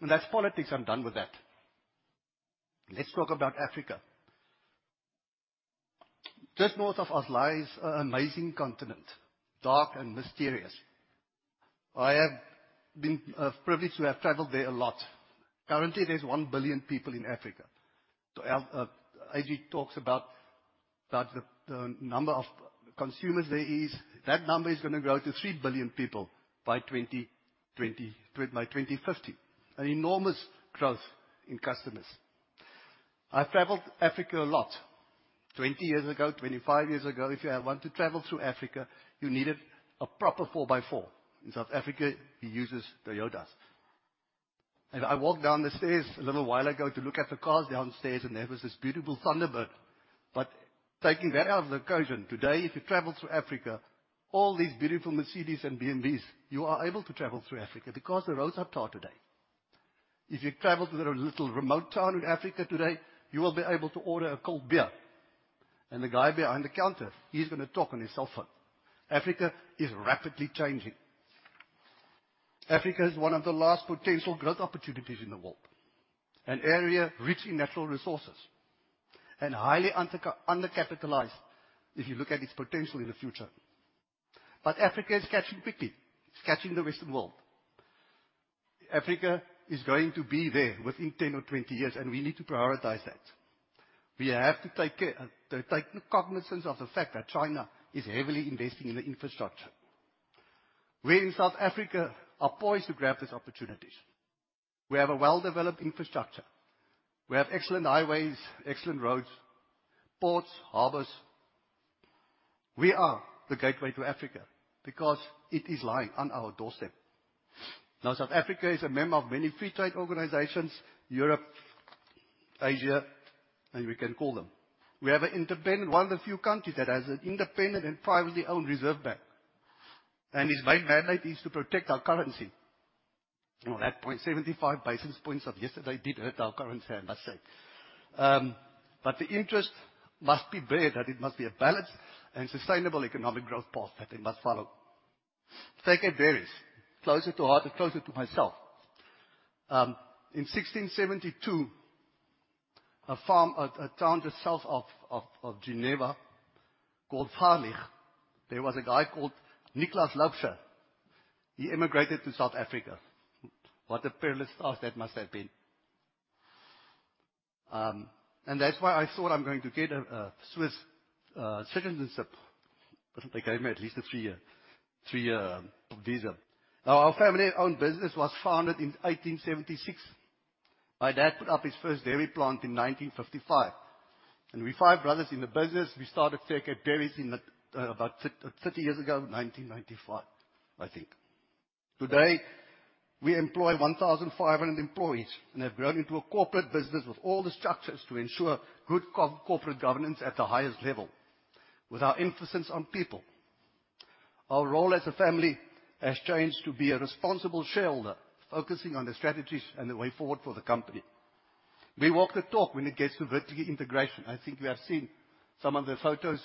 That's politics. I'm done with that. Let's talk about Africa. Just north of us lies an amazing continent, dark and mysterious. I have been privileged to have traveled there a lot. Currently, there's 1 billion people in Africa. So, AD talks about that the number of consumers there is. That number is gonna grow to 3 billion people by 2050. An enormous growth in customers. I've traveled Africa a lot. 20 years ago, 25 years ago, if you had want to travel through Africa, you needed a proper 4 by 4. In South Africa, we uses Toyotas. I walked down the stairs a little while ago to look at the cars downstairs, and there was this beautiful Thunderbird. Taking that out of the equation, today if you travel through Africa, all these beautiful Mercedes and BMWs, you are able to travel through Africa because the roads are tarred today. If you travel to the little remote town in Africa today, you will be able to order a cold beer. The guy behind the counter, he's gonna talk on his cell phone. Africa is rapidly changing. Africa is one of the last potential growth opportunities in the world. An area rich in natural resources and highly undercapitalized if you look at its potential in the future. Africa is catching quickly. It's catching the Western world. Africa is going to be there within 10 or 20 years, and we need to prioritize that. We have to take cognizance of the fact that China is heavily investing in the infrastructure. We in South Africa are poised to grab these opportunities. We have a well-developed infrastructure. We have excellent highways, excellent roads, ports, harbors. We are the gateway to Africa because it is lying on our doorstep. South Africa is a member of many free trade organizations, Europe, Asia, and we can call them. One of the few countries that has an independent and privately-owned reserve bank, and its main mandate is to protect our currency. Now that 0.75 basis points of yesterday did hurt our currency, I must say. But the interest must be bear that it must be a balanced and sustainable economic growth path that they must follow. Fair Cape Dairies, closer to heart and closer to myself. In 1672, a town just south of Geneva called Fahrnihgt, there was a guy called Nicholas Laubscher. He emigrated to South Africa. What a perilous task that must have been. That's why I thought I'm going to get a Swiss citizenship. They gave me at least a three-year visa. Our family-owned business was founded in 1876. My dad put up his first dairy plant in 1955. We five brothers in the business, we started SACCA Dairies in about 30 years ago, 1995, I think. Today, we employ 1,500 employees and have grown into a corporate business with all the structures to ensure good corporate governance at the highest level, with our emphasis on people. Our role as a family has changed to be a responsible shareholder, focusing on the strategies and the way forward for the company. We walk the talk when it comes to vertical integration. I think you have seen some of the photos,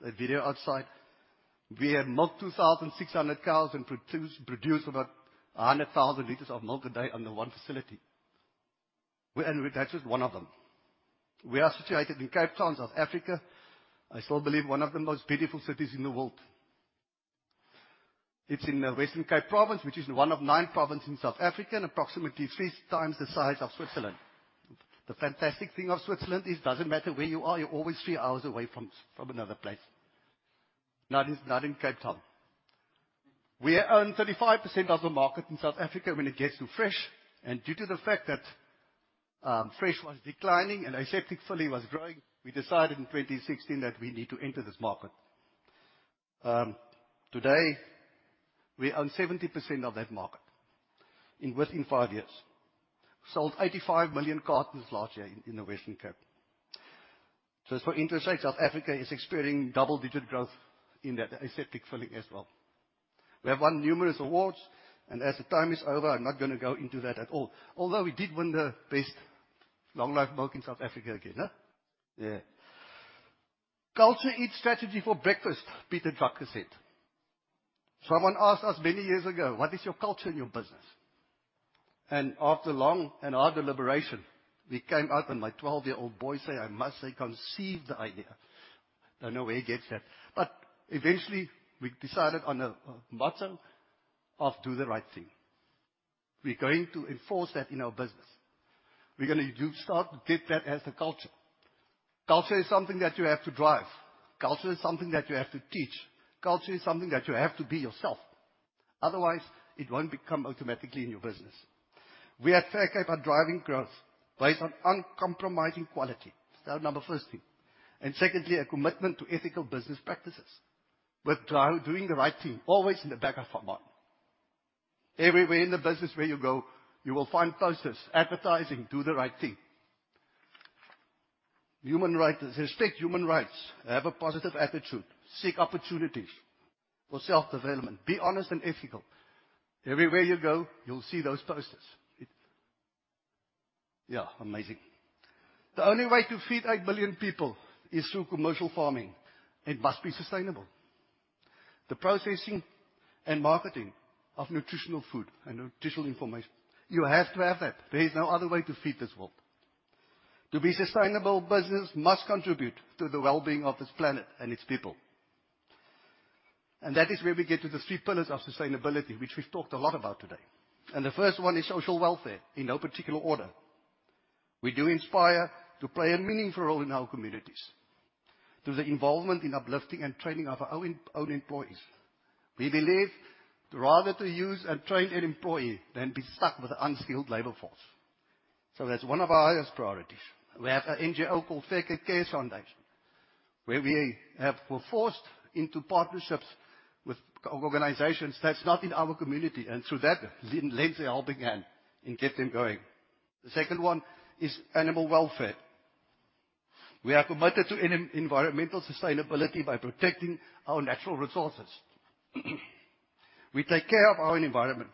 the video outside. We have milked 2,600 cows and produce about 100,000 l of milk a day under one facility. That's just one of them. We are situated in Cape Town, South Africa. I still believe one of the most beautiful cities in the world. It's in the Western Cape Province, which is one of nine provinces in South Africa and approximately three times the size of Switzerland. The fantastic thing of Switzerland is doesn't matter where you are, you're always three hours away from another place. Not in Cape Town. We own 35% of the market in South Africa when it comes to fresh. Due to the fact that fresh was declining and aseptic filling was growing, we decided in 2016 that we need to enter this market. Today, we own 70% of that market and within five years. Sold 85 million cartons last year in the Western Cape. Just for interest's sake, South Africa is experiencing double-digit growth in the aseptic filling as well. We have won numerous awards, and as the time is over, I'm not gonna go into that at all. Although we did win the best long life milk in South Africa again. "Culture eats strategy for breakfast," Peter Drucker said. Someone asked us many years ago, "What is your culture in your business?" After long and hard deliberation, we came up, and my 12-year-old boy, I must say, conceived the idea. Don't know where he gets that. Eventually, we decided on a motto of, "Do the right thing." We're going to enforce that in our business. We're gonna start getting that as a culture. Culture is something that you have to drive. Culture is something that you have to teach. Culture is something that you have to be yourself. Otherwise, it won't become automatically in your business. We at Fair Cape are driving growth based on uncompromising quality. It's our number one thing. Secondly, a commitment to ethical business practices. With doing the right thing always in the back of our mind. Everywhere in the business where you go, you will find posters advertising, "Do the right thing." Human rights. Respect human rights. Have a positive attitude. Seek opportunities for self-development. Be honest and ethical. Everywhere you go, you'll see those posters. It. Yeah, amazing. The only way to feed 8 billion people is through commercial farming. It must be sustainable. The processing and marketing of nutritional food and nutritional information, you have to have that. There is no other way to feed this world. To be sustainable, business must contribute to the well-being of this planet and its people. That is where we get to the three pillars of sustainability, which we've talked a lot about today. The first one is social welfare, in no particular order. We aspire to play a meaningful role in our communities through the involvement in uplifting and training of our own employees. We believe rather to use and train an employee than be stuck with an unskilled labor force. That's one of our highest priorities. We have an NGO called Fair Cape Cares Foundation, where we were forced into partnerships with organizations that are not in our community, and through that lends a helping hand and get them going. The second one is animal welfare. We are committed to environmental sustainability by protecting our natural resources. We take care of our environment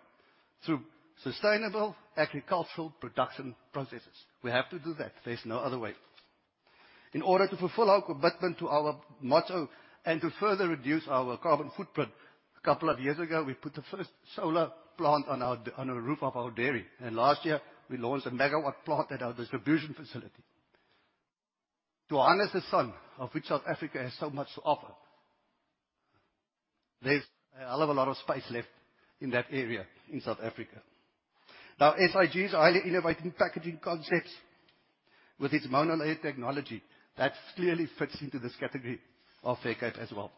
through sustainable agricultural production processes. We have to do that. There's no other way. In order to fulfill our commitment to our motto and to further reduce our carbon footprint, a couple of years ago, we put the first solar plant on the roof of our dairy. Last year, we launched a megawatt plant at our distribution facility. To harness the sun of which South Africa has so much to offer. There's a hell of a lot of space left in that area in South Africa. Now, SIG's highly innovative packaging concepts with its monolayer technology, that clearly fits into this category of avant-garde as well.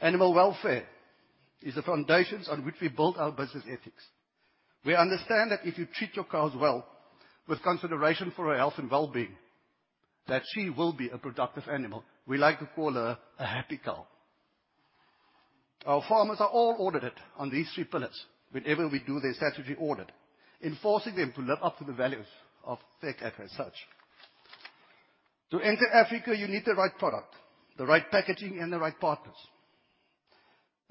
Animal welfare is the foundations on which we build our business ethics. We understand that if you treat your cows well, with consideration for her health and well-being, that she will be a productive animal. We like to call her a happy cow. Our farmers are all audited on these three pillars. Whenever we do, they're statutory audited, enforcing them to live up to the values of Fair Cape as such. To enter Africa, you need the right product, the right packaging, and the right partners.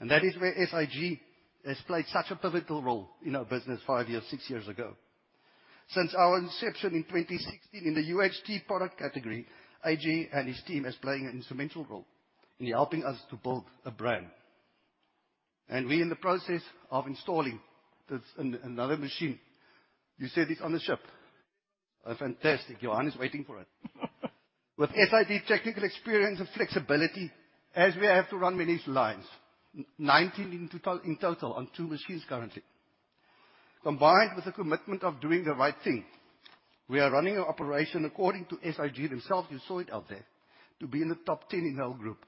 That is where SIG has played such a pivotal role in our business five years, six years ago. Since our inception in 2016 in the UHT product category, AJ and his team is playing an instrumental role in helping us to build a brand. We in the process of installing this another machine. You said it's on the ship. Oh, fantastic. Johan is waiting for it. With SIG technical experience and flexibility, as we have to run many lines, 19 in total, in total on two machines currently, combined with the commitment of doing the right thing, we are running an operation according to SIG themselves, you saw it out there, to be in the top 10 in their group.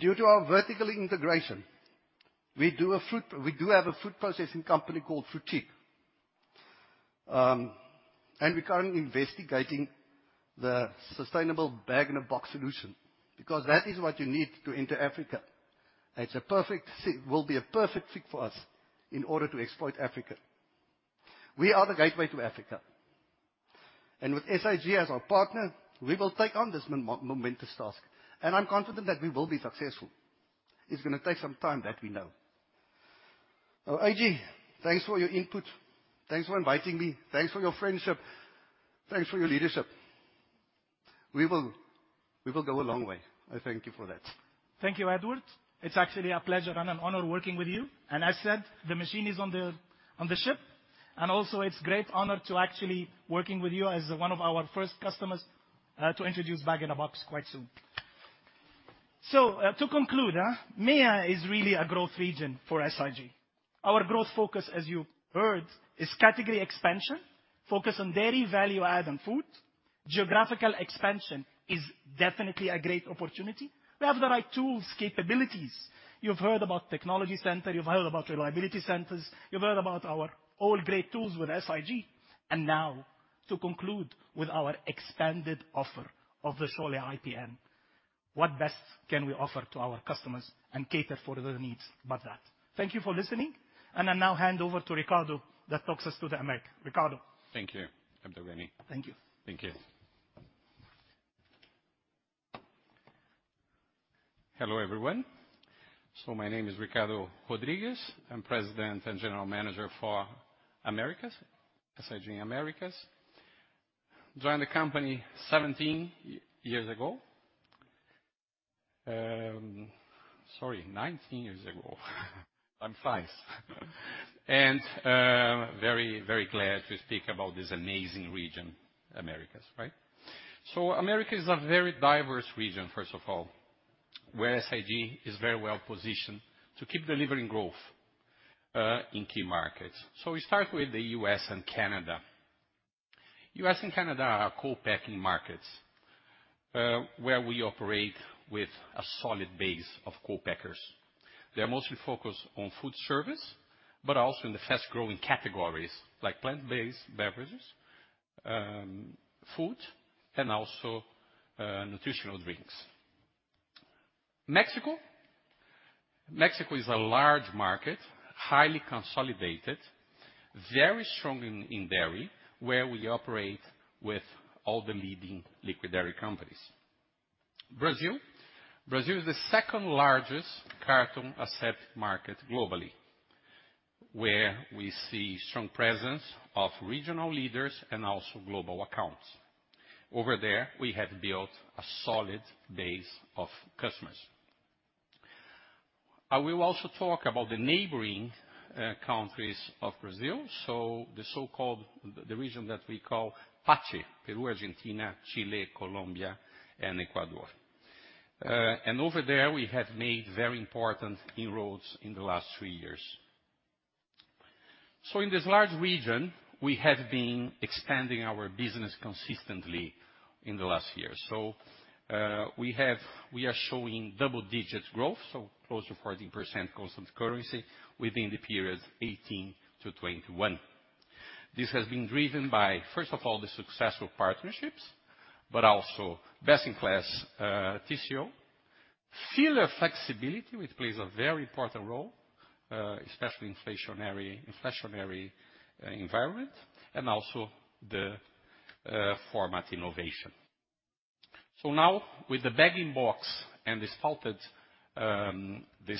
Due to our vertical integration, we do have a food processing company called Fruitique. We're currently investigating the sustainable Bag-in-Box solution because that is what you need to enter Africa. It will be a perfect fit for us in order to exploit Africa. We are the gateway to Africa. With SIG as our partner, we will take on this momentous task, and I'm confident that we will be successful. It's gonna take some time, that we know. Now, AJ, thanks for your input. Thanks for inviting me. Thanks for your friendship. Thanks for your leadership. We will go a long way. I thank you for that. Thank you, Eduard. It's actually a pleasure and an honor working with you. As said, the machine is on the ship. It's great honor to actually working with you as one of our first customers to introduce Bag-in-Box quite soon. To conclude, MEA is really a growth region for SIG. Our growth focus, as you heard, is category expansion, focus on dairy value-add and food. Geographical expansion is definitely a great opportunity. We have the right tools, capabilities. You've heard about technology center, you've heard about reliability centers, you've heard about our all great tools with SIG. Now to conclude with our expanded offer of the Scholle IPN, what best can we offer to our customers and cater for their needs but that? Thank you for listening. I now hand over to Ricardo that talks us through the Americas. Ricardo. Thank you, Abdelghany. Thank you. Thank you. Hello, everyone. My name is Ricardo Rodriguez. I'm President and General Manager for Americas, SIG Americas. Joined the company 19 years ago. I'm fast. Very, very glad to speak about this amazing region, Americas, right? Americas is a very diverse region, first of all. Where SIG is very well positioned to keep delivering growth in key markets. We start with the U.S. And Canada. U.S. and Canada are co-packing markets, where we operate with a solid base of co-packers. They are mostly focused on food service, but also in the fast-growing categories like plant-based beverages, food, and also nutritional drinks. Mexico. Mexico is a large market, highly consolidated, very strong in dairy, where we operate with all the leading liquid dairy companies. Brazil. Brazil is the second largest carton asset market globally, where we see strong presence of regional leaders and also global accounts. Over there, we have built a solid base of customers. I will also talk about the neighboring countries of Brazil, so the so-called region that we call PACHE, Peru, Argentina, Chile, Colombia and Ecuador. Over there, we have made very important inroads in the last three years. In this large region, we have been expanding our business consistently in the last year. We are showing double-digit growth, so close to 14% constant currency within the period 2018-2021. This has been driven by, first of all, the successful partnerships, but also best-in-class TCO, filler flexibility, which plays a very important role, especially in inflationary environment, and also the format innovation. Now with the Bag-in-Box and this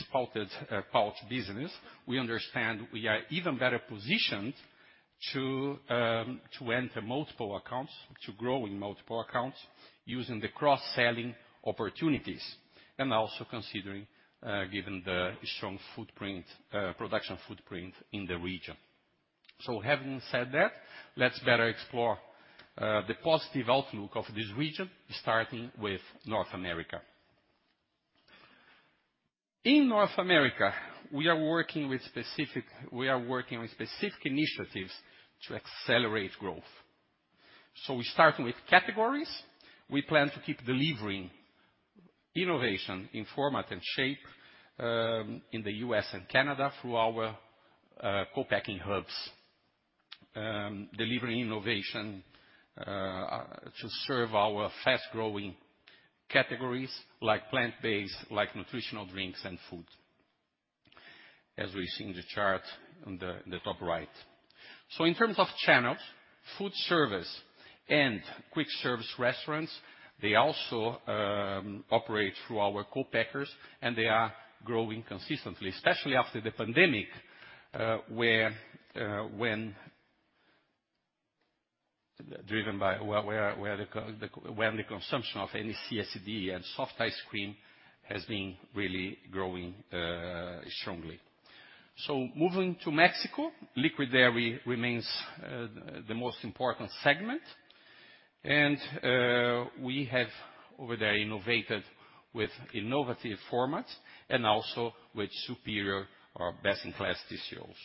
spouted pouch business, we understand we are even better positioned to enter multiple accounts, to grow in multiple accounts using the cross-selling opportunities, and also considering given the strong production footprint in the region. Having said that, let's better explore the positive outlook of this region, starting with North America. In North America, we are working with specific initiatives to accelerate growth. We're starting with categories. We plan to keep delivering innovation in format and shape in the U.S. and Canada through our co-packing hubs, delivering innovation to serve our fast-growing categories like plant-based, like nutritional drinks and food, as we see in the chart on the top right. In terms of channels, food service and quick service restaurants, they also operate through our co-packers, and they are growing consistently, especially after the pandemic, driven by the consumption of any CSD and soft ice cream, which has been really growing strongly. Moving to Mexico, liquid dairy remains the most important segment, and we have over there innovated with innovative formats and also with superior or best-in-class TCOs.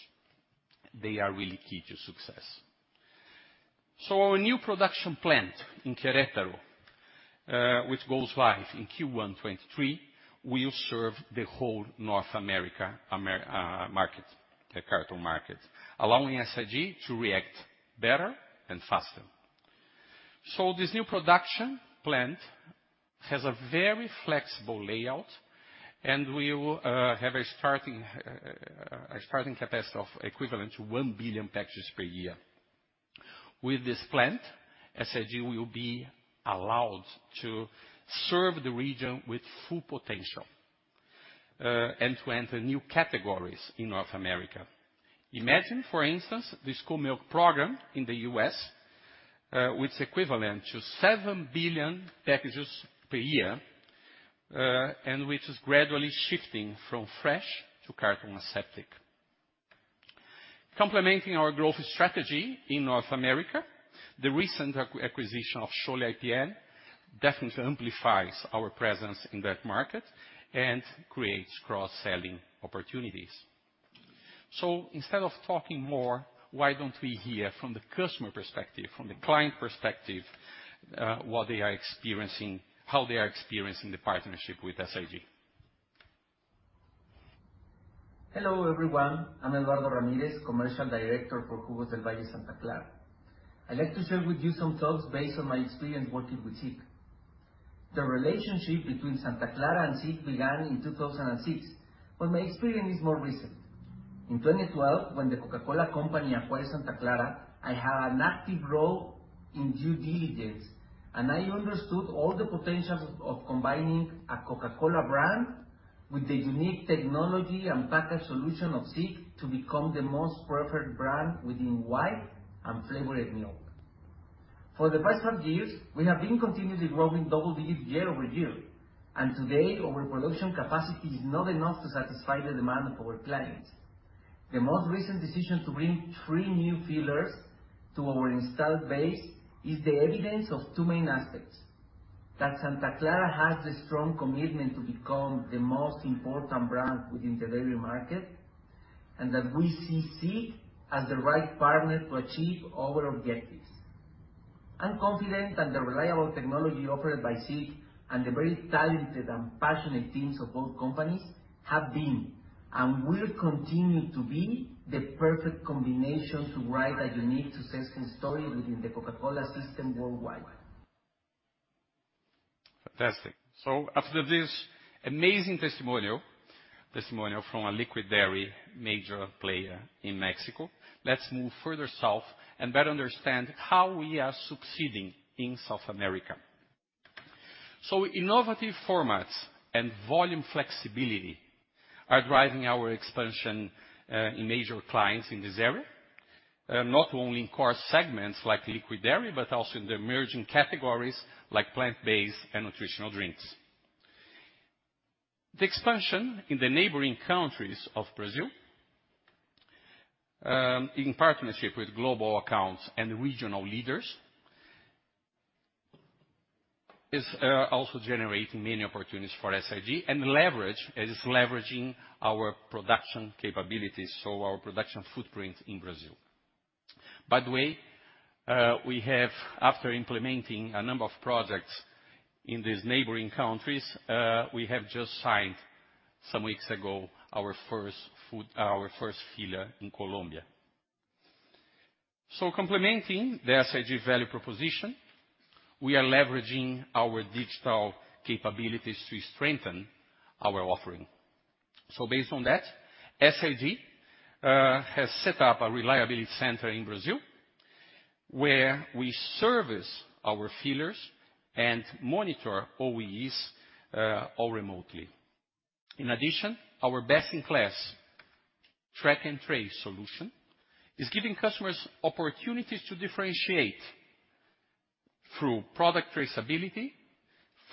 They are really key to success. Our new production plant in Querétaro, which goes live in Q1 2023, will serve the whole North America market, the carton market, allowing SIG to react better and faster. This new production plant has a very flexible layout, and we will have a starting capacity of equivalent to 1 billion packages per year. With this plant, SIG will be allowed to serve the region with full potential, and to enter new categories in North America. Imagine, for instance, the school milk program in the U.S., which is equivalent to 7 billion packages per year, and which is gradually shifting from fresh to carton aseptic. Complementing our growth strategy in North America, the recent acquisition of Scholle IPN definitely amplifies our presence in that market and creates cross-selling opportunities. Instead of talking more, why don't we hear from the customer perspective, from the client perspective, what they are experiencing, how they are experiencing the partnership with SIG? Hello, everyone. I'm Eduardo Ramirez, Commercial Director for Jugos del Valle-Santa Clara. I'd like to share with you some thoughts based on my experience working with SIG. The relationship between Santa Clara and SIG began in 2006, but my experience is more recent. In 2012, when The Coca-Cola Company acquired Santa Clara, I had an active role in due diligence, and I understood all the potentials of combining a Coca-Cola brand with the unique technology and package solution of SIG to become the most preferred brand within white and flavored milk. For the past five years, we have been continuously growing double digits year over year, and today our production capacity is not enough to satisfy the demand of our clients. The most recent decision to bring three new fillers to our installed base is the evidence of two main aspects, that Santa Clara has the strong commitment to become the most important brand within the dairy market, and that we see SIG as the right partner to achieve our objectives. I'm confident that the reliable technology offered by SIG and the very talented and passionate teams of both companies have been and will continue to be the perfect combination to write a unique success story within the Coca-Cola system worldwide. Fantastic. After this amazing testimonial from a liquid dairy major player in Mexico, let's move further south and better understand how we are succeeding in South America. Innovative formats and volume flexibility are driving our expansion in major clients in this area, not only in core segments like liquid dairy, but also in the emerging categories like plant-based and nutritional drinks. The expansion in the neighboring countries of Brazil, in partnership with global accounts and regional leaders, is also generating many opportunities for SIG and is leveraging our production capabilities, so our production footprint in Brazil. By the way, after implementing a number of projects in these neighboring countries, we have just signed some weeks ago our first filler in Colombia. Complementing the SIG value proposition, we are leveraging our digital capabilities to strengthen our offering. Based on that, SIG has set up a reliability center in Brazil where we service our fillers and monitor OEE all remotely. In addition, our best-in-class track and trace solution is giving customers opportunities to differentiate through product traceability,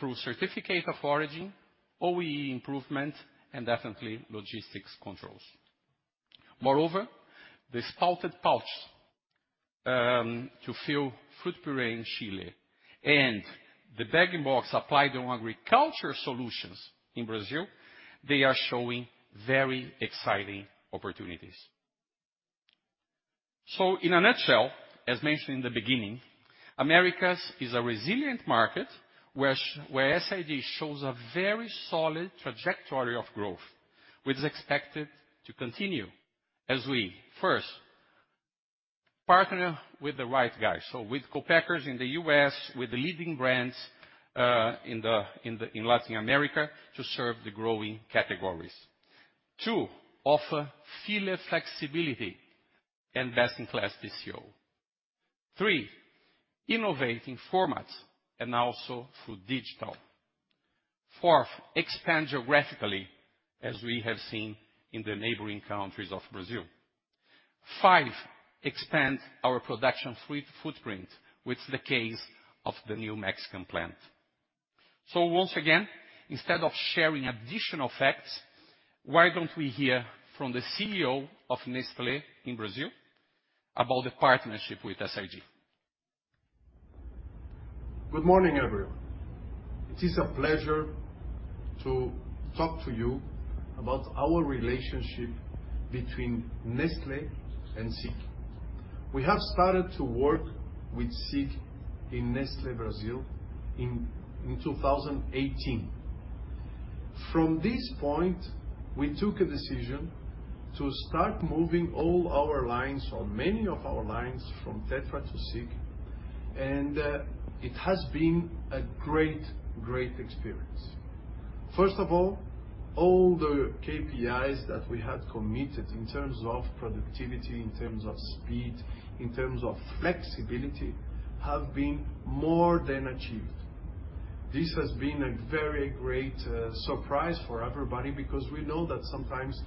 through certificate of origin, OEE improvement, and definitely logistics controls. Moreover, the spouted pouch to fill fruit puree in Chile and the bag-in-box applied on agriculture solutions in Brazil, they are showing very exciting opportunities. In a nutshell, as mentioned in the beginning, Americas is a resilient market where SIG shows a very solid trajectory of growth, which is expected to continue as we, first, partner with the right guys, so with co-packers in the U.S., with the leading brands in Latin America to serve the growing categories. Two, offer filler flexibility and best-in-class DCO. Three, innovate in formats and also through digital. Fourth, expand geographically as we have seen in the neighboring countries of Brazil. Five, expand our production footprint with the case of the new Mexican plant. Once again, instead of sharing additional facts, why don't we hear from the CEO of Nestlé in Brazil about the partnership with SIG. Good morning, everyone. It is a pleasure to talk to you about our relationship between Nestlé and SIG. We have started to work with SIG in Nestlé Brazil in 2018. From this point, we took a decision to start moving all our lines or many of our lines from Tetra to SIG, and it has been a great experience. First of all the KPIs that we had committed in terms of productivity, in terms of speed, in terms of flexibility, have been more than achieved. This has been a very great surprise for everybody because we know that sometimes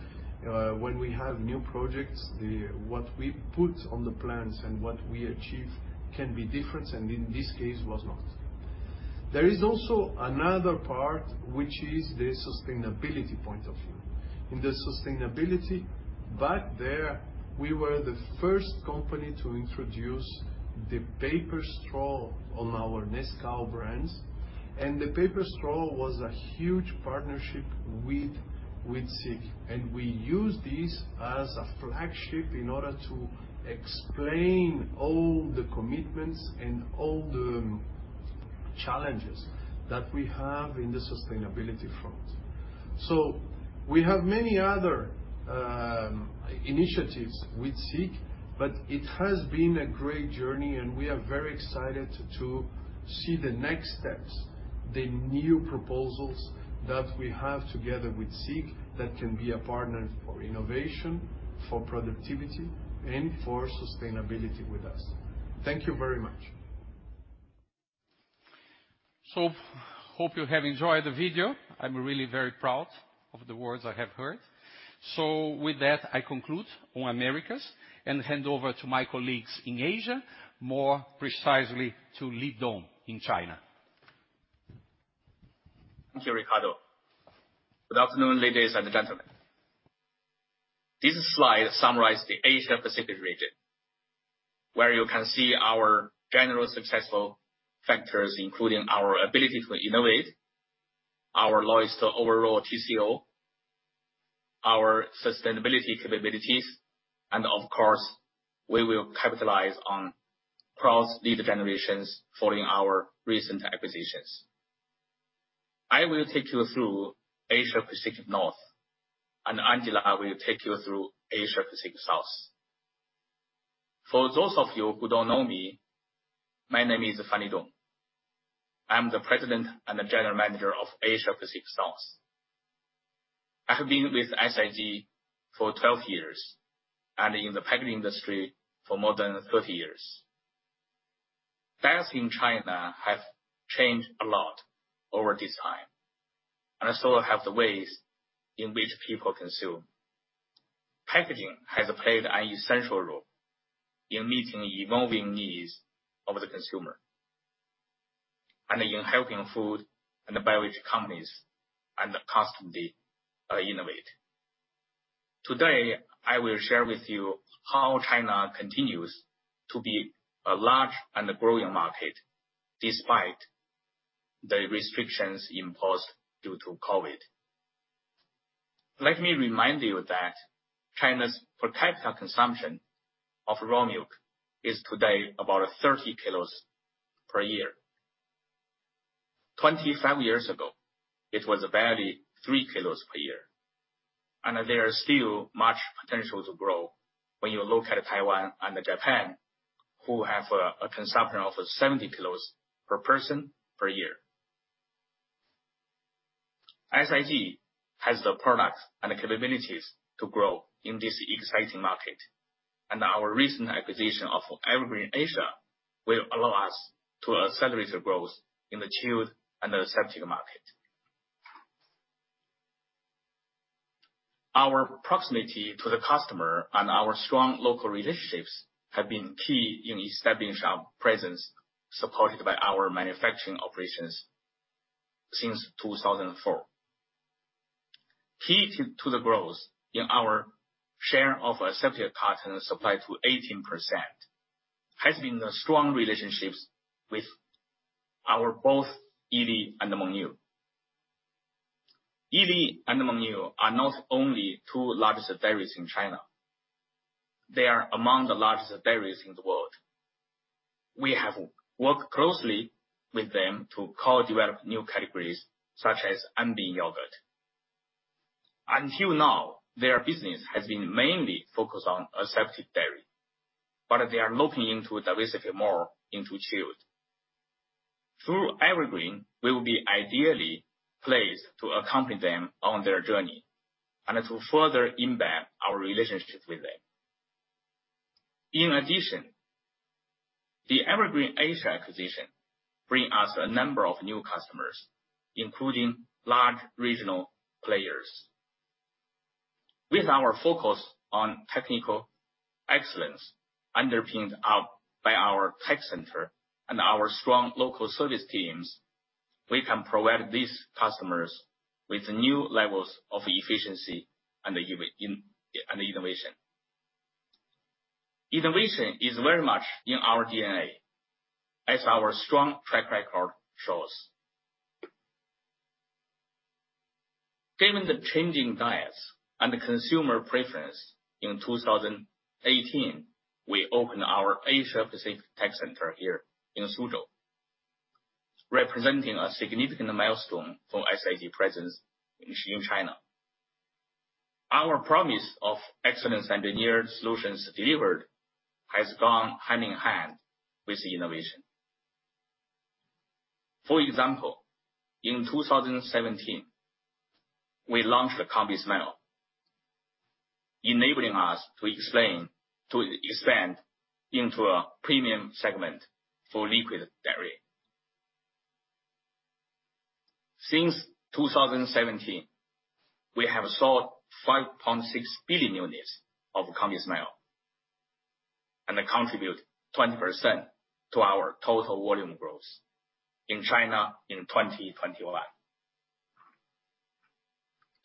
when we have new projects, what we put on the plans and what we achieve can be different, and in this case was not. There is also another part, which is the sustainability point of view. In the sustainability, back there, we were the first company to introduce the paper straw on our Nescau brands, and the paper straw was a huge partnership with SIG. We use this as a flagship in order to explain all the commitments and all the challenges that we have in the sustainability front. We have many other initiatives with SIG, but it has been a great journey, and we are very excited to see the next steps, the new proposals that we have together with SIG that can be a partner for innovation, for productivity, and for sustainability with us. Thank you very much. Hope you have enjoyed the video. I'm really very proud of the words I have heard. With that, I conclude on Americas and hand over to my colleagues in Asia, more precisely to Lidong in China. Thank you, Ricardo. Good afternoon, ladies and gentlemen. This slide summarizes the Asia Pacific region, where you can see our general successful factors, including our ability to innovate, our lowest overall TCO, our sustainability capabilities, and of course, we will capitalize on cross-lead generations following our recent acquisitions. I will take you through Asia Pacific North, and Angela will take you through Asia Pacific South. For those of you who don't know me, my name is Fan Lidong. I'm the President and General Manager of Asia Pacific North. I have been with SIG for 12 years, and in the packaging industry for more than 30 years. Dairies in China have changed a lot over this time, and so have the ways in which people consume. Packaging has played an essential role in meeting the evolving needs of the consumer, and in helping food and beverage companies constantly innovate. Today, I will share with you how China continues to be a large and a growing market despite the restrictions imposed due to COVID. Let me remind you that China's per capita consumption of raw milk is today about 30 kilos per year. 25 years ago, it was barely 3 kilos per year, and there is still much potential to grow when you look at Taiwan and Japan, who have a consumption of 70 kilos per person per year. SIG has the products and the capabilities to grow in this exciting market, and our recent acquisition of Evergreen Asia will allow us to accelerate the growth in the chilled and aseptic market. Our proximity to the customer and our strong local relationships have been key in establishing our presence, supported by our manufacturing operations since 2004. Key to the growth in our share of aseptic carton supply to 18% has been the strong relationships with both Yili and Mengniu. Yili and Mengniu are not only the two largest dairies in China, they are among the largest dairies in the world. We have worked closely with them to co-develop new categories, such as almond yogurt. Until now, their business has been mainly focused on aseptic dairy, but they are looking to diversify more into chilled. Through Evergreen, we will be ideally placed to accompany them on their journey and to further embed our relationships with them. In addition, the Evergreen Asia acquisition bring us a number of new customers, including large regional players. With our focus on technical excellence, underpinned by our tech center and our strong local service teams, we can provide these customers with new levels of efficiency and innovation. Innovation is very much in our DNA, as our strong track record shows. Given the changing diets and the consumer preference, in 2018, we opened our Asia Pacific Tech Center here in Suzhou, representing a significant milestone for SIG presence in China. Our promise of excellence engineered solutions delivered has gone hand-in-hand with innovation. For example, in 2017, we launched the combismile, enabling us to expand into a premium segment for liquid dairy. Since 2017, we have sold 5.6 billion units of combismile, and they contribute 20% to our total volume growth in China in 2021.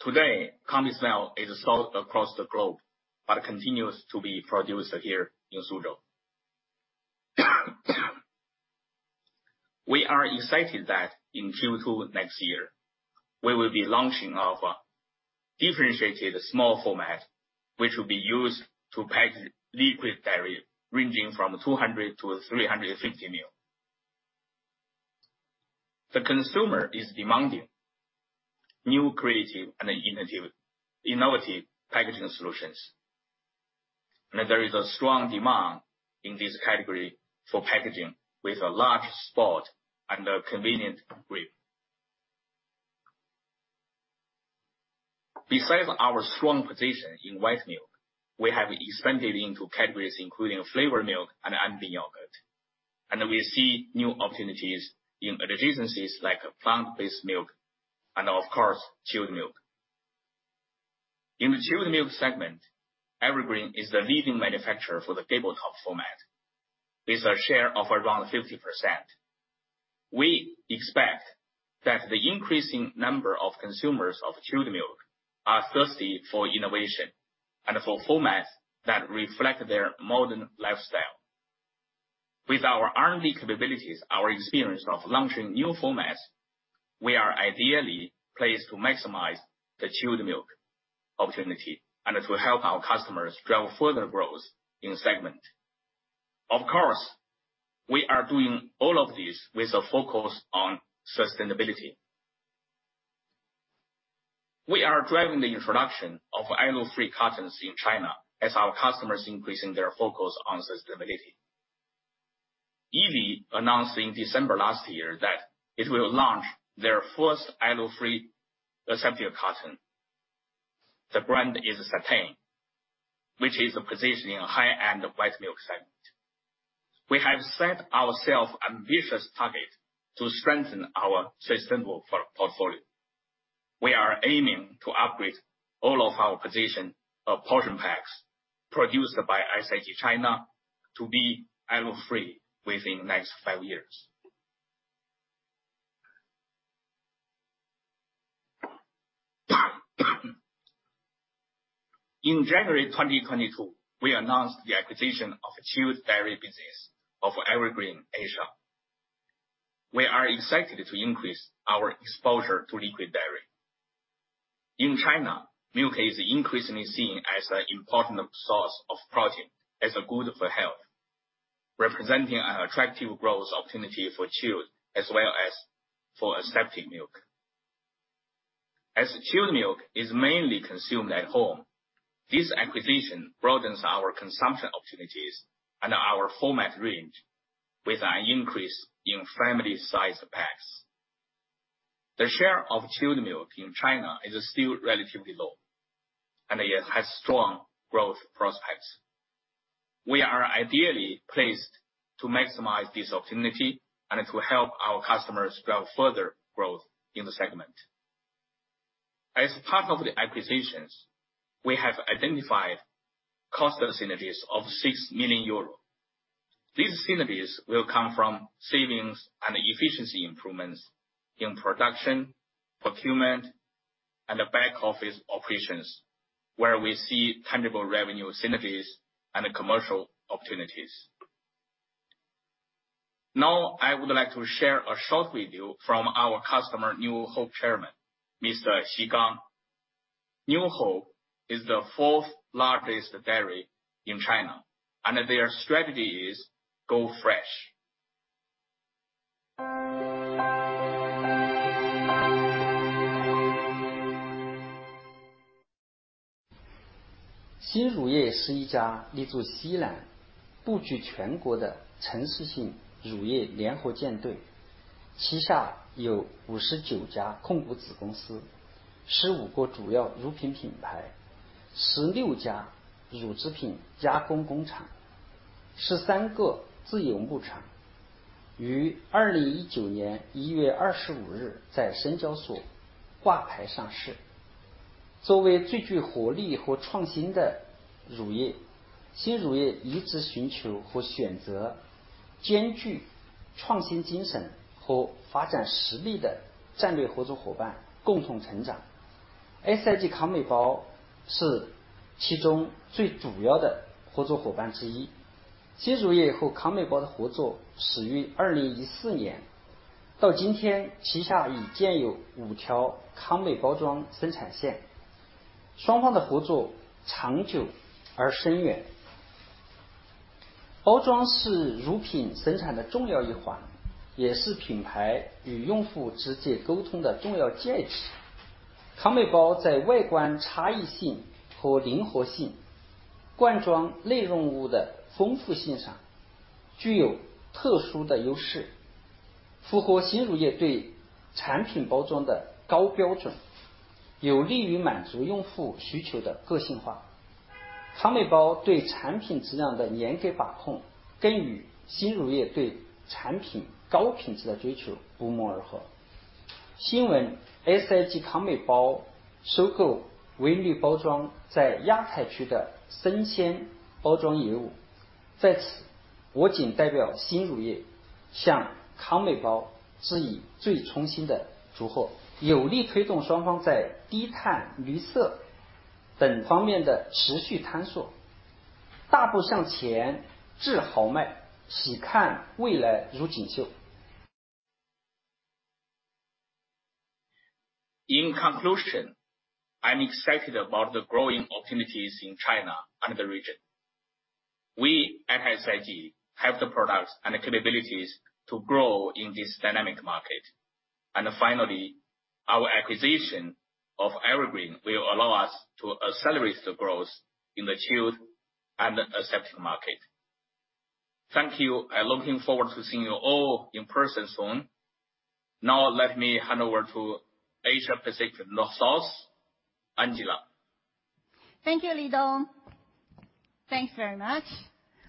Today, combismile is sold across the globe, but continues to be produced here in Suzhou. We are excited that in Q2 next year, we will be launching our differentiated small format, which will be used to package liquid dairy ranging from 200 to 350 ml. The consumer is demanding new creative and innovative packaging solutions. There is a strong demand in this category for packaging with a large spot and a convenient grip. Besides our strong position in white milk, we have expanded into categories including flavored milk and almond yogurt. We see new opportunities in adjacencies like plant-based milk and of course, chilled milk. In the chilled milk segment, Evergreen is the leading manufacturer for the tabletop format with a share of around 50%. We expect that the increasing number of consumers of chilled milk are thirsty for innovation and for formats that reflect their modern lifestyle. With our R&D capabilities, our experience of launching new formats, we are ideally placed to maximize the chilled milk opportunity, and it will help our customers drive further growth in the segment. Of course, we are doing all of this with a focus on sustainability. We are driving the introduction of alu-free cartons in China as our customers increasing their focus on sustainability. Yili announced in December last year that it will launch their first alu-free aseptic carton. The brand is Satine, which is positioned in high-end white milk segment. We have set ourselves ambitious target to strengthen our sustainable portfolio. We are aiming to upgrade all of our portion of portion packs produced by SIG China to be alu-free within next five years. In January 2022, we announced the acquisition of chilled dairy business of Evergreen Asia. We are excited to increase our exposure to liquid dairy. In China, milk is increasingly seen as an important source of protein, as good for health, representing an attractive growth opportunity for chilled as well as for aseptic milk. As chilled milk is mainly consumed at home, this acquisition broadens our consumption opportunities and our format range with an increase in family-sized packs. The share of chilled milk in China is still relatively low, and it has strong growth prospects. We are ideally placed to maximize this opportunity, and it will help our customers achieve further growth in the segment. As part of the acquisitions, we have identified cost synergies of 6 million euros. These synergies will come from savings and efficiency improvements in production, procurement, and the back-office operations, where we see tangible revenue synergies and commercial opportunities. Now I would like to share a short video from our customer, New Hope Chairman, Mr. Xi Gang. New Hope is the fourth largest dairy in China, and their strategy is "Go Fresh". In conclusion, I'm excited about the growing opportunities in China and the region. We at SIG have the products and the capabilities to grow in this dynamic market. Finally, our acquisition of Evergreen will allow us to accelerate the growth in the chilled and aseptic market. Thank you. I'm looking forward to seeing you all in person soon. Now, let me hand over to Asia Pacific North and South, Angela Lu. Thank you, Fan Lidong. Thanks very much.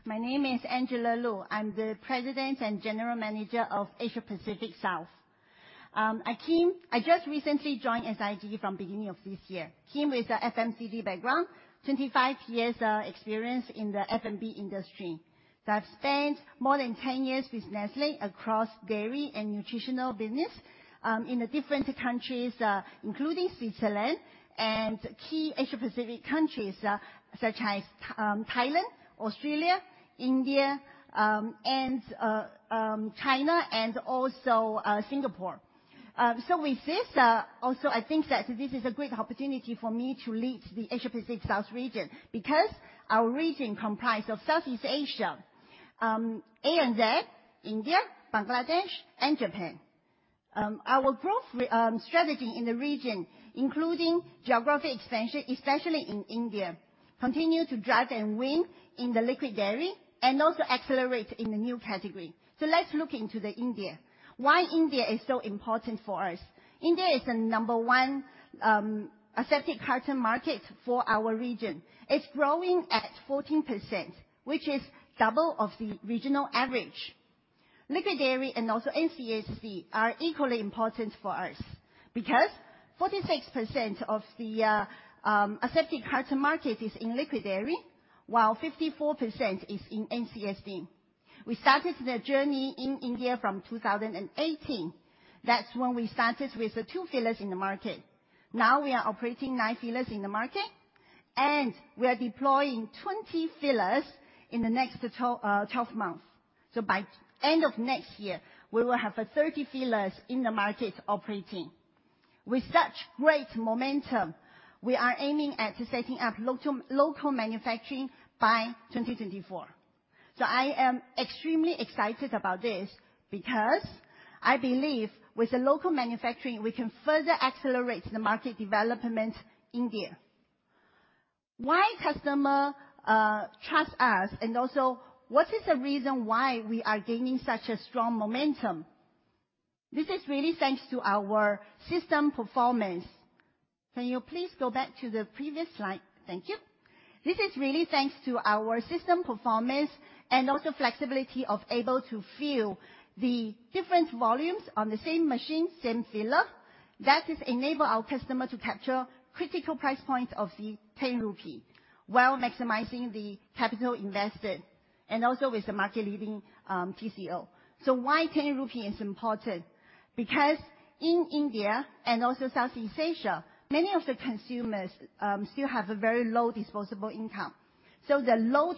My name is Angela Lu. I'm the President and General Manager of Asia Pacific South. I just recently joined SIG from beginning of this year. Came with a FMCG background, 25 years, experience in the F&B industry. I've spent more than 10 years with Nestlé across dairy and nutritional business, in the different countries, including Switzerland and key Asia Pacific countries, such as Thailand, Australia, India, and China and also Singapore. With this, also I think that this is a great opportunity for me to lead the Asia Pacific South region, because our region comprise of Southeast Asia, ANZ, India, Bangladesh, and Japan. Our growth strategy in the region, including geographic expansion, especially in India, continue to drive and win in the liquid dairy and also accelerate in the new category. Let's look into India. Why India is so important for us? India is the number one aseptic carton market for our region. It's growing at 14%, which is double of the regional average. Liquid dairy and also NCSD are equally important for us because 46% of the aseptic carton market is in liquid dairy, while 54% is in NCSD. We started the journey in India from 2018. That's when we started with the 2 fillers in the market. Now we are operating 9 fillers in the market, and we are deploying 20 fillers in the next 12 months. By end of next year, we will have 30 fillers in the market operating. With such great momentum, we are aiming at setting up local manufacturing by 2024. I am extremely excited about this because I believe with the local manufacturing, we can further accelerate the market development in India. Why customers trust us and also what is the reason why we are gaining such a strong momentum? This is really thanks to our system performance. Can you please go back to the previous slide? Thank you. This is really thanks to our system performance and also flexibility of able to fill the different volumes on the same machine, same filler. That enables our customers to capture critical price points of the 10 rupee while maximizing the capital invested, and also with the market-leading TCO. Why 10 rupee is important? Because in India and also Southeast Asia, many of the consumers still have a very low disposable income. The low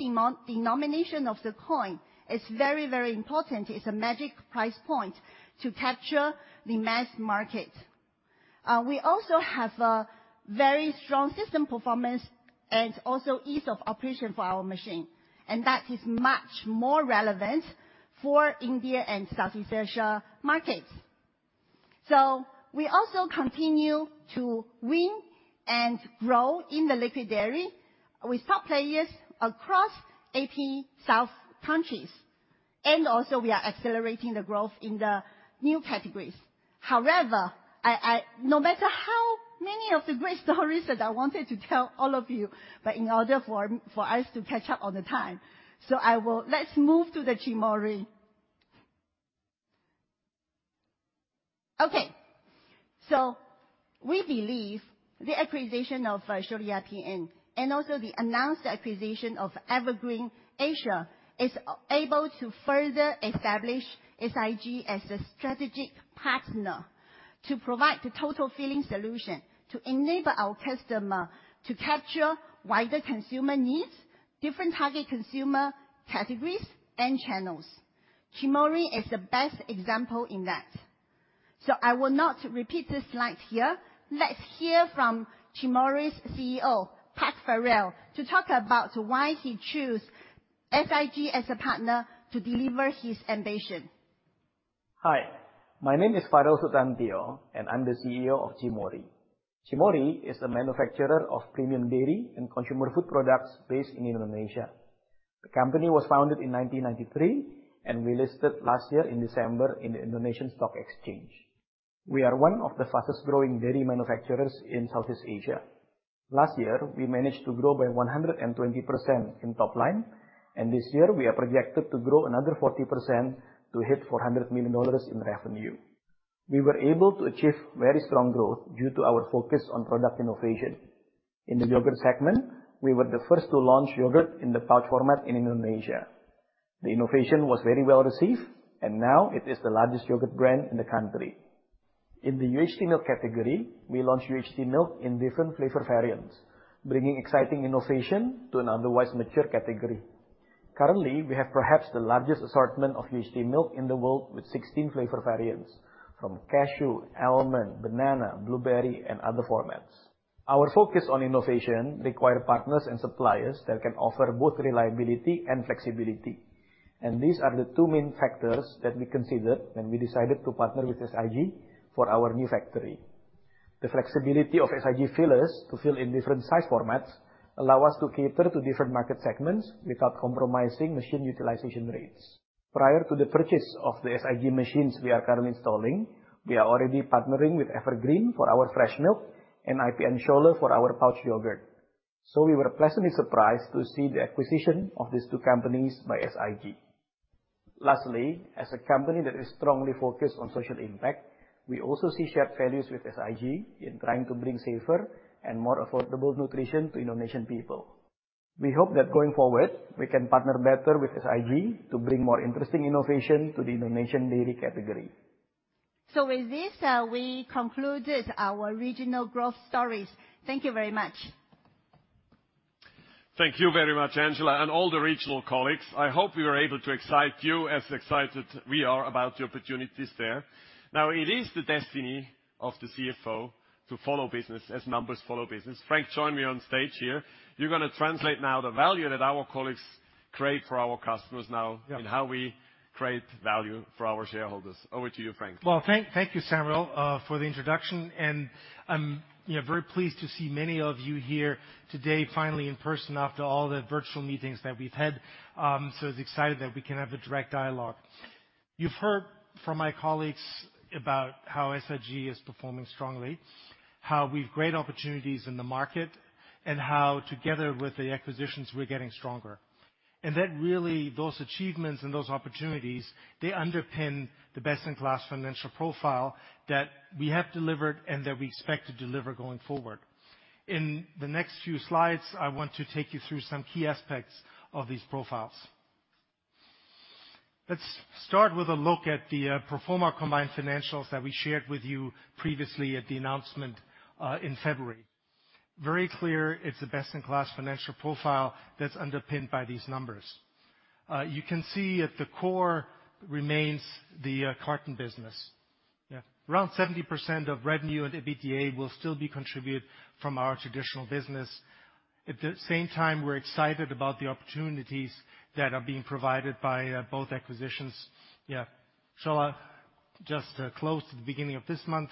denomination of the coin is very, very important. It's a magic price point to capture the mass market. We also have a very strong system performance and also ease of operation for our machine, and that is much more relevant for India and Southeast Asia markets. We continue to win and grow in the liquid dairy with top players across AP South countries. We are accelerating the growth in the new categories. However, no matter how many of the great stories that I wanted to tell all of you, in order for us to catch up on the time. Let's move to the Cimory. Okay. We believe the acquisition of Scholle IPN and also the announced acquisition of Evergreen Asia is able to further establish SIG as a strategic partner to provide the total filling solution to enable our customer to capture wider consumer needs, different target consumer categories and channels. Cimory is the best example in that. I will not repeat the slides here. Let's hear from Cimory's CEO, Sutanio Farell, to talk about why he choose SIG as a partner to deliver his ambition. Hi. My name is Farell Sutantio, and I'm the CEO of Cimory. Cimory is a manufacturer of premium dairy and consumer food products based in Indonesia. The company was founded in 1993, and we listed last year in December in the Indonesia Stock Exchange. We are one of the fastest growing dairy manufacturers in Southeast Asia. Last year, we managed to grow by 120% in top line, and this year we are projected to grow another 40% to hit $400 million in revenue. We were able to achieve very strong growth due to our focus on product innovation. In the yogurt segment, we were the first to launch yogurt in the pouch format in Indonesia. The innovation was very well received, and now it is the largest yogurt brand in the country. In the UHT milk category, we launched UHT milk in different flavor variants, bringing exciting innovation to an otherwise mature category. Currently, we have perhaps the largest assortment of UHT milk in the world with 16 flavor variants, from cashew, almond, banana, blueberry, and other formats. Our focus on innovation require partners and suppliers that can offer both reliability and flexibility. These are the two main factors that we considered when we decided to partner with SIG for our new factory. The flexibility of SIG fillers to fill in different size formats allow us to cater to different market segments without compromising machine utilization rates. Prior to the purchase of the SIG machines we are currently installing, we are already partnering with Evergreen for our fresh milk and Scholle IPN for our pouch yogurt. We were pleasantly surprised to see the acquisition of these two companies by SIG. Lastly, as a company that is strongly focused on social impact, we also see shared values with SIG in trying to bring safer and more affordable nutrition to Indonesian people. We hope that going forward, we can partner better with SIG to bring more interesting innovation to the Indonesian dairy category. With this, we concluded our regional growth stories. Thank you very much. Thank you very much, Angela, and all the regional colleagues. I hope we were able to excite you as excited we are about the opportunities there. Now, it is the destiny of the CFO to follow business as numbers follow business. Frank, join me on stage here. You're gonna translate now the value that our colleagues create for our customers now. Yeah. how we create value for our shareholders. Over to you, Frank. Well, thank you, Samuel, for the introduction. I'm, you know, very pleased to see many of you here today, finally in person after all the virtual meetings that we've had. It's exciting that we can have a direct dialogue. You've heard from my colleagues about how SIG is performing strongly, how we've great opportunities in the market, and how together with the acquisitions, we're getting stronger. That really, those achievements and those opportunities, they underpin the best-in-class financial profile that we have delivered and that we expect to deliver going forward. In the next few slides, I want to take you through some key aspects of these profiles. Let's start with a look at the pro forma combined financials that we shared with you previously at the announcement in February. Very clear, it's a best-in-class financial profile that's underpinned by these numbers. You can see at the core remains the carton business. Around 70% of revenue and EBITDA will still be contributed from our traditional business. At the same time, we're excited about the opportunities that are being provided by both acquisitions. Just close to the beginning of this month,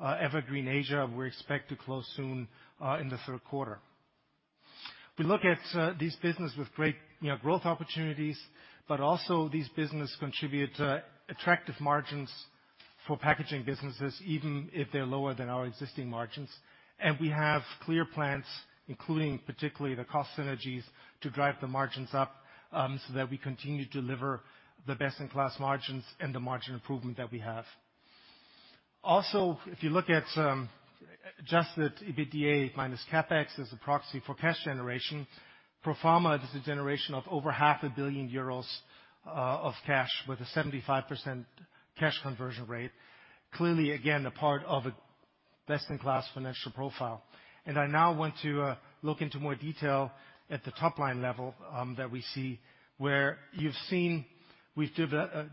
Evergreen Asia, we expect to close soon in the third quarter. We look at these business with great, you know, growth opportunities, but also these business contribute attractive margins for packaging businesses, even if they're lower than our existing margins. We have clear plans, including particularly the cost synergies to drive the margins up, so that we continue to deliver the best-in-class margins and the margin improvement that we have. Also, if you look at Adjusted EBITDA minus CapEx as a proxy for cash generation, pro forma is a generation of over 0.5 billion euros of cash with a 75% cash conversion rate. Clearly, again, a part of a best-in-class financial profile. I now want to look into more detail at the top line level that we see, where you've seen we've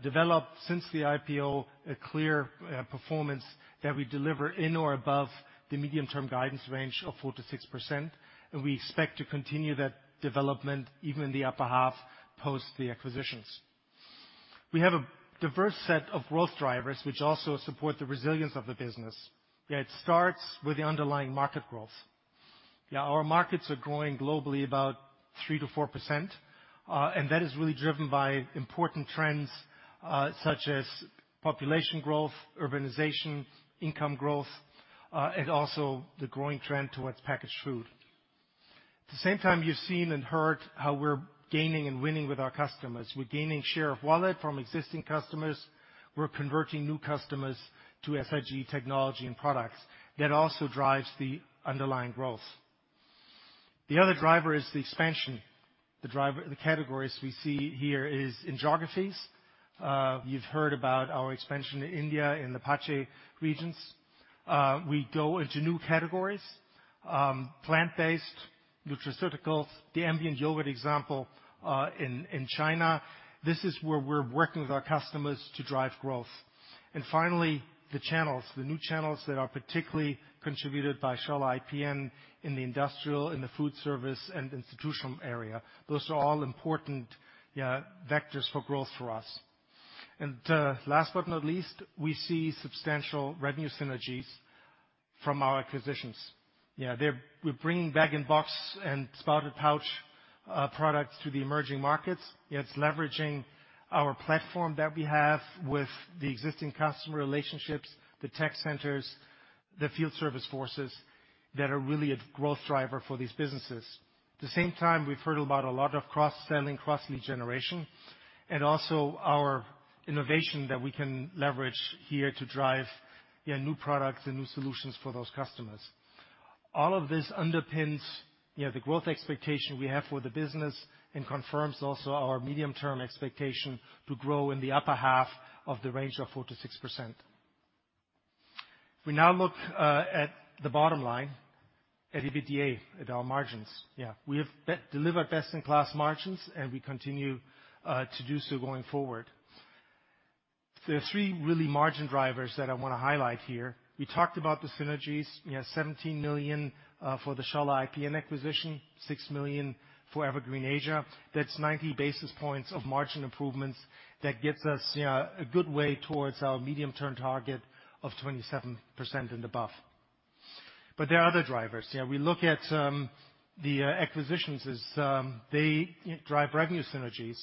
developed since the IPO a clear performance that we deliver in or above the medium-term guidance range of 4%-6%, and we expect to continue that development even in the upper half post the acquisitions. We have a diverse set of growth drivers which also support the resilience of the business. Yeah, it starts with the underlying market growth. Yeah, our markets are growing globally about 3%-4%, and that is really driven by important trends, such as population growth, urbanization, income growth, and also the growing trend towards packaged food. At the same time, you've seen and heard how we're gaining and winning with our customers. We're gaining share of wallet from existing customers. We're converting new customers to SIG technology and products. That also drives the underlying growth. The other driver is the expansion. The categories we see here is in geographies. You've heard about our expansion in India, in the APAC regions. We go into new categories, plant-based, nutraceuticals, the ambient yogurt example, in China. This is where we're working with our customers to drive growth. Finally, the channels, the new channels that are particularly contributed by Scholle IPN in the industrial, in the food service, and institutional area. Those are all important vectors for growth for us. Last but not least, we see substantial revenue synergies from our acquisitions. We're bringing bag-in-box and spouted pouch products to the emerging markets. It's leveraging our platform that we have with the existing customer relationships, the tech centers, the field service forces that are really a growth driver for these businesses. At the same time, we've heard about a lot of cross-selling, cross-lead generation, and also our innovation that we can leverage here to drive new products and new solutions for those customers. All of this underpins, you know, the growth expectation we have for the business and confirms also our medium-term expectation to grow in the upper half of the range of 4%-6%. We now look at the bottom line, at EBITDA, at our margins. Yeah. We have delivered best-in-class margins, and we continue to do so going forward. There are three really margin drivers that I wanna highlight here. We talked about the synergies. We have 17 million for the Scholle IPN acquisition, 6 million for Evergreen Asia. That's 90 basis points of margin improvements that gets us, yeah, a good way towards our medium-term target of 27% and above. There are other drivers. Yeah, we look at the acquisitions as they drive revenue synergies.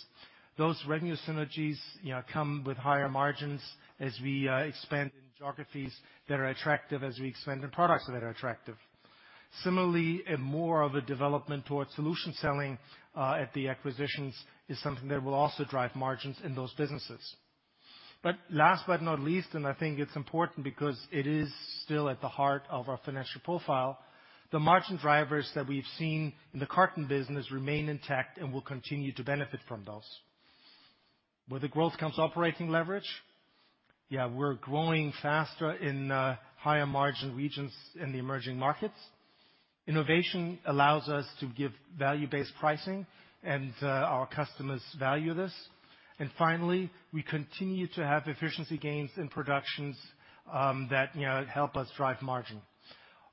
Those revenue synergies, you know, come with higher margins as we expand in geographies that are attractive, as we expand in products that are attractive. Similarly, in more of a development towards solution selling, at the acquisitions is something that will also drive margins in those businesses. Last but not least, and I think it's important because it is still at the heart of our financial profile, the margin drivers that we've seen in the carton business remain intact and will continue to benefit from those. With the growth comes operating leverage. Yeah, we're growing faster in higher margin regions in the emerging markets. Innovation allows us to give value-based pricing, and our customers value this. Finally, we continue to have efficiency gains in productions, that, you know, help us drive margin.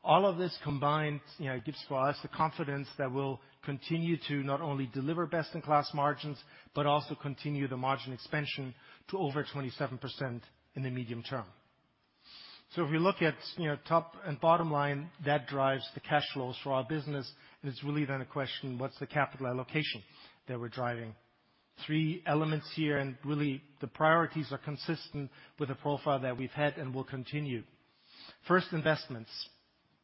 All of this combined, you know, gives us the confidence that we'll continue to not only deliver best-in-class margins, but also continue the margin expansion to over 27% in the medium term. If we look at, you know, top and bottom line, that drives the cash flows for our business, and it's really then a question, what's the capital allocation that we're driving? Three elements here, and really the priorities are consistent with the profile that we've had and will continue. First, investments.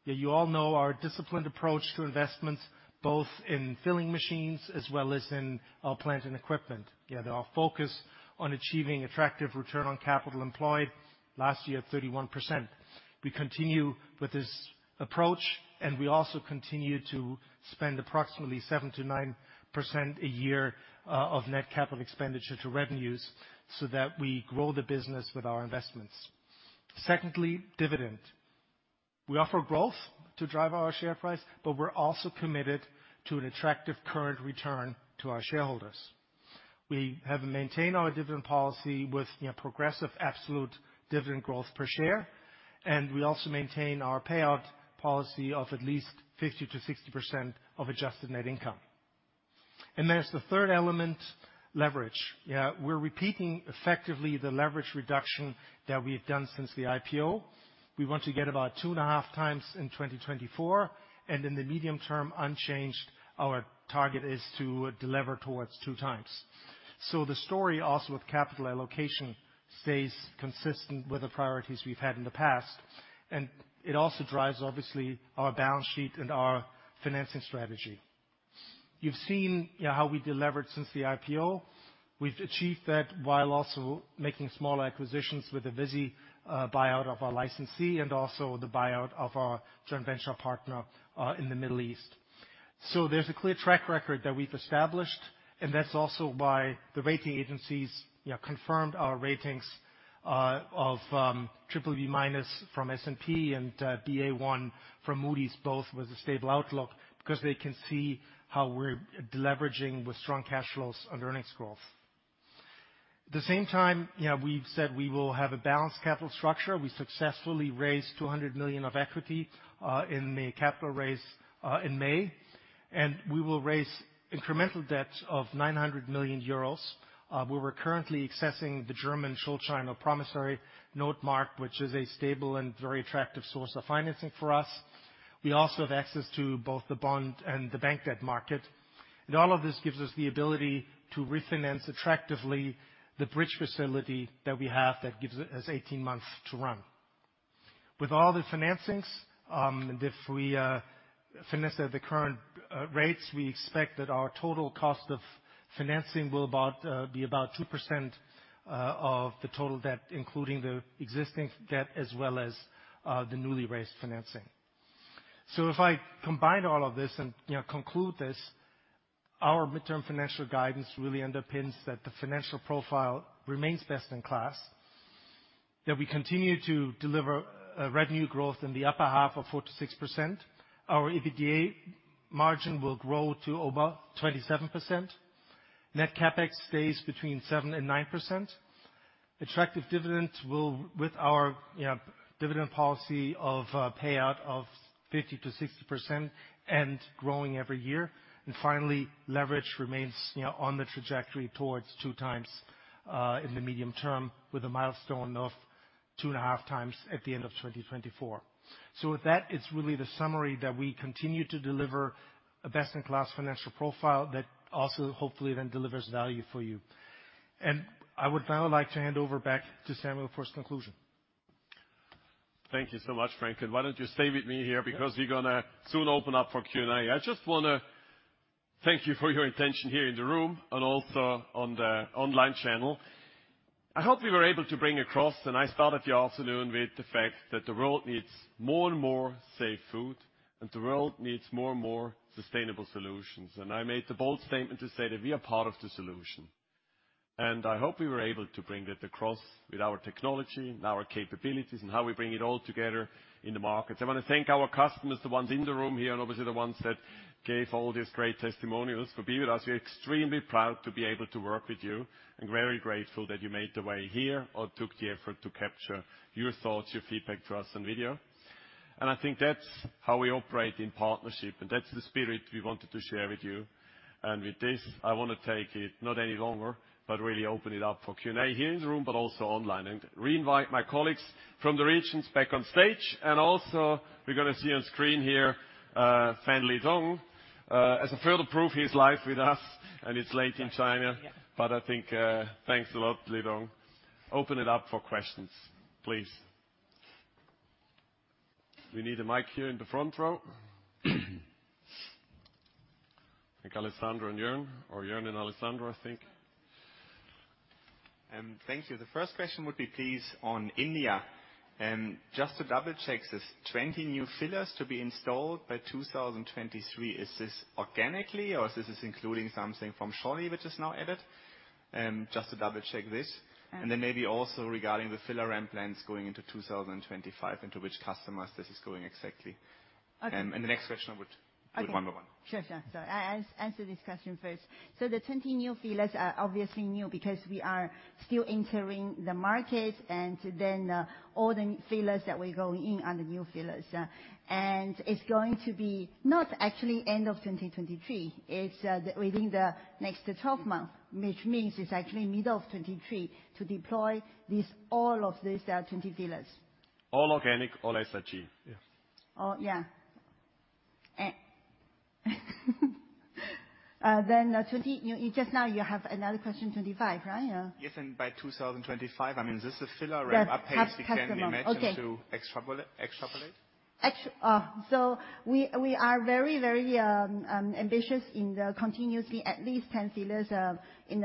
Yeah, you all know our disciplined approach to investments, both in filling machines as well as in our plant and equipment. Yeah, they all focus on achieving attractive return on capital employed, last year, 31%. We continue with this approach, and we also continue to spend approximately 7%-9% a year of net capital expenditure to revenues so that we grow the business with our investments. Secondly, dividend. We offer growth to drive our share price, but we're also committed to an attractive current return to our shareholders. We have maintained our dividend policy with progressive absolute dividend growth per share, and we also maintain our payout policy of at least 50%-60% of adjusted net income. There's the third element, leverage. Yeah, we're repeating effectively the leverage reduction that we have done since the IPO. We want to get about 2.5 times in 2024, and in the medium term, unchanged, our target is to delever towards two times. The story also with capital allocation stays consistent with the priorities we've had in the past, and it also drives, obviously, our balance sheet and our financing strategy. You've seen, you know, how we deleveraged since the IPO. We've achieved that while also making small acquisitions with the Visy buyout of our licensee and also the buyout of our joint venture partner in the Middle East. There's a clear track record that we've established, and that's also why the rating agencies, you know, confirmed our ratings of BBB- from S&P and Baa1 from Moody's, both with a stable outlook, because they can see how we're deleveraging with strong cash flows and earnings growth. At the same time, yeah, we've said we will have a balanced capital structure. We successfully raised 200 million of equity in the capital raise in May, and we will raise incremental debt of 900 million euros, where we're currently accessing the German Schuldschein promissory note market, which is a stable and very attractive source of financing for us. We also have access to both the bond and the bank debt market. All of this gives us the ability to refinance attractively the bridge facility that we have that gives us 18 months to run. With all the financings, and if we finance at the current rates, we expect that our total cost of financing will be about 2% of the total debt, including the existing debt as well as the newly raised financing. If I combine all of this and, you know, conclude this, our midterm financial guidance really underpins that the financial profile remains best in class, that we continue to deliver a revenue growth in the upper half of 4%-6%. Our EBITDA margin will grow to over 27%. Net CapEx stays between 7% and 9%. Attractive dividends will. With our, you know, dividend policy of payout of 50%-60% and growing every year. Finally, leverage remains, you know, on the trajectory towards 2x in the medium term with a milestone of 2.5x at the end of 2024. With that, it's really the summary that we continue to deliver a best in class financial profile that also hopefully then delivers value for you. I would now like to hand over back to Samuel for his conclusion. Thank you so much, Frank. Why don't you stay with me here because we're gonna soon open up for Q&A. I just wanna thank you for your attention here in the room and also on the online channel. I hope we were able to bring across, and I started the afternoon with the fact that the world needs more and more safe food, and the world needs more and more sustainable solutions. I made the bold statement to say that we are part of the solution. I hope we were able to bring that across with our technology and our capabilities and how we bring it all together in the market. I wanna thank our customers, the ones in the room here, and obviously the ones that gave all these great testimonials for being with us. We're extremely proud to be able to work with you and very grateful that you made the way here or took the effort to capture your thoughts, your feedback to us on video. I think that's how we operate in partnership, and that's the spirit we wanted to share with you. With this, I wanna take it not any longer, but really open it up for Q&A here in the room but also online, and re-invite my colleagues from the regions back on stage. Also we're gonna see on screen here, Fan Lidong. As a further proof he's live with us, and it's late in China. Yeah. I think. Thanks a lot, Lidong. Open it up for questions, please. We need a mic here in the front row. I think Alessandro and Jörn or Jörn and Alessandro, I think. Thank you. The first question would be please on India. Just to double-check, says 20 new fillers to be installed by 2023. Is this organically or is this including something from Scholle which is now added? Just to double-check this. Maybe also regarding the filler ramp plans going into 2025 and to which customers this is going exactly? Okay. The next question, I would. Okay. One by one. Sure. I answer this question first. The 20 new fillers are obviously new because we are still entering the market, and then all the new fillers that will go in are the new fillers. And it's going to be not actually end of 2023. It's within the next 12 month, which means it's actually middle of 2023 to deploy all of these 20 fillers. All organic, all SIG. Yes. Yeah. You just now have another question, 2025, right? Yeah. Yes. By 2025, I mean, this is filler ramp up pace. Yeah. Top customer. Can we imagine to extrapolate? We are very ambitious in continuously at least 10 fillers in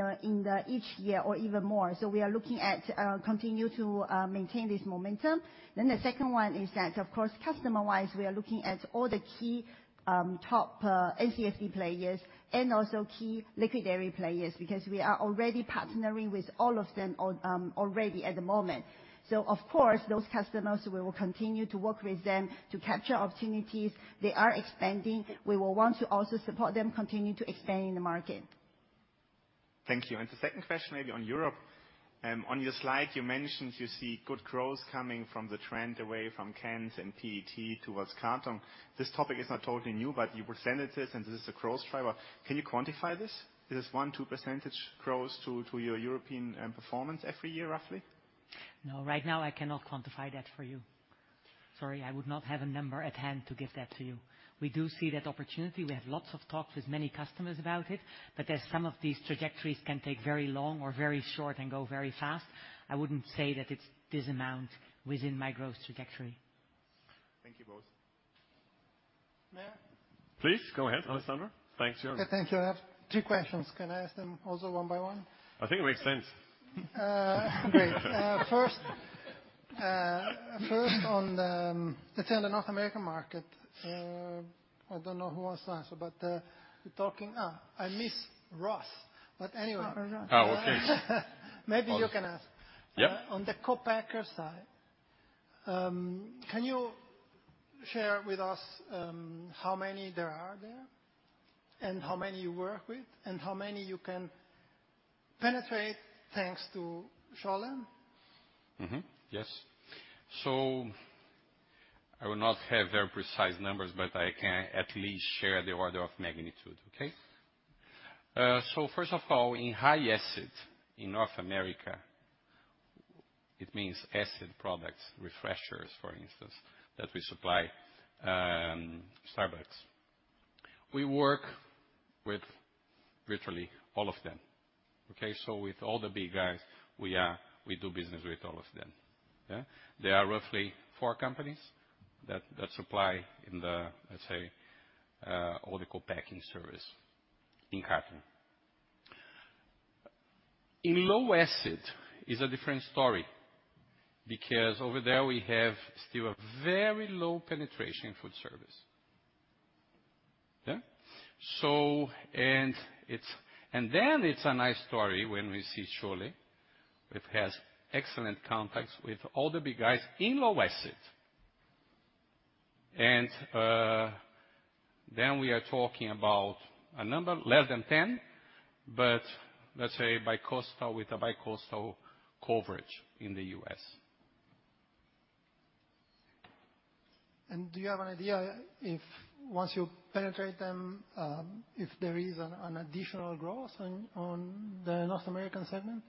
each year or even more. We are looking to continue to maintain this momentum. The second one is that, of course, customer-wise, we are looking at all the key top NCSD players and also key liquid dairy players, because we are already partnering with all of them at the moment. Of course, those customers, we will continue to work with them to capture opportunities. They are expanding. We will want to also support them continue to expand in the market. Thank you. The second question maybe on Europe. On your slide, you mentioned you see good growth coming from the trend away from cans and PET towards carton. This topic is not totally new, but you presented this, and this is a growth driver. Can you quantify this? Is this 1-2% growth to your European performance every year, roughly? No. Right now I cannot quantify that for you. Sorry, I would not have a number at hand to give that to you. We do see that opportunity. We have lots of talks with many customers about it, but as some of these trajectories can take very long or very short and go very fast, I wouldn't say that it's this amount within my growth trajectory. Thank you both. May I? Please go ahead, Alessandro. Thanks, Jörn. Yeah. Thank you. I have two questions. Can I ask them also one by one? I think it makes sense. Great. First on, let's say, the North American market. I don't know who wants to answer, but we're talking. I miss Ross. Anyway. Ross. Oh, okay. Maybe you can ask. Yeah. On the co-packer side, can you share with us how many there are and how many you work with and how many you can penetrate thanks to Scholle IPN? Yes. I will not have very precise numbers, but I can at least share the order of magnitude, okay? First of all, in high acid in North America, it means acid products, refreshers, for instance, that we supply, Starbucks. We work with virtually all of them, okay? With all the big guys, we do business with all of them. There are roughly four companies that supply in the, let's say, all the co-packing service in carton. In low acid is a different story because over there we have still a very low penetration food service. It's a nice story when we see Scholle IPN, which has excellent contacts with all the big guys in low acid. We are talking about a number less than 10, but let's say bicoastal with a bicoastal coverage in the U.S. Do you have an idea if once you penetrate them, if there is an additional growth on the North American segment?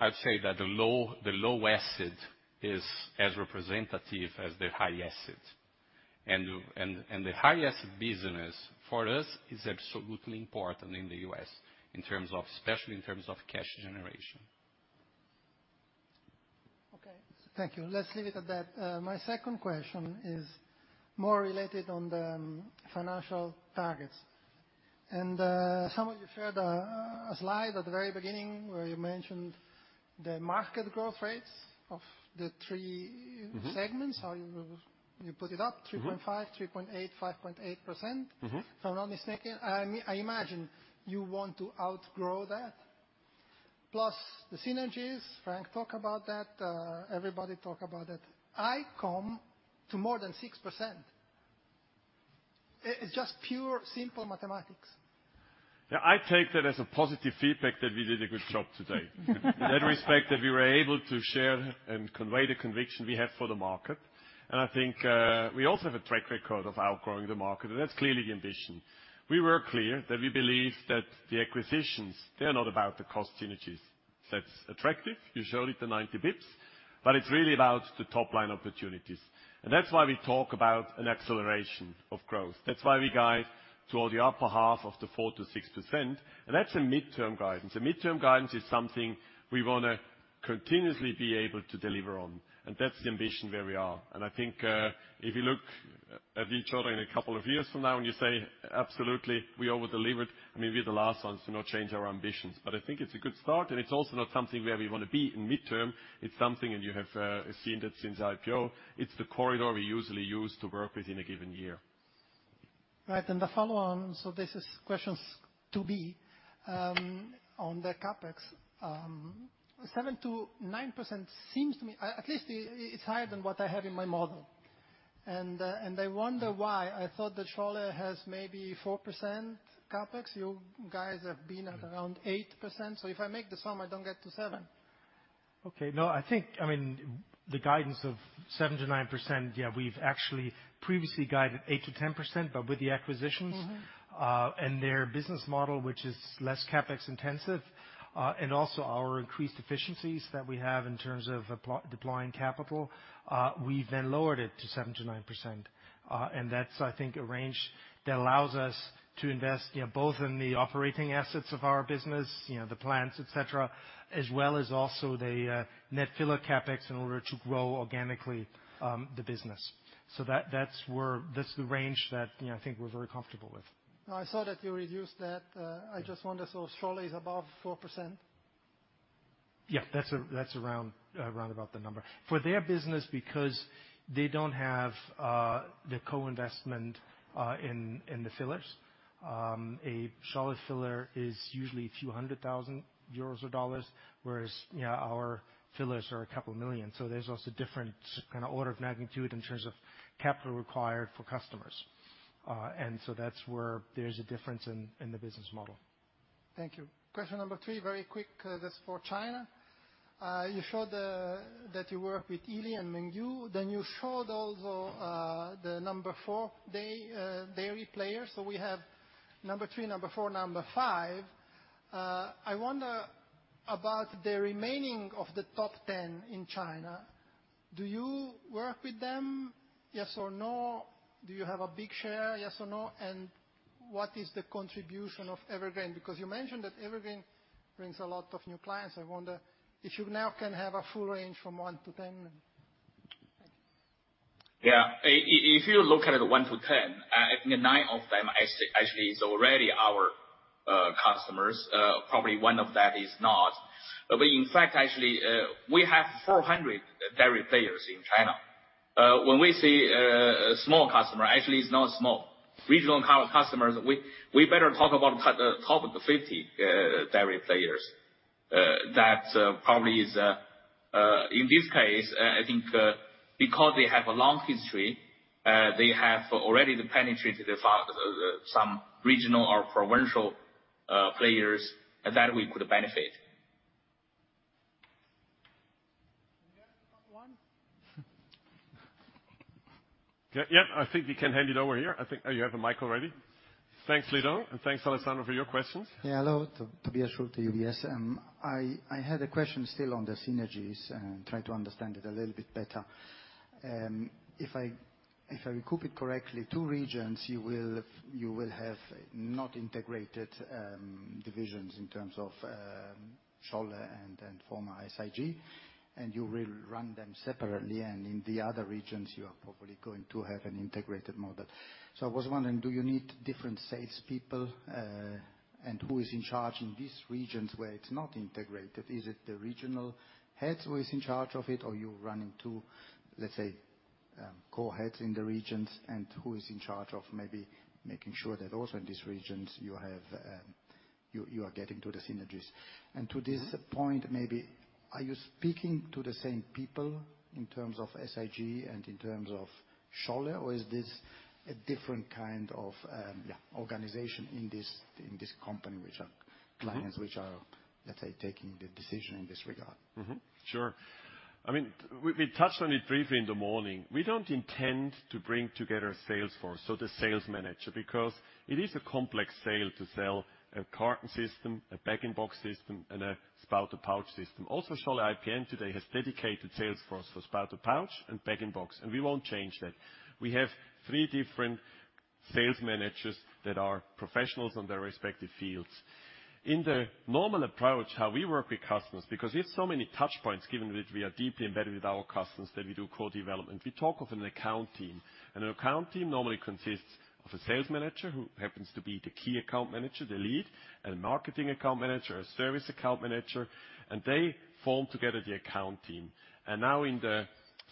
I'd say that the low acid is as representative as the high acid. The high acid business for us is absolutely important in the U.S. in terms of, especially in terms of cash generation. Okay. Thank you. Let's leave it at that. My second question is more related on the financial targets. Some of you shared a slide at the very beginning where you mentioned the market growth rates of the three- Mm-hmm. Segments, how you put it up. Three point five, three point eight, five point eight percent. If I'm not mistaken, I imagine you want to outgrow that. Plus the synergies, Frank, talk about that. Everybody talk about it. It comes to more than 6%. It's just pure, simple mathematics. Yeah, I take that as a positive feedback that we did a good job today. In that respect, that we were able to share and convey the conviction we have for the market, and I think, we also have a track record of outgrowing the market, and that's clearly the ambition. We were clear that we believe that the acquisitions, they're not about the cost synergies. That's attractive. You showed it to 90 basis points. It's really about the top line opportunities. That's why we talk about an acceleration of growth. That's why we guide toward the upper half of the 4%-6%, and that's a midterm guidance. A midterm guidance is something we wanna continuously be able to deliver on, and that's the ambition where we are. I think, if you look at each other in a couple of years from now and you say, "Absolutely, we over-delivered," I mean, we're the last ones to not change our ambitions. I think it's a good start, and it's also not something where we wanna be in midterm. It's something, and you have seen that since IPO. It's the corridor we usually use to work with in a given year. Right. The follow-on, so this is questions to be on the CapEx. 7%-9% seems to me. At least it's higher than what I have in my model. I wonder why. I thought that Scholle has maybe 4% CapEx. You guys have been at around 8%. If I make the sum, I don't get to 7. Okay. No, I think, I mean, the guidance of 7%-9%, yeah, we've actually previously guided 8%-10%, but with the acquisitions. Their business model, which is less CapEx intensive, and also our increased efficiencies that we have in terms of deploying capital, we then lowered it to 7%-9%. That's, I think, a range that allows us to invest, you know, both in the operating assets of our business, you know, the plants, et cetera, as well as the net filler CapEx in order to grow organically the business. That's the range that, you know, I think we're very comfortable with. No, I saw that you reduced that. I just wonder, so Scholle is above 4%? Yeah. That's around about the number. For their business, because they don't have the co-investment in the fillers, a Scholle filler is usually a few hundred thousand euros or dollars, whereas, you know, our fillers are a couple million. There's also different kind of order of magnitude in terms of capital required for customers. That's where there's a difference in the business model. Thank you. Question number 3, very quick. That's for China. You showed that you work with Yili and Mengniu. Then you showed also the number 4 dairy player. So we have number 3, number 4, number 5. I wonder about the remaining of the top 10 in China. Do you work with them, yes or no? Do you have a big share, yes or no? And what is the contribution of Evergreen? Because you mentioned that Evergreen brings a lot of new clients. I wonder if you now can have a full range from 1 to 10. Thank you. Yeah. If you look at it 1-10, nine of them actually is already our customers. Probably oneof that is not. In fact, actually, we have 400 dairy players in China. When we say, a small customer actually is not small. Regional customers, we better talk about top 50 dairy players. That probably is, in this case, I think, because they have a long history, they have already penetrated some regional or provincial players that we could benefit. We have one. Yeah, I think we can hand it over here. Oh, you have a mic already. Thanks, Lidong. Thanks, Alessandro, for your questions. Yeah, hello. Tobias Schulz, UBS. I had a question still on the synergies and try to understand it a little bit better. If I recap it correctly, two regions, you will have not integrated divisions in terms of Scholle and former SIG, and you will run them separately. In the other regions, you are probably going to have an integrated model. I was wondering, do you need different salespeople? And who is in charge in these regions where it's not integrated? Is it the regional heads who is in charge of it, or you're running two, let's say, co-heads in the regions? And who is in charge of maybe making sure that also in these regions you are getting to the synergies. To this point, maybe are you speaking to the same people in terms of SIG and in terms of Scholle, or is this a different kind of organization in this company, which are clients, let's say, taking the decision in this regard? I mean, we touched on it briefly in the morning. We don't intend to bring together sales force, so the sales manager, because it is a complex sale to sell a carton system, a bag-in-box system, and a spouted pouch system. Also, Scholle IPN today has dedicated sales force for spouted pouch and bag-in-box, and we won't change that. We have three different sales managers that are professionals in their respective fields. In the normal approach, how we work with customers, because we have so many touchpoints, given that we are deeply embedded with our customers, that we do co-development. We talk of an account team, and an account team normally consists of a sales manager, who happens to be the key account manager, the lead, and a marketing account manager, a service account manager, and they form together the account team. Now in the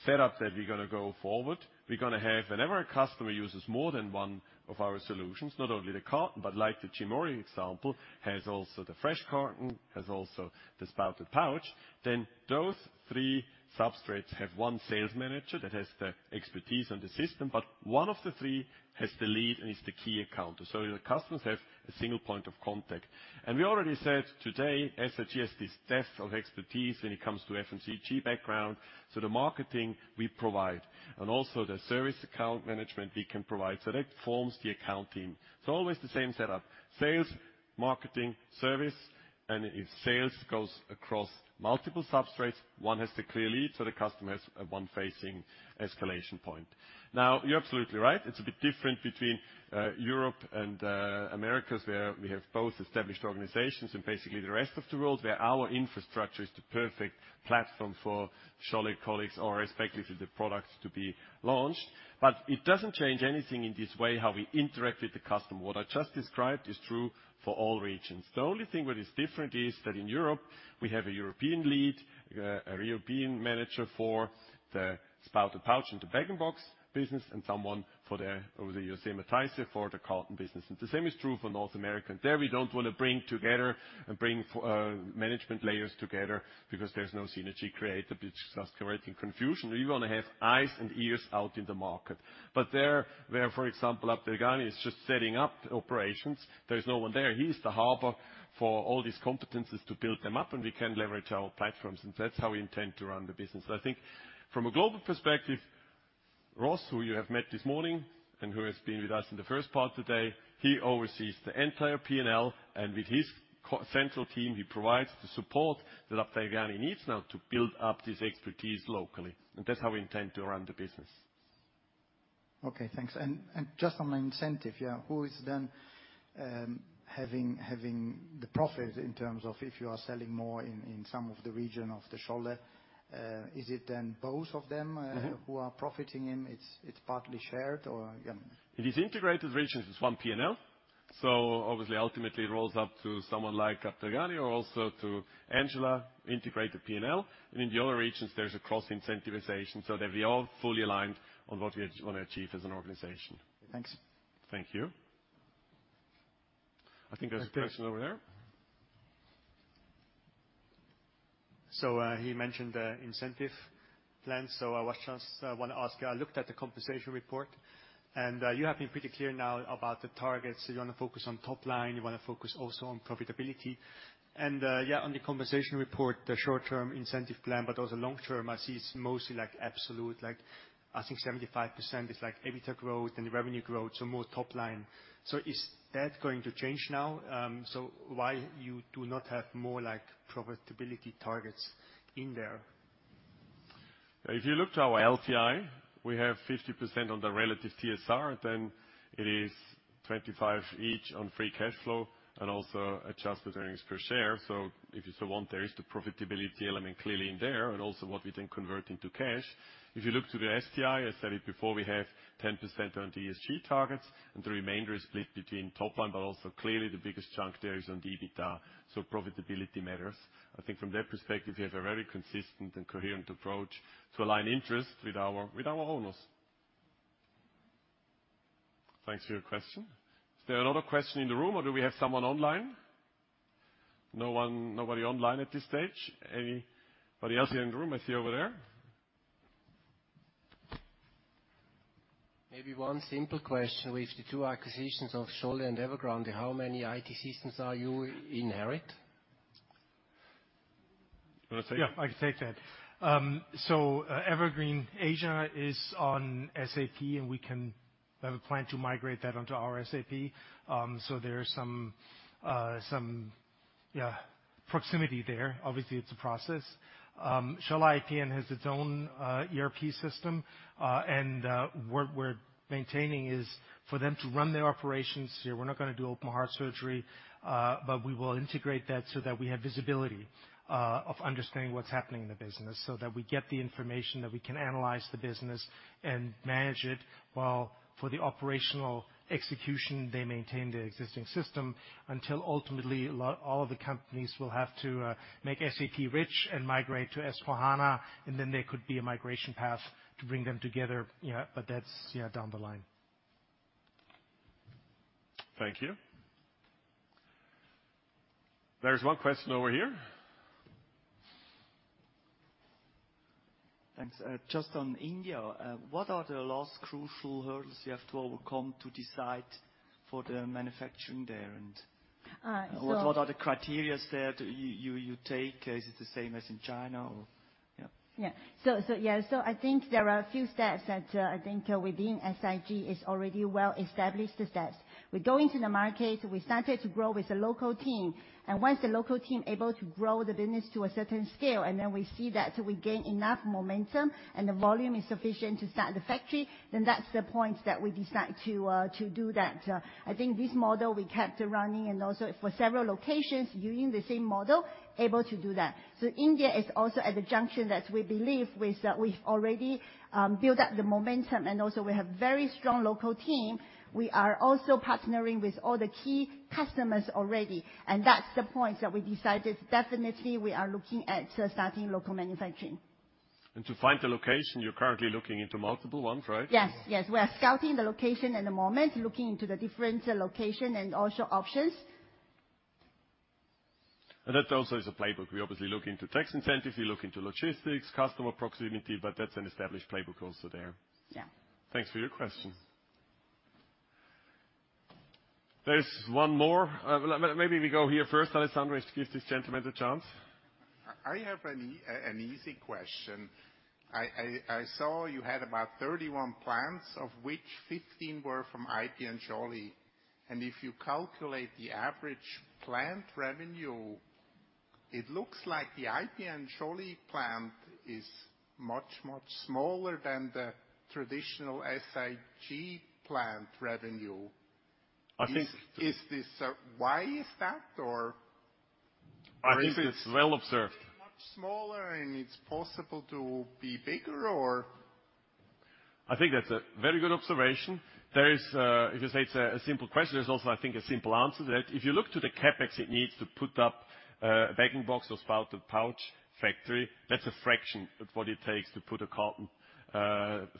setup that we're gonna go forward, we're gonna have whenever a customer uses more than one of our solutions, not only the carton, but like the Cimory example, has also the fresh carton, has also the spouted pouch, then those three substrates have one sales manager that has the expertise and the system, but one of the three has the lead and is the key account. The customers have a single point of contact. We already said today, SIG has depth of expertise when it comes to FMCG background. The marketing we provide and also the service account management we can provide. That forms the account team. It's always the same setup, sales, marketing, service, and if sales goes across multiple substrates, one has the clear lead, so the customer has one facing escalation point. Now, you're absolutely right. It's a bit different between Europe and Americas, where we have both established organizations and basically the rest of the world, where our infrastructure is the perfect platform for Scholle colleagues or respectively, the products to be launched. It doesn't change anything in this way, how we interact with the customer. What I just described is true for all regions. The only thing that is different is that in Europe, we have a European lead, a European manager for the spouted pouch and the bag-in-box business and someone over the U.S., Mathiesen for the carton business. The same is true for North America. There we don't wanna bring management layers together because there's no synergy created. We're just creating confusion. We wanna have eyes and ears out in the market. There, where, for example, Abdelghany is just setting up operations. There is no one there. He's the hub for all these competencies to build them up, and we can leverage our platforms, and that's how we intend to run the business. I think from a global perspective, Ross, who you have met this morning and who has been with us in the first part today, he oversees the entire P&L, and with his central team, he provides the support that Abdelghany needs now to build up this expertise locally. That's how we intend to run the business. Okay, thanks. Just on the incentive, yeah, who is then having the profit in terms of if you are selling more in some of the region of the Scholle IPN? Is it then both of them Who are profiting and it's partly shared or, yeah? It is integrated regions. It's one P&L. Obviously ultimately it rolls up to someone like Abdelghany or also to Angela, integrated P&L. In the other regions, there's a cross incentivization so that we're all fully aligned on what we wanna achieve as an organization. Thanks. Thank you. I think there's a question over there. He mentioned the incentive plan. I wanna ask you. I looked at the compensation report, and you have been pretty clear now about the targets. You wanna focus on top line, you wanna focus also on profitability. On the compensation report, the short-term incentive plan, but also long term, I see it's mostly like absolute, like I think 75% is like EBITDA growth and the revenue growth, so more top line. Is that going to change now? Why you do not have more like profitability targets in there? If you look to our LTI, we have 50% on the relative TSR, then it is 25 each on free cash flow and also adjusted earnings per share. If you so want, there is the profitability element clearly in there and also what we then convert into cash. If you look to the STI, I said it before, we have 10% on ESG targets and the remainder is split between top line, but also clearly the biggest chunk there is on the EBITDA, so profitability matters. I think from that perspective, we have a very consistent and coherent approach to align interest with our owners. Thanks for your question. Is there another question in the room or do we have someone online? Nobody online at this stage. Anybody else here in the room? I see you over there. Maybe one simple question. With the two acquisitions of Scholle IPN and Evergreen Asia, how many IT systems are you inheriting? Wanna take? Yeah, I can take that. Evergreen Asia is on SAP, and we have a plan to migrate that onto our SAP. There is some proximity there. Obviously, it's a process. Scholle IPN has its own ERP system, and we're maintaining it for them to run their operations here. We're not gonna do open heart surgery, but we will integrate that so that we have visibility and understanding what's happening in the business, so that we get the information that we can analyze the business and manage it, while for the operational execution, they maintain the existing system until ultimately all of the companies will have to make SAP rich and migrate to S/4HANA, and then there could be a migration path to bring them together. Yeah, but that's down the line. Thank you. There's one question over here. Thanks. Just on India, what are the last crucial hurdles you have to overcome to decide? For the manufacturing there and. Uh, so- What are the criteria that you take? Is it the same as in China, or yeah? Yeah. I think there are a few steps that I think within SIG is already well established the steps. We go into the market, we started to grow with the local team. Once the local team able to grow the business to a certain scale, and then we see that we gain enough momentum and the volume is sufficient to start the factory, then that's the point that we decide to to do that. I think this model we kept running and also for several locations using the same model, able to do that. India is also at the junction that we believe with we've already built up the momentum, and also we have very strong local team. We are also partnering with all the key customers already, and that's the point that we decided definitely we are looking at, starting local manufacturing. To find the location, you're currently looking into multiple ones, right? Yes, yes. We are scouting the location at the moment, looking into the different location and also options. That also is a playbook. We obviously look into tax incentives, we look into logistics, customer proximity, but that's an established playbook also there. Yeah. Thanks for your question. There's one more. Maybe we go here first, Alessandro, to give this gentleman a chance. I have an easy question. I saw you had about 31 plants, of which 15 were from Scholle IPN. If you calculate the average plant revenue, it looks like the Scholle IPN plant is much, much smaller than the traditional SIG plant revenue. I think- Why is that? I think it's well observed. Much smaller, and it's possible to be bigger or? I think that's a very good observation. There is. If you say it's a simple question, there's also, I think, a simple answer. That if you look to the CapEx it needs to put up a Bag-in-Box or spouted pouch factory, that's a fraction of what it takes to put a carton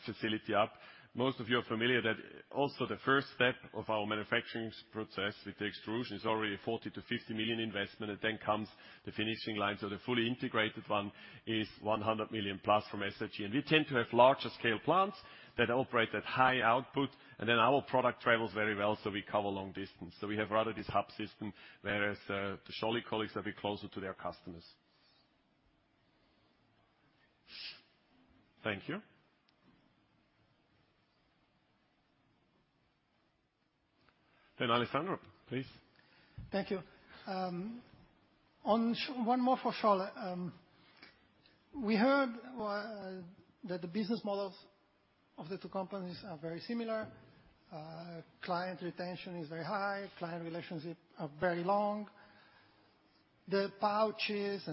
facility up. Most of you are familiar that also the first step of our manufacturing process with the extrusion is already a 40-50 million investment. Then comes the finishing line. The fully integrated one is 100+ million from SIG. We tend to have larger scale plants that operate at high output. Our product travels very well, so we cover long distance. We have rather this hub system, whereas the Scholle colleagues will be closer to their customers. Thank you. Alessandro, please. Thank you. One more for Scholle. We heard that the business models of the two companies are very similar. Client retention is very high, client relationships are very long. The pouches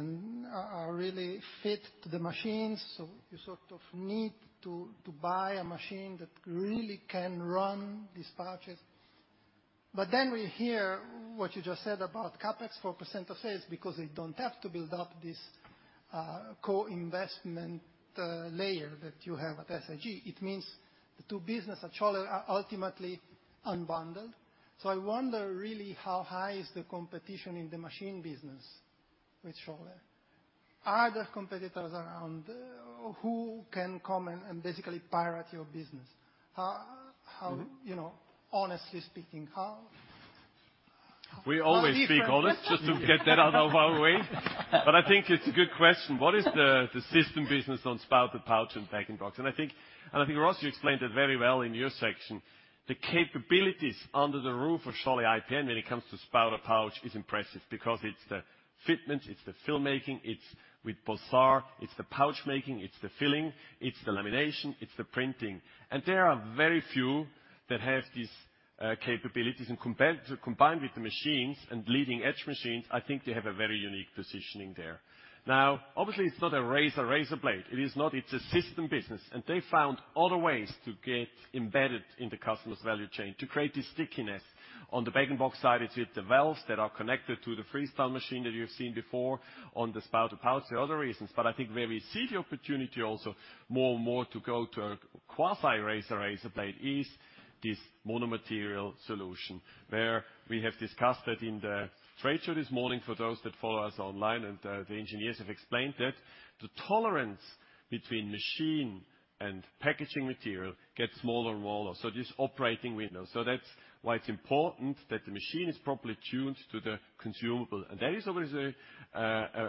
are really fit to the machines. You sort of need to buy a machine that really can run these pouches. We hear what you just said about CapEx, 4% of sales, because they don't have to build up this co-investment layer that you have at SIG. It means the two businesses at Scholle are ultimately unbundled. I wonder really how high is the competition in the machine business with Scholle. Are there competitors around who can come and basically pirate your business? How You know, honestly speaking, how? We always speak honest, just to get that out of our way. I think it's a good question. What is the system business on spouted pouch and bag-in-box? I think Ross, you explained it very well in your section. The capabilities under the roof of Scholle IPN when it comes to spouted pouch is impressive because it's the fitment, it's the filmmaking, it's with Bossar, it's the pouch making, it's the filling, it's the lamination, it's the printing. There are very few that have these capabilities. Compared to combined with the machines and leading-edge machines, I think they have a very unique positioning there. Now, obviously, it's not a razor-blade. It is not. It's a system business. They found other ways to get embedded in the customer's value chain to create this stickiness. On the Bag-in-Box side, it's with the valves that are connected to the Freestyle machine that you've seen before. On the spouted pouch, there are other reasons. I think where we see the opportunity also more and more to go to a quasi razor-razor blade is this mono-material solution. Where we have discussed that in the trade show this morning, for those that follow us online, and the engineers have explained that the tolerance between machine and packaging material gets smaller and smaller, so this operating window. That's why it's important that the machine is properly tuned to the consumable. That is always a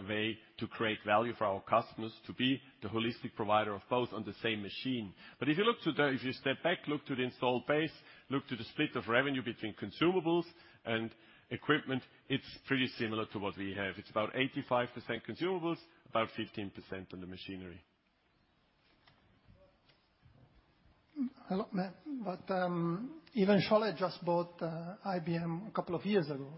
way to create value for our customers, to be the holistic provider of both on the same machine. If you look to the If you step back, look to the install base, look to the split of revenue between consumables and equipment, it's pretty similar to what we have. It's about 85% consumables, about 15% on the machinery. Hello. Even Scholle IPN just bought IPN a couple of years ago.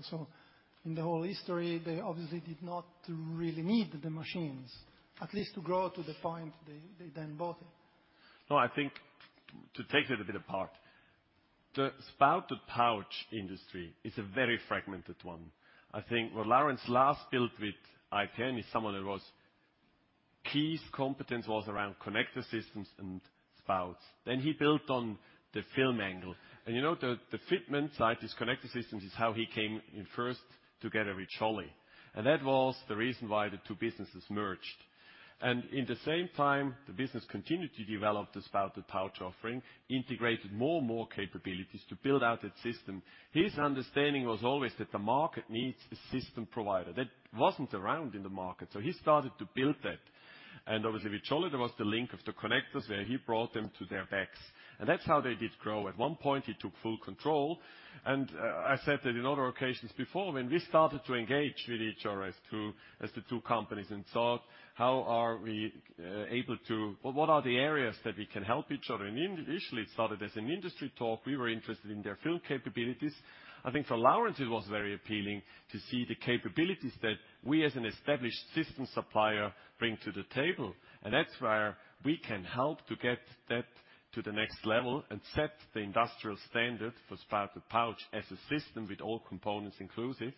In the whole history, they obviously did not really need the machines, at least to grow to the point they then bought it. No, I think to take that a bit apart, the spouted pouch industry is a very fragmented one. I think his key competence was around connector systems and spouts. He built on the film angle. You know, the fitment side, his connector systems is how he came in first together with Scholle. That was the reason why the two businesses merged. In the same time, the business continued to develop the spout-to-pouch offering, integrated more and more capabilities to build out that system. His understanding was always that the market needs a system provider. That wasn't around in the market, so he started to build that. Obviously, with Scholle, there was the link of the connectors, where he brought them to their bags, and that's how they did grow. At one point, he took full control, and I said that in other occasions before. When we started to engage with each other as the two companies and thought, how are we able to? Or what are the areas that we can help each other? Initially, it started as an industry talk. We were interested in their film capabilities. I think for Laurens, it was very appealing to see the capabilities that we, as an established system supplier, bring to the table, and that's where we can help to get that to the next level and set the industrial standard for spouted pouch as a system with all components inclusive.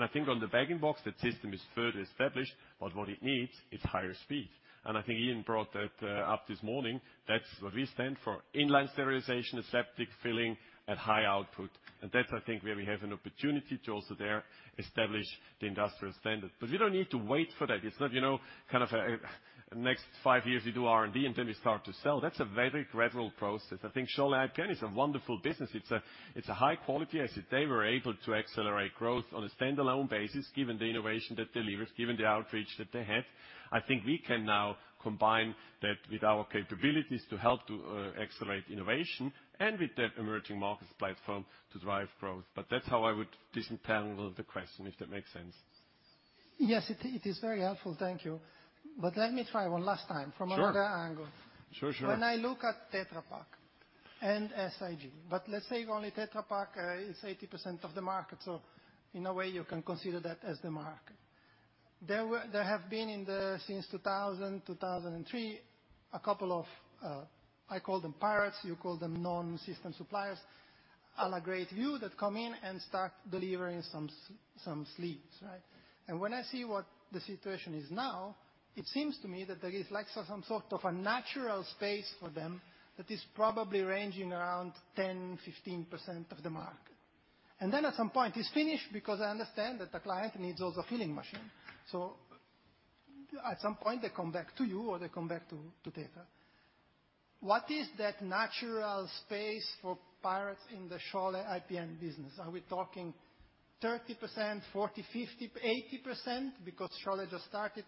I think on the Bag-in-Box, that system is further established, but what it needs is higher speed. I think Ian brought that up this morning. That's what we stand for. Inline sterilization, aseptic filling at high output. That's, I think, where we have an opportunity to also there establish the industrial standard. We don't need to wait for that. It's not, you know, kind of a next five years we do R&D, and then we start to sell. That's a very gradual process. I think Scholle IPN is a wonderful business. It's a high quality. I said they were able to accelerate growth on a standalone basis, given the innovation that delivers, given the outreach that they had. I think we can now combine that with our capabilities to help to accelerate innovation and with the emerging markets platform to drive growth. That's how I would disentangle the question, if that makes sense. Yes, it is very helpful, thank you. Let me try one last time. Sure. From another angle. Sure, sure. When I look at Tetra Pak and SIG, but let's say only Tetra Pak is 80% of the market. In a way, you can consider that as the market. There have been, since 2003, a couple of, I call them pirates, you call them non-system suppliers. à la Greatview that come in and start delivering some sleeves, right? When I see what the situation is now, it seems to me that there is like some sort of a natural space for them that is probably ranging around 10%-15% of the market. At some point, it's finished because I understand that the client needs also filling machine. At some point, they come back to you, or they come back to Tetra. What is that natural space for pirates in the Scholle IPN business? Are we talking 30%, 40%, 50%, 80% because Scholle just started?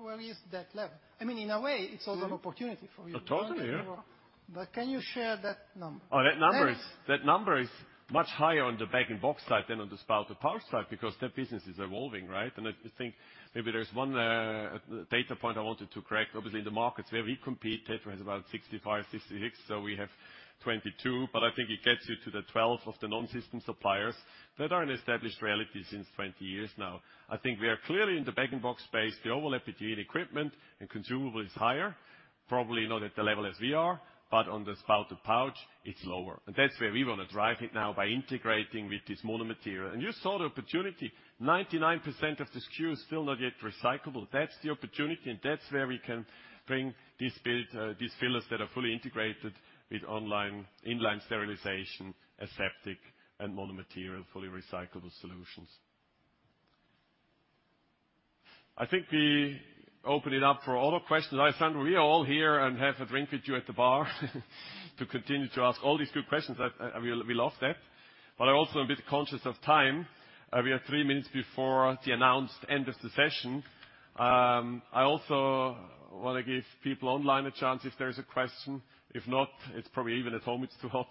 Where is that level? I mean, in a way, it's also opportunity for you. Oh, totally, yeah. Can you share that number? That number is much higher on the bag-in-box side than on the spouted pouch side because that business is evolving, right? I think maybe there's one data point I wanted to correct. Obviously, in the markets where we compete, Tetra has about 65%-66%, so we have 22%. I think it gets you to the 12% of the non-system suppliers that are an established reality since 20 years now. I think we are clearly in the bag-in-box space. The overlap between equipment and consumable is higher. Probably not at the level as we are, but on the spouted pouch, it's lower. That's where we wanna drive it now by integrating with this mono-material. You saw the opportunity. 99% of the SKU is still not yet recyclable. That's the opportunity, and that's where we can bring these fillers that are fully integrated with online, in-line sterilization, aseptic and mono-material, fully recyclable solutions. I think we open it up for other questions. I think we are all here and have a drink with you at the bar to continue to ask all these good questions. We love that, but I'm also a bit conscious of time. We are three minutes before the announced end of the session. I also wanna give people online a chance if there's a question. If not, it's probably even at home it's too hot.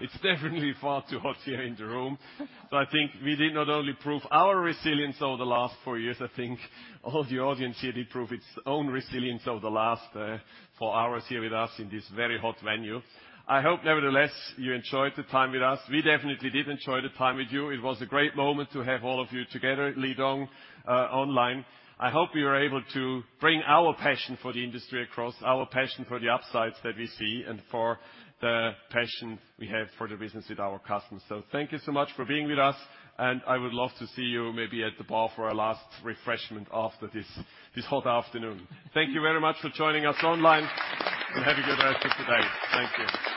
It's definitely far too hot here in the room. I think we did not only prove our resilience over the last four years. I think all the audience here did prove its own resilience over the last four hours here with us in this very hot venue. I hope, nevertheless, you enjoyed the time with us. We definitely did enjoy the time with you. It was a great moment to have all of you together, Lidong online. I hope we were able to bring our passion for the industry across, our passion for the upsides that we see, and for the passion we have for the business with our customers. Thank you so much for being with us, and I would love to see you maybe at the bar for a last refreshment after this hot afternoon. Thank you very much for joining us online. Have a good rest of the day. Thank you.